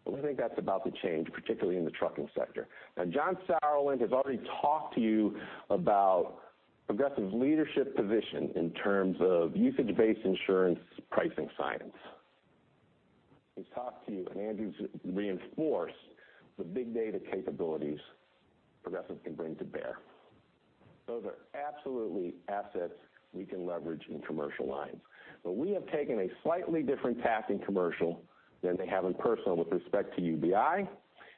We think that's about to change, particularly in the trucking sector. John Sauerland has already talked to you about Progressive leadership position in terms of usage-based insurance pricing science. He's talked to you, and Andrew's reinforced the big data capabilities Progressive can bring to bear. Those are absolutely assets we can leverage in commercial lines. We have taken a slightly different path in commercial than they have in personal with respect to UBI,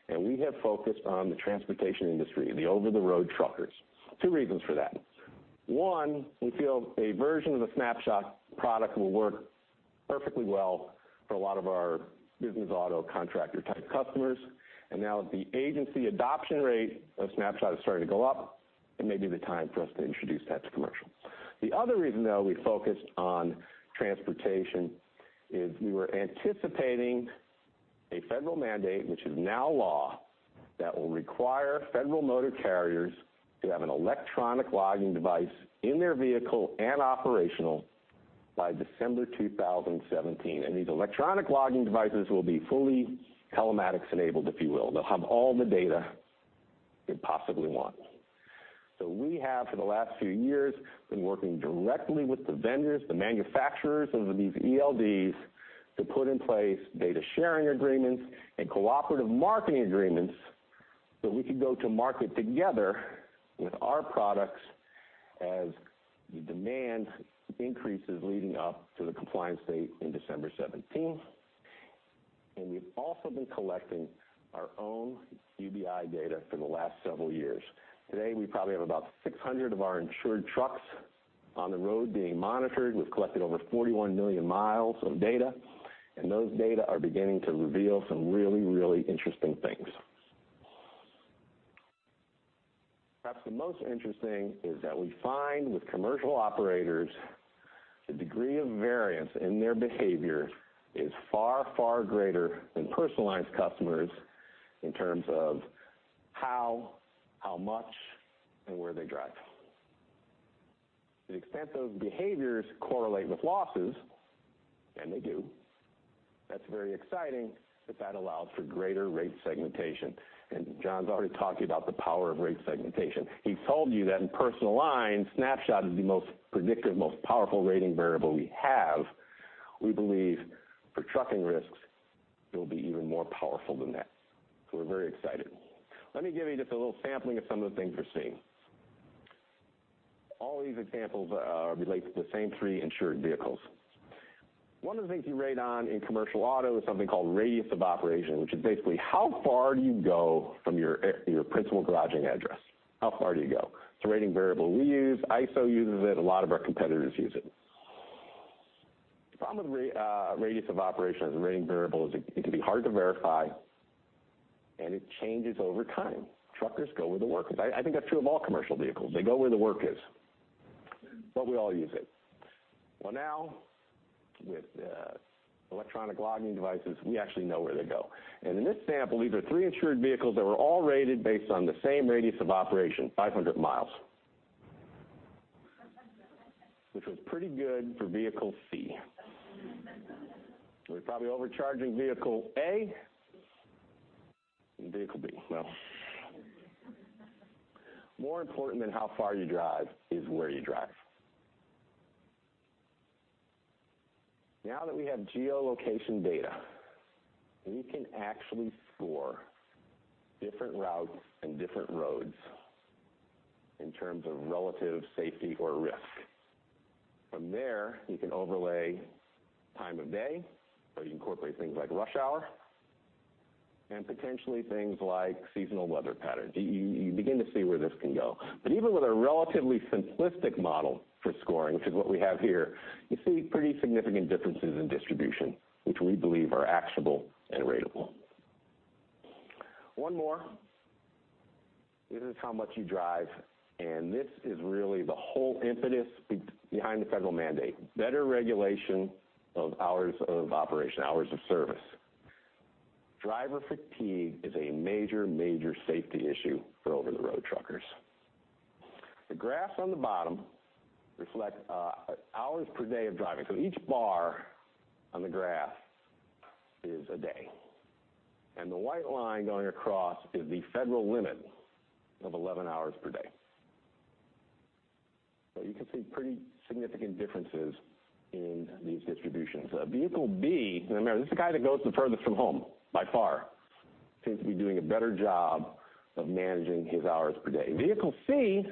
and we have focused on the transportation industry, the over-the-road truckers. Two reasons for that. One, we feel a version of the Snapshot product will work perfectly well for a lot of our business auto contractor type customers. Now the agency adoption rate of Snapshot is starting to go up. It may be the time for us to introduce that to commercial. The other reason, though, we focused on transportation is we were anticipating a federal mandate, which is now law, that will require federal motor carriers to have an electronic logging device in their vehicle and operational by December 2017. These electronic logging devices will be fully telematics enabled, if you will. They'll have all the data you could possibly want. We have, for the last few years, been working directly with the vendors, the manufacturers of these ELDs, to put in place data-sharing agreements and cooperative marketing agreements so we could go to market together with our products as the demand increases leading up to the compliance date in December 2017. We've also been collecting our own UBI data for the last several years. Today, we probably have about 600 of our insured trucks on the road being monitored. We've collected over 41 million miles of data, and those data are beginning to reveal some really, really interesting things. Perhaps the most interesting is that we find with commercial operators, the degree of variance in their behavior is far, far greater than personal lines customers in terms of how much, and where they drive. The extent those behaviors correlate with losses, and they do, that's very exciting that that allows for greater rate segmentation. John's already talked to you about the power of rate segmentation. He told you that in personal lines, Snapshot is the most predictive, most powerful rating variable we have. We believe for trucking risks, it'll be even more powerful than that. We're very excited. Let me give you just a little sampling of some of the things we're seeing. All these examples relate to the same three insured vehicles. One of the things you rate on in commercial auto is something called radius of operation, which is basically how far do you go from your principal garaging address. How far do you go? It's a rating variable we use, ISO uses it, a lot of our competitors use it. The problem with radius of operation as a rating variable is it can be hard to verify and it changes over time. Truckers go where the work is. I think that's true of all commercial vehicles. They go where the work is. We all use it. Now, with Electronic Logging Devices, we actually know where they go. In this sample, these are three insured vehicles that were all rated based on the same radius of operation, 500 miles. Which was pretty good for vehicle C. We're probably overcharging vehicle A and vehicle B. More important than how far you drive is where you drive. Now that we have geolocation data, we can actually score different routes and different roads in terms of relative safety or risk. From there, you can overlay time of day, or you incorporate things like rush hour, and potentially things like seasonal weather patterns. You begin to see where this can go. Even with a relatively simplistic model for scoring, which is what we have here, you see pretty significant differences in distribution, which we believe are actionable and ratable. One more. This is how much you drive, and this is really the whole impetus behind the federal mandate, better regulation of hours of operation, hours of service. Driver fatigue is a major safety issue for over-the-road truckers. The graphs on the bottom reflect hours per day of driving. Each bar on the graph is a day, and the white line going across is the federal limit of 11 hours per day. You can see pretty significant differences in these distributions. Vehicle B, this is the guy that goes the furthest from home, by far, seems to be doing a better job of managing his hours per day. Vehicle C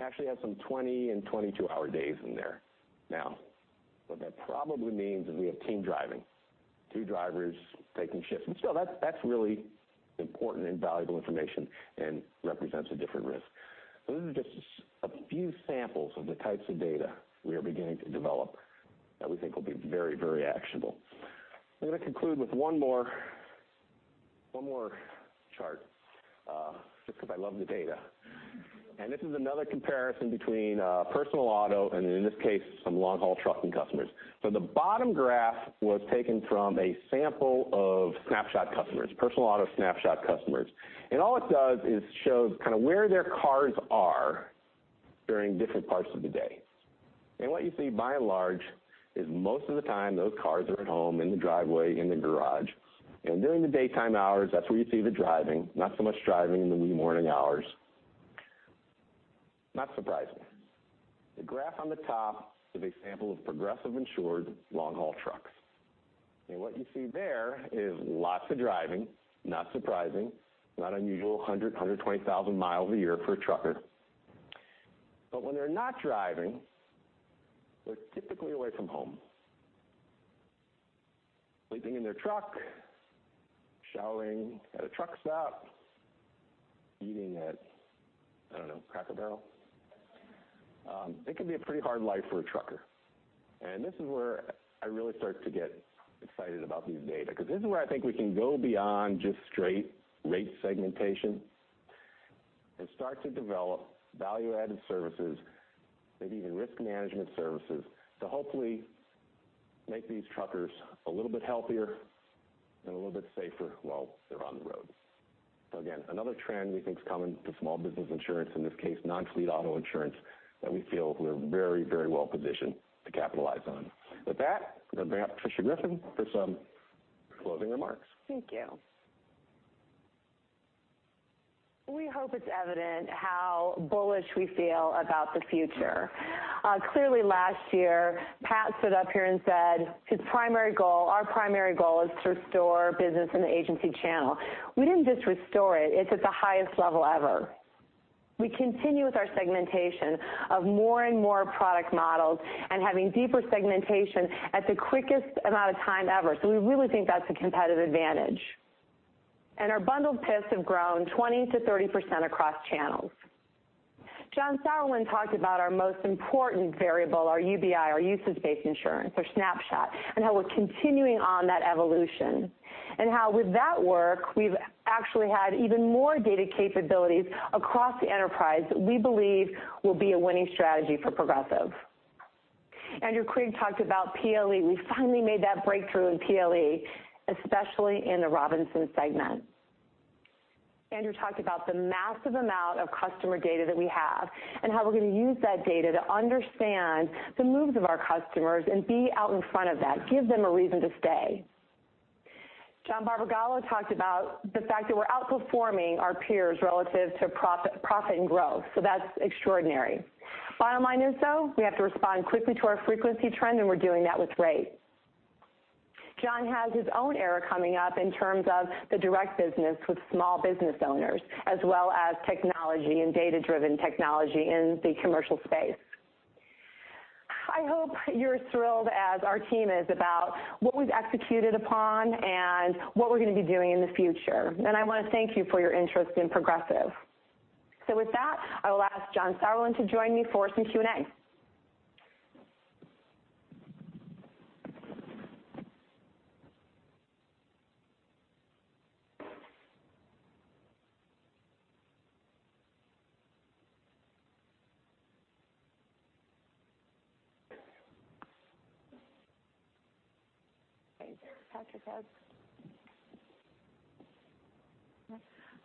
actually has some 20 and 22 hour days in there. What that probably means is we have team driving, two drivers taking shifts, but still, that's really important and valuable information and represents a different risk. These are just a few samples of the types of data we are beginning to develop that we think will be very, very actionable. I'm going to conclude with one more chart, just because I love the data. This is another comparison between personal auto and, in this case, some long-haul trucking customers. The bottom graph was taken from a sample of Snapshot customers, personal auto Snapshot customers. All it does is shows where their cars are during different parts of the day. What you see by and large is most of the time, those cars are at home in the driveway, in the garage. During the daytime hours, that's where you see the driving, not so much driving in the wee morning hours. Not surprising. The graph on the top is a sample of Progressive-insured long-haul trucks. What you see there is lots of driving, not surprising, not unusual, 100, 120,000 miles a year for a trucker. When they're not driving, they're typically away from home. Sleeping in their truck, showering at a truck stop, eating at, I don't know, Cracker Barrel. It can be a pretty hard life for a trucker. This is where I really start to get excited about these data, because this is where I think we can go beyond just straight rate segmentation and start to develop value-added services, maybe even risk management services, to hopefully make these truckers a little bit healthier and a little bit safer while they're on the road. Again, another trend we think is coming to small business insurance, in this case, non-fleet auto insurance, that we feel we're very, very well positioned to capitalize on. With that, I'm going to bring up Tricia Griffith for some- Closing remarks. Thank you. We hope it's evident how bullish we feel about the future. Clearly, last year, Pat stood up here and said his primary goal, our primary goal, is to restore business in the agency channel. We didn't just restore it. It's at the highest level ever. We continue with our segmentation of more and more product models and having deeper segmentation at the quickest amount of time ever. We really think that's a competitive advantage, and our bundled PIFs have grown 20%-30% across channels. John Sauerland talked about our most important variable, our UBI, our usage-based insurance or Snapshot, and how we're continuing on that evolution, and how with that work, we've actually had even more data capabilities across the enterprise that we believe will be a winning strategy for Progressive. Andrew Quigg talked about PLE. We finally made that breakthrough in PLE, especially in the Robinson segment. Andrew talked about the massive amount of customer data that we have and how we're going to use that data to understand the moves of our customers and be out in front of that, give them a reason to stay. John Barbagallo talked about the fact that we're outperforming our peers relative to profit and growth, that's extraordinary. Bottom line is, though, we have to respond quickly to our frequency trend, and we're doing that with rate. John has his own era coming up in terms of the direct business with small business owners as well as technology and data-driven technology in the commercial space. I hope you're as thrilled as our team is about what we've executed upon and what we're going to be doing in the future, and I want to thank you for your interest in Progressive. With that, I will ask John Sauerland to join me for some Q&A.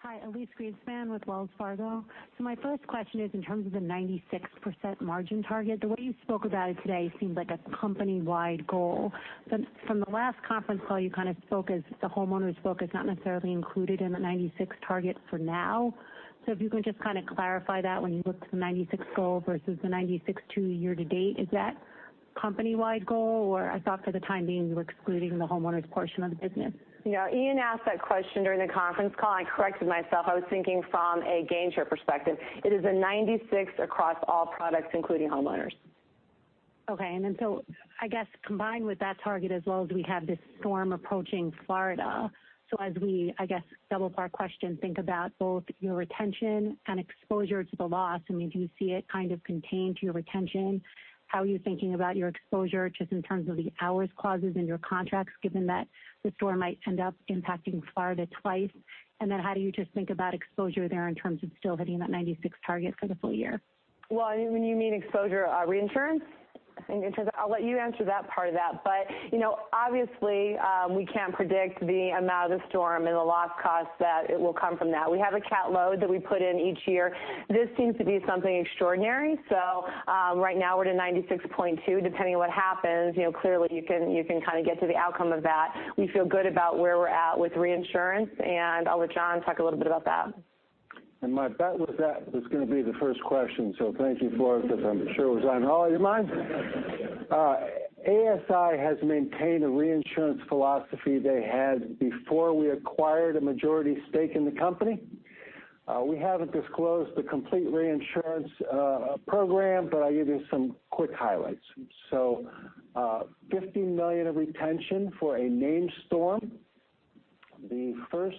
Hi, Elyse Greenspan with Wells Fargo. My first question is in terms of the 96% margin target, the way you spoke about it today seemed like a company-wide goal, but from the last conference call, you spoke as the homeowners book is not necessarily included in the 96 target for now. If you can just clarify that when you look to the 96 goal versus the 96 two year to date, is that company-wide goal? Or I thought for the time being, you were excluding the homeowners portion of the business. Ian asked that question during the conference call, and I corrected myself. I was thinking from a gain share perspective. It is a 96 across all products, including homeowners. Okay. I guess combined with that target as well is we have this storm approaching Florida. As we, I guess, double part question, think about both your retention and exposure to the loss. Do you see it contained to your retention? How are you thinking about your exposure just in terms of the hours clauses in your contracts, given that the storm might end up impacting Florida twice? And then how do you just think about exposure there in terms of still hitting that 96 target for the full year? When you mean exposure, reinsurance? I will let you answer that part of that, but obviously, we cannot predict the amount of the storm and the loss cost that it will come from that. We have a cat load that we put in each year. This seems to be something extraordinary. Right now we are at a 96.2, depending on what happens, clearly you can kind of get to the outcome of that. We feel good about where we are at with reinsurance, and I will let John talk a little bit about that. My bet was that was going to be the first question, thank you for it, because I am sure it was on all your minds. ASI has maintained a reinsurance philosophy they had before we acquired a majority stake in the company. We have not disclosed the complete reinsurance program, but I will give you some quick highlights. $50 million of retention for a named storm. The first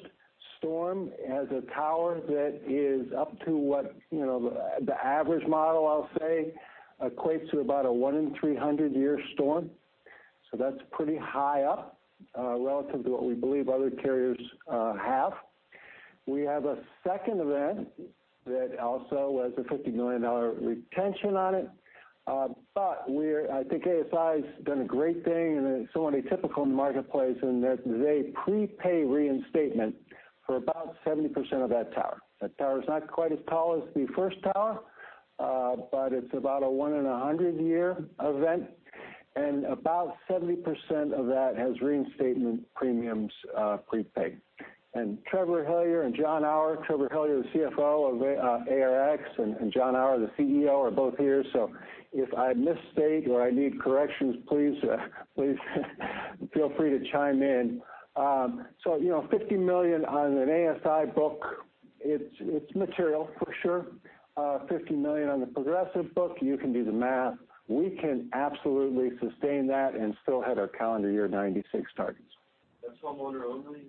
storm has a tower that is up to what the average model, I will say, equates to about a one in 300-year storm, so that is pretty high up relative to what we believe other carriers have. We have a second event that also has a $50 million retention on it. I think ASI has done a great thing, and it is so untypical in the marketplace in that they prepay reinstatement for about 70% of that tower. That tower is not quite as tall as the first tower, but it is about a one in 100-year event, and about 70% of that has reinstatement premiums prepaid. Trevor Hellier and Jon Bauer, Trevor Hellier, the CFO of ARX, and Jon Bauer, the CEO, are both here, so if I misstate or I need corrections, please feel free to chime in. $50 million on an ASI book, it is material for sure. $50 million on the Progressive book, you can do the math. We can absolutely sustain that and still hit our calendar year 96 targets. That is homeowner only?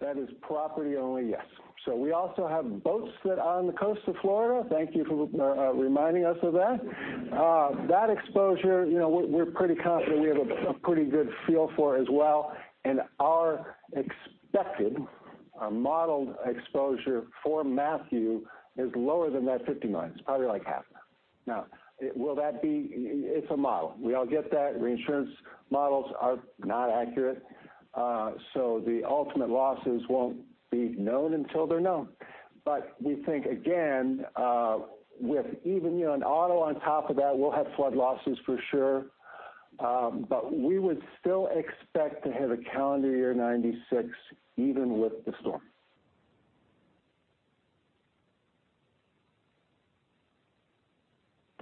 That is property only, yes. We also have boats that are on the coast of Florida. Thank you for reminding us of that. That exposure, we're pretty confident we have a pretty good feel for as well, and our expected, our modeled exposure for Hurricane Matthew is lower than that $50 million. It's probably like half. It's a model. We all get that. Reinsurance models are not accurate, the ultimate losses won't be known until they're known. We think again, with even auto on top of that, we'll have flood losses for sure. We would still expect to have a calendar year 96 even with the storm.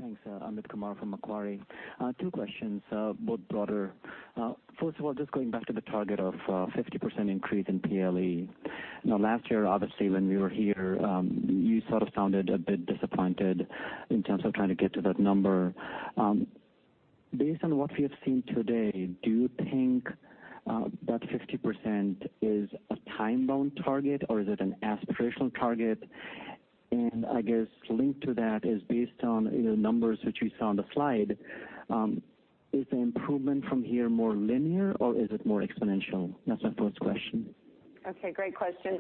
Thanks. Amit Kumar from Macquarie. Two questions, both broader. First of all, just going back to the target of 50% increase in PLE. Last year, obviously, when we were here, you sort of sounded a bit disappointed in terms of trying to get to that number. Based on what we have seen today, do you think that 50% is a time-bound target or is it an aspirational target? I guess linked to that is based on the numbers which we saw on the slide, is the improvement from here more linear, or is it more exponential? That's my first question. Okay, great question.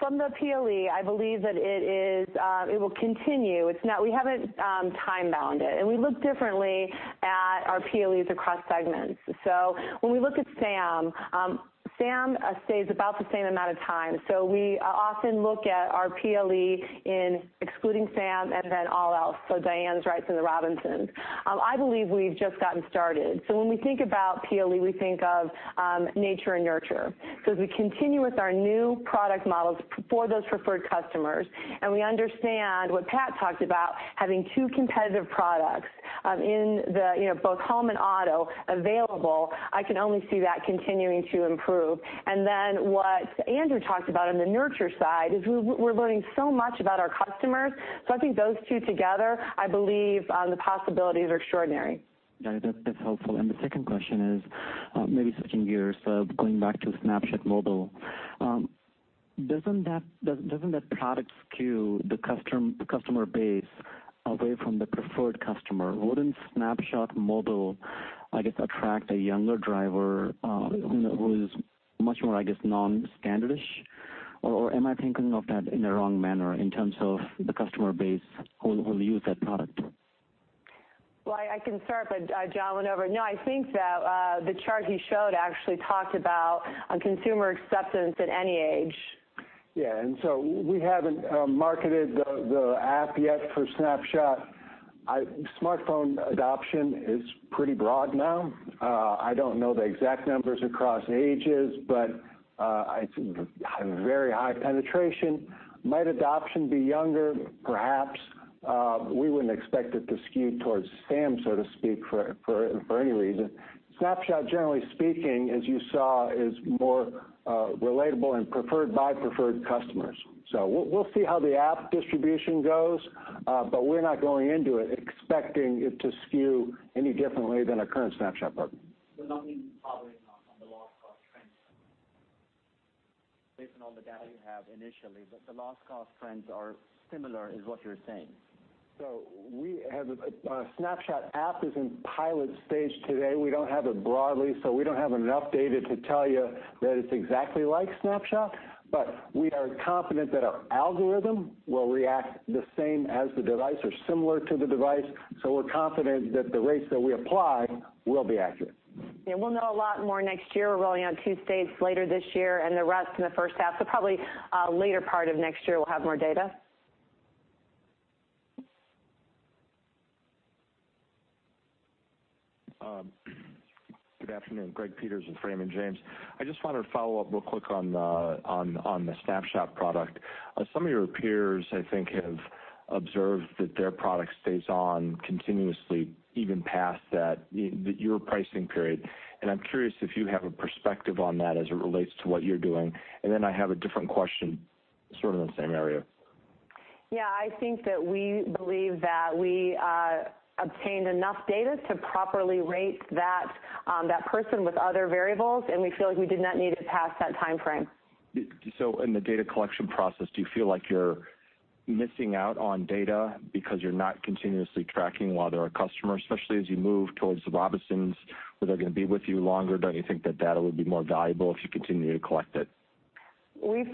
From the PLE, I believe that it will continue. We haven't time-bound it, we look differently at our PLEs across segments. When we look at SAM stays about the same amount of time. We often look at our PLE in excluding SAM and then all else, Dianes and Wrights and the Robinsons. I believe we've just gotten started. When we think about PLE, we think of nature and nurture. As we continue with our new product models for those preferred customers, we understand what Pat talked about, having two competitive products in both home and auto available, I can only see that continuing to improve. Then what Andrew talked about on the nurture side is we're learning so much about our customers. I think those two together, I believe the possibilities are extraordinary. That's helpful. The second question is, maybe switching gears, going back to Snapshot model. Doesn't that product skew the customer base away from the preferred customer? Wouldn't Snapshot model, I guess, attract a younger driver who is much more, I guess, non-standard-ish? Am I thinking of that in a wrong manner in terms of the customer base who will use that product? Well, I can start, John went over it. I think that the chart he showed actually talked about consumer acceptance at any age. Yeah, we haven't marketed the app yet for Snapshot. Smartphone adoption is pretty broad now. I don't know the exact numbers across ages, but it's very high penetration. Might adoption be younger? Perhaps. We wouldn't expect it to skew towards Sam, so to speak, for any reason. Snapshot, generally speaking, as you saw, is more relatable and preferred by preferred customers. We'll see how the app distribution goes, but we're not going into it expecting it to skew any differently than our current Snapshot book. Not been following on the loss cost trends yet. Based on all the data you have initially, the loss cost trends are similar, is what you're saying? Our Snapshot app is in pilot stage today. We don't have it broadly, so we don't have enough data to tell you that it's exactly like Snapshot, but we are confident that our algorithm will react the same as the device or similar to the device. We're confident that the rates that we apply will be accurate. Yeah, we'll know a lot more next year. We're rolling out two states later this year and the rest in the first half, so probably later part of next year we'll have more data. Good afternoon. Gregory Peters with Raymond James. I just wanted to follow up real quick on the Snapshot product. Some of your peers, I think, have observed that their product stays on continuously, even past your pricing period, and I'm curious if you have a perspective on that as it relates to what you're doing. Then I have a different question, sort of in the same area. Yeah, I think that we believe that we obtained enough data to properly rate that person with other variables, and we feel like we did not need it past that timeframe. In the data collection process, do you feel like you're missing out on data because you're not continuously tracking while they're a customer? Especially as you move towards the Robinsons, where they're going to be with you longer, don't you think that data would be more valuable if you continue to collect it? We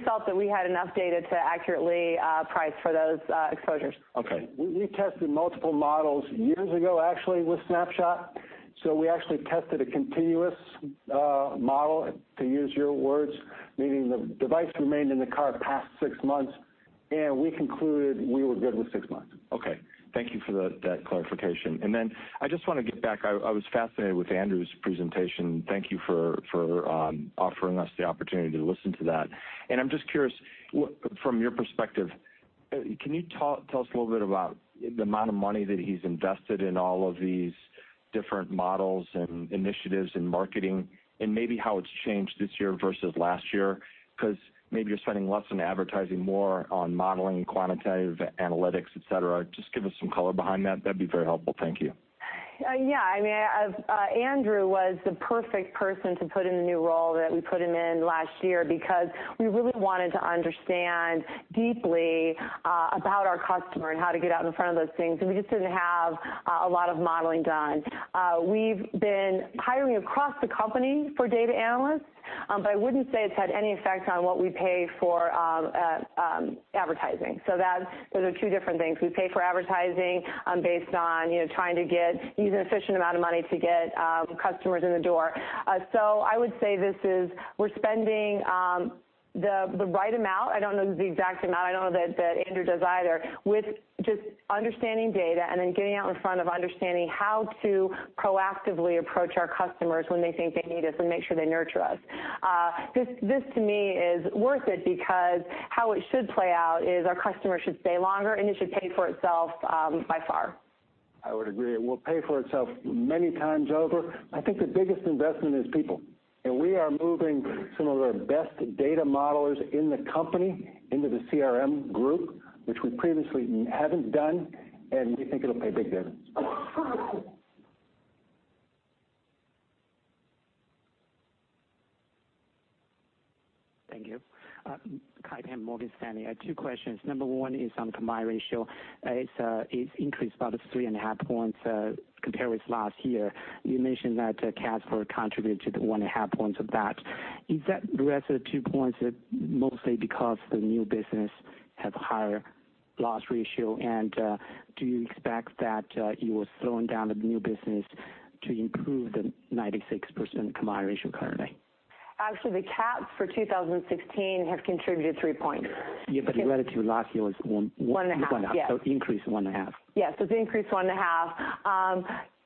felt that we had enough data to accurately price for those exposures. Okay. We tested multiple models years ago, actually, with Snapshot. We actually tested a continuous model, to use your words, meaning the device remained in the car past six months, and we concluded we were good with six months. Okay. Thank you for that clarification. Then I just want to get back, I was fascinated with Andrew's presentation. Thank you for offering us the opportunity to listen to that. I'm just curious, from your perspective, can you tell us a little bit about the amount of money that he's invested in all of these different models and initiatives and marketing, and maybe how it's changed this year versus last year? Maybe you're spending less on advertising, more on modeling, quantitative analytics, et cetera. Just give us some color behind that. That'd be very helpful. Thank you. Yeah. Andrew was the perfect person to put in the new role that we put him in last year. We really wanted to understand deeply about our customer and how to get out in front of those things, and we just didn't have a lot of modeling done. We've been hiring across the company for data analysts, I wouldn't say it's had any effect on what we pay for advertising. Those are two different things. We pay for advertising based on trying to use an efficient amount of money to get customers in the door. I would say we're spending the right amount. I don't know the exact amount. I don't know that Andrew does either. With just understanding data and then getting out in front of understanding how to proactively approach our customers when they think they need us and make sure they nurture us. This, to me, is worth it because how it should play out is our customers should stay longer, and it should pay for itself by far. I would agree. It will pay for itself many times over. I think the biggest investment is people. We are moving some of our best data modelers in the company into the CRM group, which we previously haven't done. We think it'll pay big dividends. Thank you. Kai Pan, Morgan Stanley. I have two questions. Number one is on combined ratio. It's increased about three and a half points compared with last year. You mentioned that CATs will contribute to the one and a half points of that. Is that the rest of the two points mostly because the new business has a higher loss ratio? Do you expect that you will slow down the new business to improve the 96% combined ratio currently? Actually, the CATs for 2016 have contributed three points. Yeah, relative last year was One and a half, yeah point, increase one and a half. Yes. It's increased one and a half.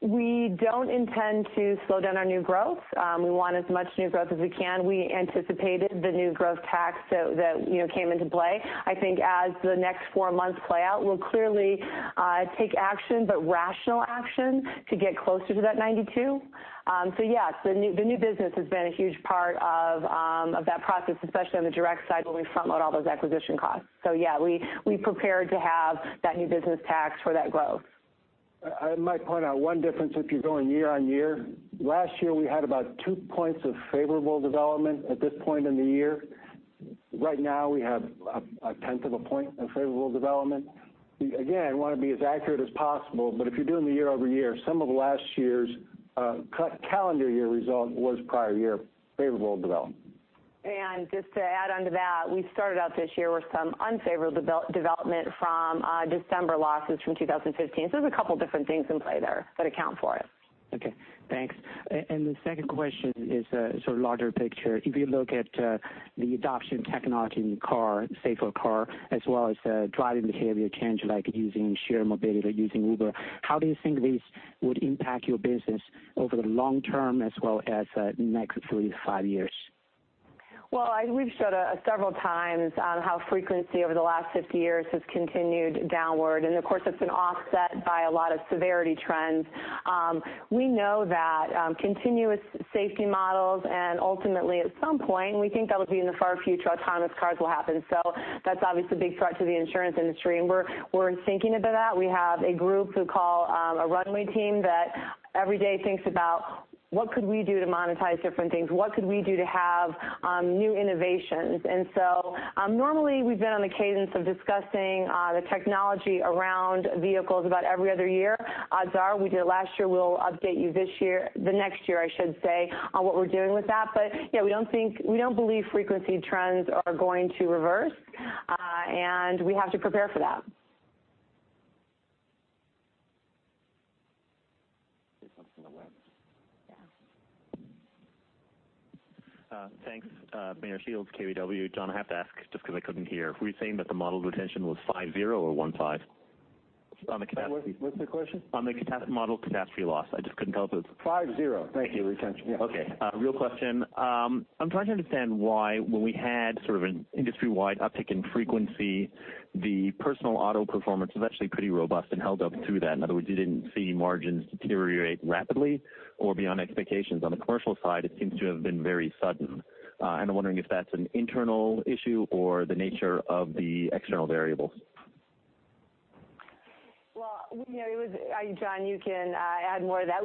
We don't intend to slow down our new growth. We want as much new growth as we can. We anticipated the new growth tax that came into play. I think as the next four months play out, we'll clearly take action, rational action to get closer to that 92. Yes, the new business has been a huge part of that process, especially on the direct side when we front-load all those acquisition costs. Yes, we prepared to have that new business tax for that growth. I might point out one difference if you're going year-on-year. Last year, we had about two points of favorable development at this point in the year. Right now, we have a tenth of a point of favorable development. Want to be as accurate as possible, but if you're doing the year-over-year, some of last year's cut calendar year result was prior year favorable development. Just to add onto that, we started out this year with some unfavorable development from December losses from 2015. There's a couple different things in play there that account for it. Okay, thanks. The second question is sort of larger picture. If you look at the adoption technology in car, safer car, as well as driving behavior change, like using shared mobility, using Uber, how do you think these would impact your business over the long term as well as the next 3 to 5 years? We've showed several times on how frequency over the last 50 years has continued downward, and of course, that's been offset by a lot of severity trends. We know that continuous safety models, and ultimately at some point, we think that would be in the far future, autonomous cars will happen. That's obviously a big threat to the insurance industry, and we're thinking about that. We have a group who call a runway team that every day thinks about what could we do to monetize different things? What could we do to have new innovations? Normally, we've been on the cadence of discussing the technology around vehicles about every other year. Odds are we did it last year, we'll update you the next year, I should say, on what we're doing with that. Yes, we don't believe frequency trends are going to reverse, and we have to prepare for that. There's one from the web. Yeah. Thanks. Meyer Shields, KBW. John, I have to ask, just because I couldn't hear. Were you saying that the model retention was five, zero or one, five on the capacity? What's the question? On the model catastrophe loss. I just couldn't tell if it was- 50. Thank you. Retention. Yeah. Okay. Real question. I'm trying to understand why when we had sort of an industry-wide uptick in frequency, the personal auto performance was actually pretty robust and held up through that. In other words, you didn't see margins deteriorate rapidly or beyond expectations. On the commercial side, it seems to have been very sudden. I'm wondering if that's an internal issue or the nature of the external variables. Well, it was, John, you can add more to that.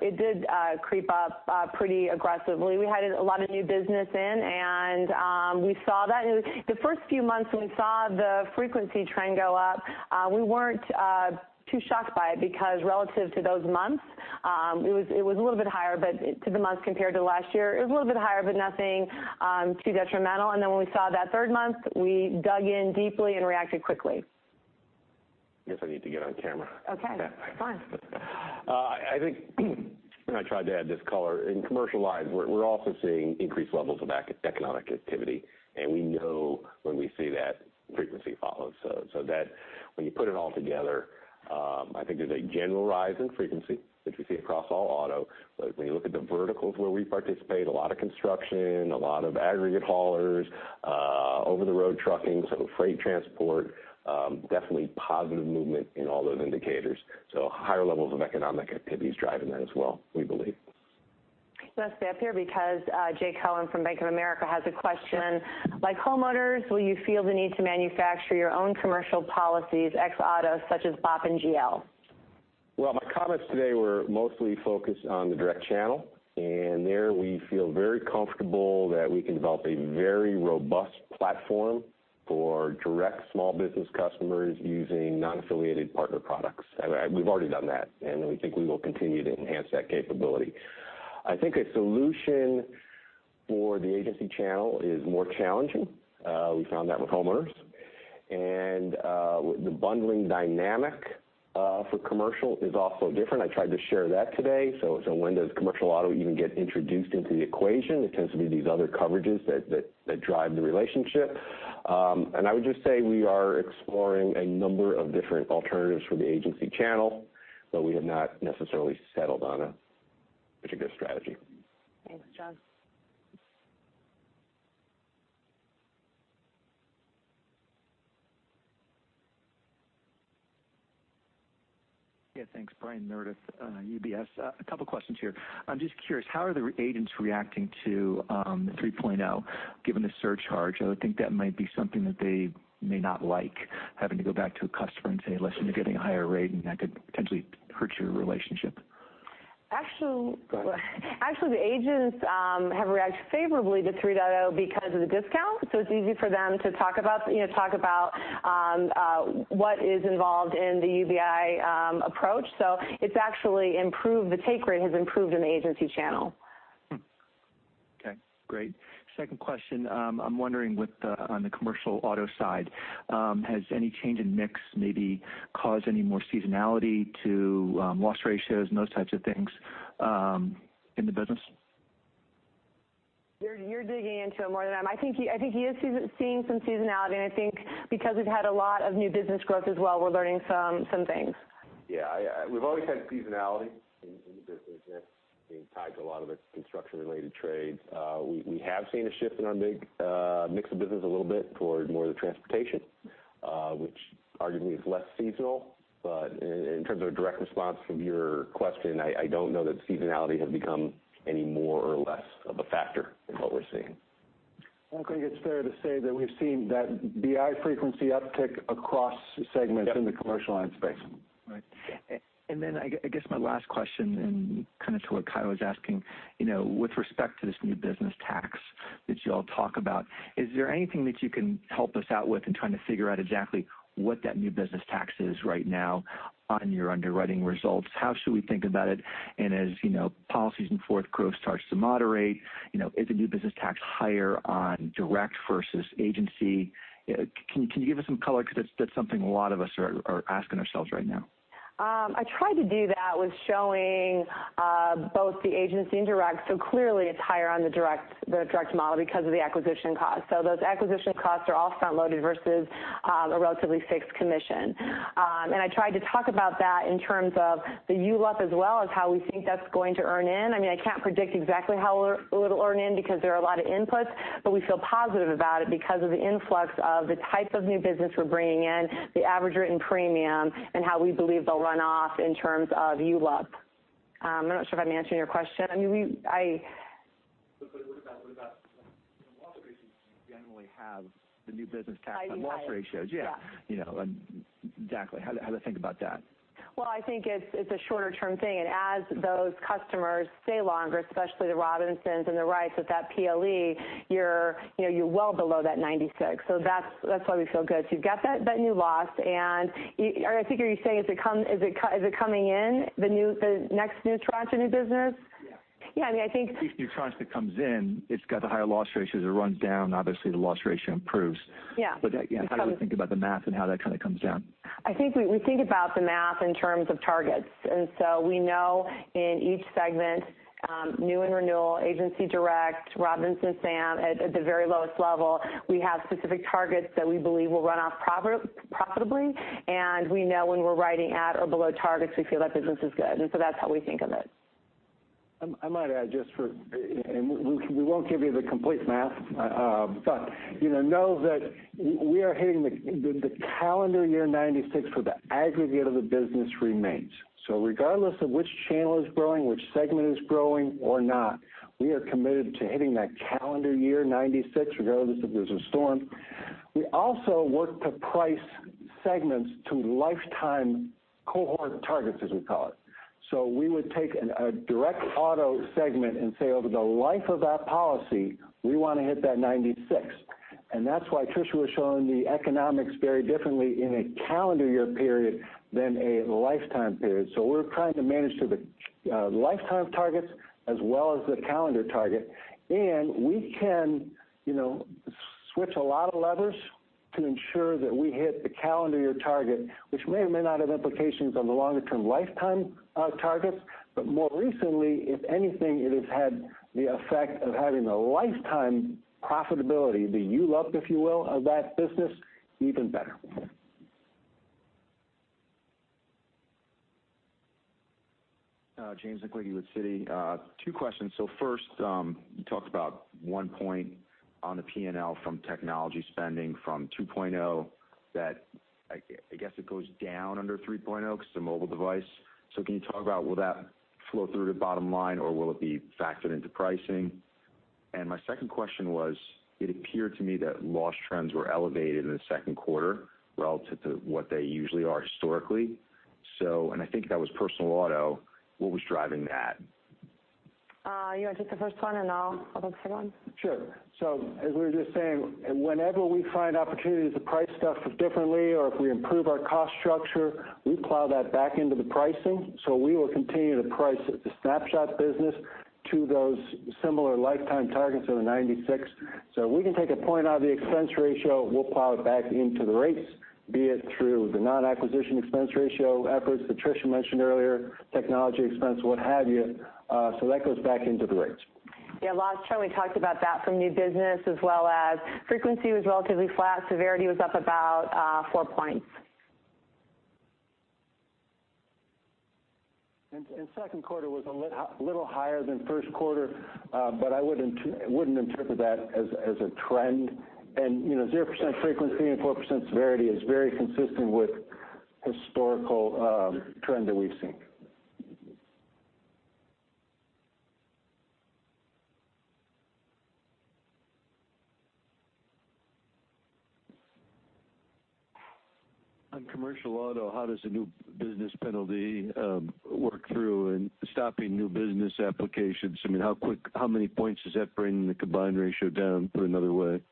It did creep up pretty aggressively. We had a lot of new business in. We saw that. The first few months when we saw the frequency trend go up, we weren't too shocked by it because relative to those months, it was a little bit higher, but to the months compared to last year, it was a little bit higher, but nothing too detrimental. Then when we saw that third month, we dug in deeply and reacted quickly. Guess I need to get on camera. Okay, fine. I think I tried to add this color. In commercial lines, we're also seeing increased levels of economic activity, and we know when we see that, frequency follows. That when you put it all together, I think there's a general rise in frequency that we see across all auto. When you look at the verticals where we participate, a lot of construction, a lot of aggregate haulers, over the road trucking, some freight transport, definitely positive movement in all those indicators. Higher levels of economic activity is driving that as well, we believe. You want to stay up here because Jake Cohen from Bank of America has a question. Like homeowners, will you feel the need to manufacture your own commercial policies, ex-auto, such as BOP and GL? Well, my comments today were mostly focused on the direct channel. There we feel very comfortable that we can develop a very robust platform for direct small business customers using non-affiliated partner products. We've already done that, and we think we will continue to enhance that capability. I think a solution for the agency channel is more challenging. We found that with homeowners. The bundling dynamic for commercial is also different. I tried to share that today. When does commercial auto even get introduced into the equation? It tends to be these other coverages that drive the relationship. I would just say we are exploring a number of different alternatives for the agency channel, but we have not necessarily settled on a particular strategy. Thanks, John. Yeah, thanks. Brian Meredith, UBS. A couple questions here. I'm just curious, how are the agents reacting to 3.0, given the surcharge? I would think that might be something that they may not like, having to go back to a customer and say, "Listen, you're getting a higher rate," and that could potentially hurt your relationship. Actually, the agents have reacted favorably to 3.0 because of the discount. It's easy for them to talk about what is involved in the UBI approach. It's actually improved. The take rate has improved in the agency channel. Okay, great. Second question, I'm wondering on the commercial auto side, has any change in mix maybe caused any more seasonality to loss ratios and those types of things in the business? You're digging into it more than I am. I think you are seeing some seasonality, I think because we've had a lot of new business growth as well, we're learning some things. Yeah. We've always had seasonality in the business, being tied to a lot of its construction-related trade. We have seen a shift in our big mix of business a little bit toward more of the transportation, which arguably is less seasonal. In terms of a direct response from your question, I don't know that seasonality has become any more or less of a factor in what we're seeing. I think it's fair to say that we've seen that BI frequency uptick across segments in the commercial line space. Right. Then I guess my last question, and kind of to what Kai was asking, with respect to this new business tax that you all talk about, is there anything that you can help us out with in trying to figure out exactly what that new business tax is right now on your underwriting results? How should we think about it? As Policies in Force growth starts to moderate, is the new business tax higher on direct versus agency? Can you give us some color? That's something a lot of us are asking ourselves right now. I tried to do that with showing both the agency and direct. Clearly, it's higher on the direct model because of the acquisition cost. Those acquisition costs are all front-loaded versus a relatively fixed commission. I tried to talk about that in terms of the ULUP as well as how we think that's going to earn in. I can't predict exactly how it'll earn in because there are a lot of inputs, but we feel positive about it because of the influx of the type of new business we're bringing in, the average written premium, and how we believe they'll run off in terms of ULUP. I'm not sure if I'm answering your question. What about loss ratios generally have the new business tax on loss ratios? I see. Yeah. Exactly. How to think about that? Well, I think it's a shorter-term thing, and as those customers stay longer, especially the Robinsons and the Wrights with that PLE, you're well below that 96%. That's why we feel good. You've got that new loss, and I think are you saying, is it coming in, the next new tranche of new business? Yeah. Yeah, I think. Each new tranche that comes in, it's got the higher loss ratios. It runs down, obviously the loss ratio improves. Yeah. How do we think about the math and how that kind of comes down? I think we think about the math in terms of targets. We know in each segment, new and renewal, agency direct, Robinsons, Sam at the very lowest level, we have specific targets that we believe will run off profitably. We know when we're riding at or below targets, we feel our business is good. That's how we think of it. I might add, we won't give you the complete math, but know that we are hitting the calendar year 96 for the aggregate of the business remains. Regardless of which channel is growing, which segment is growing or not, we are committed to hitting that calendar year 96, regardless if there's a storm. We also work to price segments to lifetime cohort targets, as we call it. We would take a direct auto segment and say over the life of that policy, we want to hit that 96. That's why Tricia was showing the economics very differently in a calendar year period than a lifetime period. We're trying to manage to the lifetime targets as well as the calendar target. We can switch a lot of levers to ensure that we hit the calendar year target, which may or may not have implications on the longer-term lifetime targets. More recently, if anything, it has had the effect of having a lifetime profitability, the ULUP, if you will, of that business even better. James McQuigg with Citi. Two questions. First, you talked about one point on the P&L from technology spending from 2.0 that I guess it goes down under 3.0 because the mobile device. Can you talk about will that flow through to bottom line or will it be factored into pricing? My second question was, it appeared to me that loss trends were elevated in the second quarter relative to what they usually are historically. I think that was personal auto. What was driving that? You want to take the first one, and I'll take the second one? Sure. As we were just saying, whenever we find opportunities to price stuff differently or if we improve our cost structure, we plow that back into the pricing. We will continue to price the Snapshot business to those similar lifetime targets of the 96. If we can take a point out of the expense ratio, we'll plow it back into the rates, be it through the non-acquisition expense ratio efforts that Tricia mentioned earlier, technology expense, what have you. That goes back into the rates. Yeah, last time we talked about that from new business as well as frequency was relatively flat, severity was up about four points. Second quarter was a little higher than first quarter, but I wouldn't interpret that as a trend. 0% frequency and 4% severity is very consistent with historical trend that we've seen. On commercial auto, how does the new business penalty work through in stopping new business applications? How many points is that bringing the combined ratio down, put another way?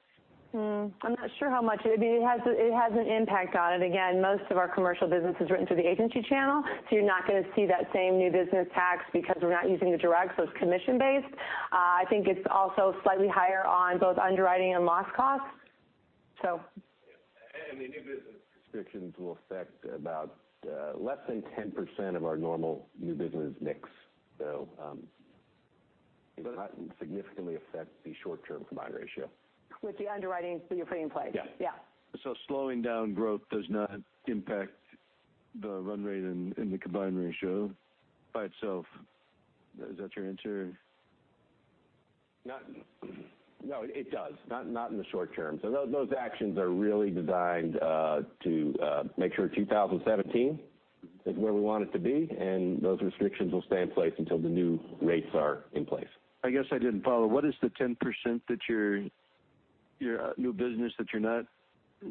I'm not sure how much. It has an impact on it. Most of our commercial business is written through the agency channel, so you're not going to see that same new business tax because we're not using the direct, so it's commission-based. I think it's also slightly higher on both underwriting and loss costs. The new business restrictions will affect about less than 10% of our normal new business mix. It will not significantly affect the short-term combined ratio. With the underwriting that you're putting in place. Yeah. Yeah. Slowing down growth does not impact the run rate in the combined ratio by itself. Is that your answer? No, it does. Not in the short term. Those actions are really designed to make sure 2017 is where we want it to be, and those restrictions will stay in place until the new rates are in place. I guess I didn't follow. What is the 10% new business that you're not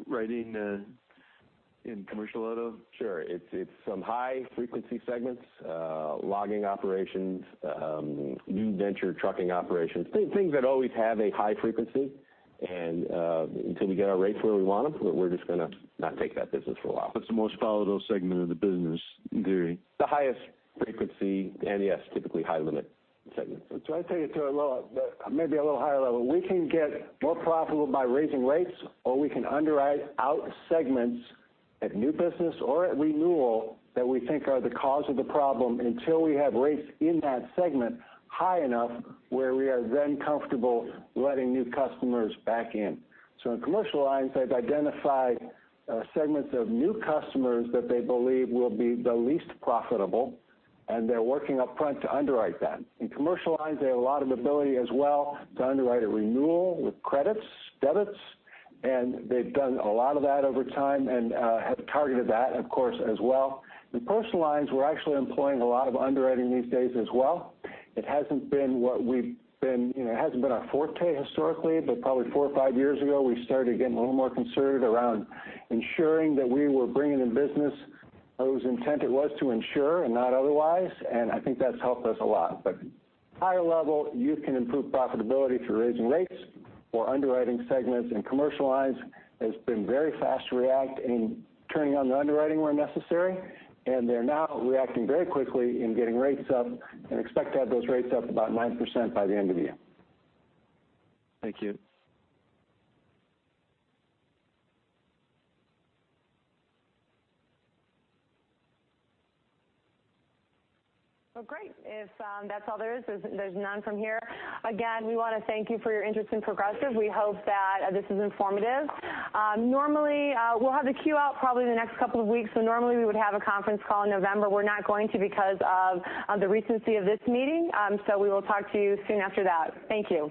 writing in commercial auto? Sure. It's some high-frequency segments, logging operations, new venture trucking operations, things that always have a high frequency. Until we get our rates where we want them, we're just going to not take that business for a while. That's the most volatile segment of the business, Gary. The highest frequency, yes, typically high-limit segments. To take it to maybe a little higher level, we can get more profitable by raising rates, or we can underwrite out segments at new business or at renewal that we think are the cause of the problem until we have rates in that segment high enough where we are then comfortable letting new customers back in. In Commercial Lines, they've identified segments of new customers that they believe will be the least profitable, and they're working upfront to underwrite that. In Commercial Lines, they have a lot of ability as well to underwrite a renewal with credits, debits, and they've done a lot of that over time and have targeted that, of course, as well. In personal lines, we're actually employing a lot of underwriting these days as well. It hasn't been our forte historically, probably 4 or 5 years ago, we started getting a little more conservative around ensuring that we were bringing in business whose intent it was to insure and not otherwise, and I think that's helped us a lot. Higher level, you can improve profitability through raising rates or underwriting segments. In Commercial Lines, it's been very fast to react in turning on the underwriting where necessary, and they're now reacting very quickly in getting rates up and expect to have those rates up about 9% by the end of the year. Thank you. Well, great. If that's all there is, there's none from here. Again, we want to thank you for your interest in Progressive. We hope that this is informative. We'll have the Q out probably in the next couple of weeks, so normally we would have a conference call in November. We're not going to because of the recency of this meeting, so we will talk to you soon after that. Thank you.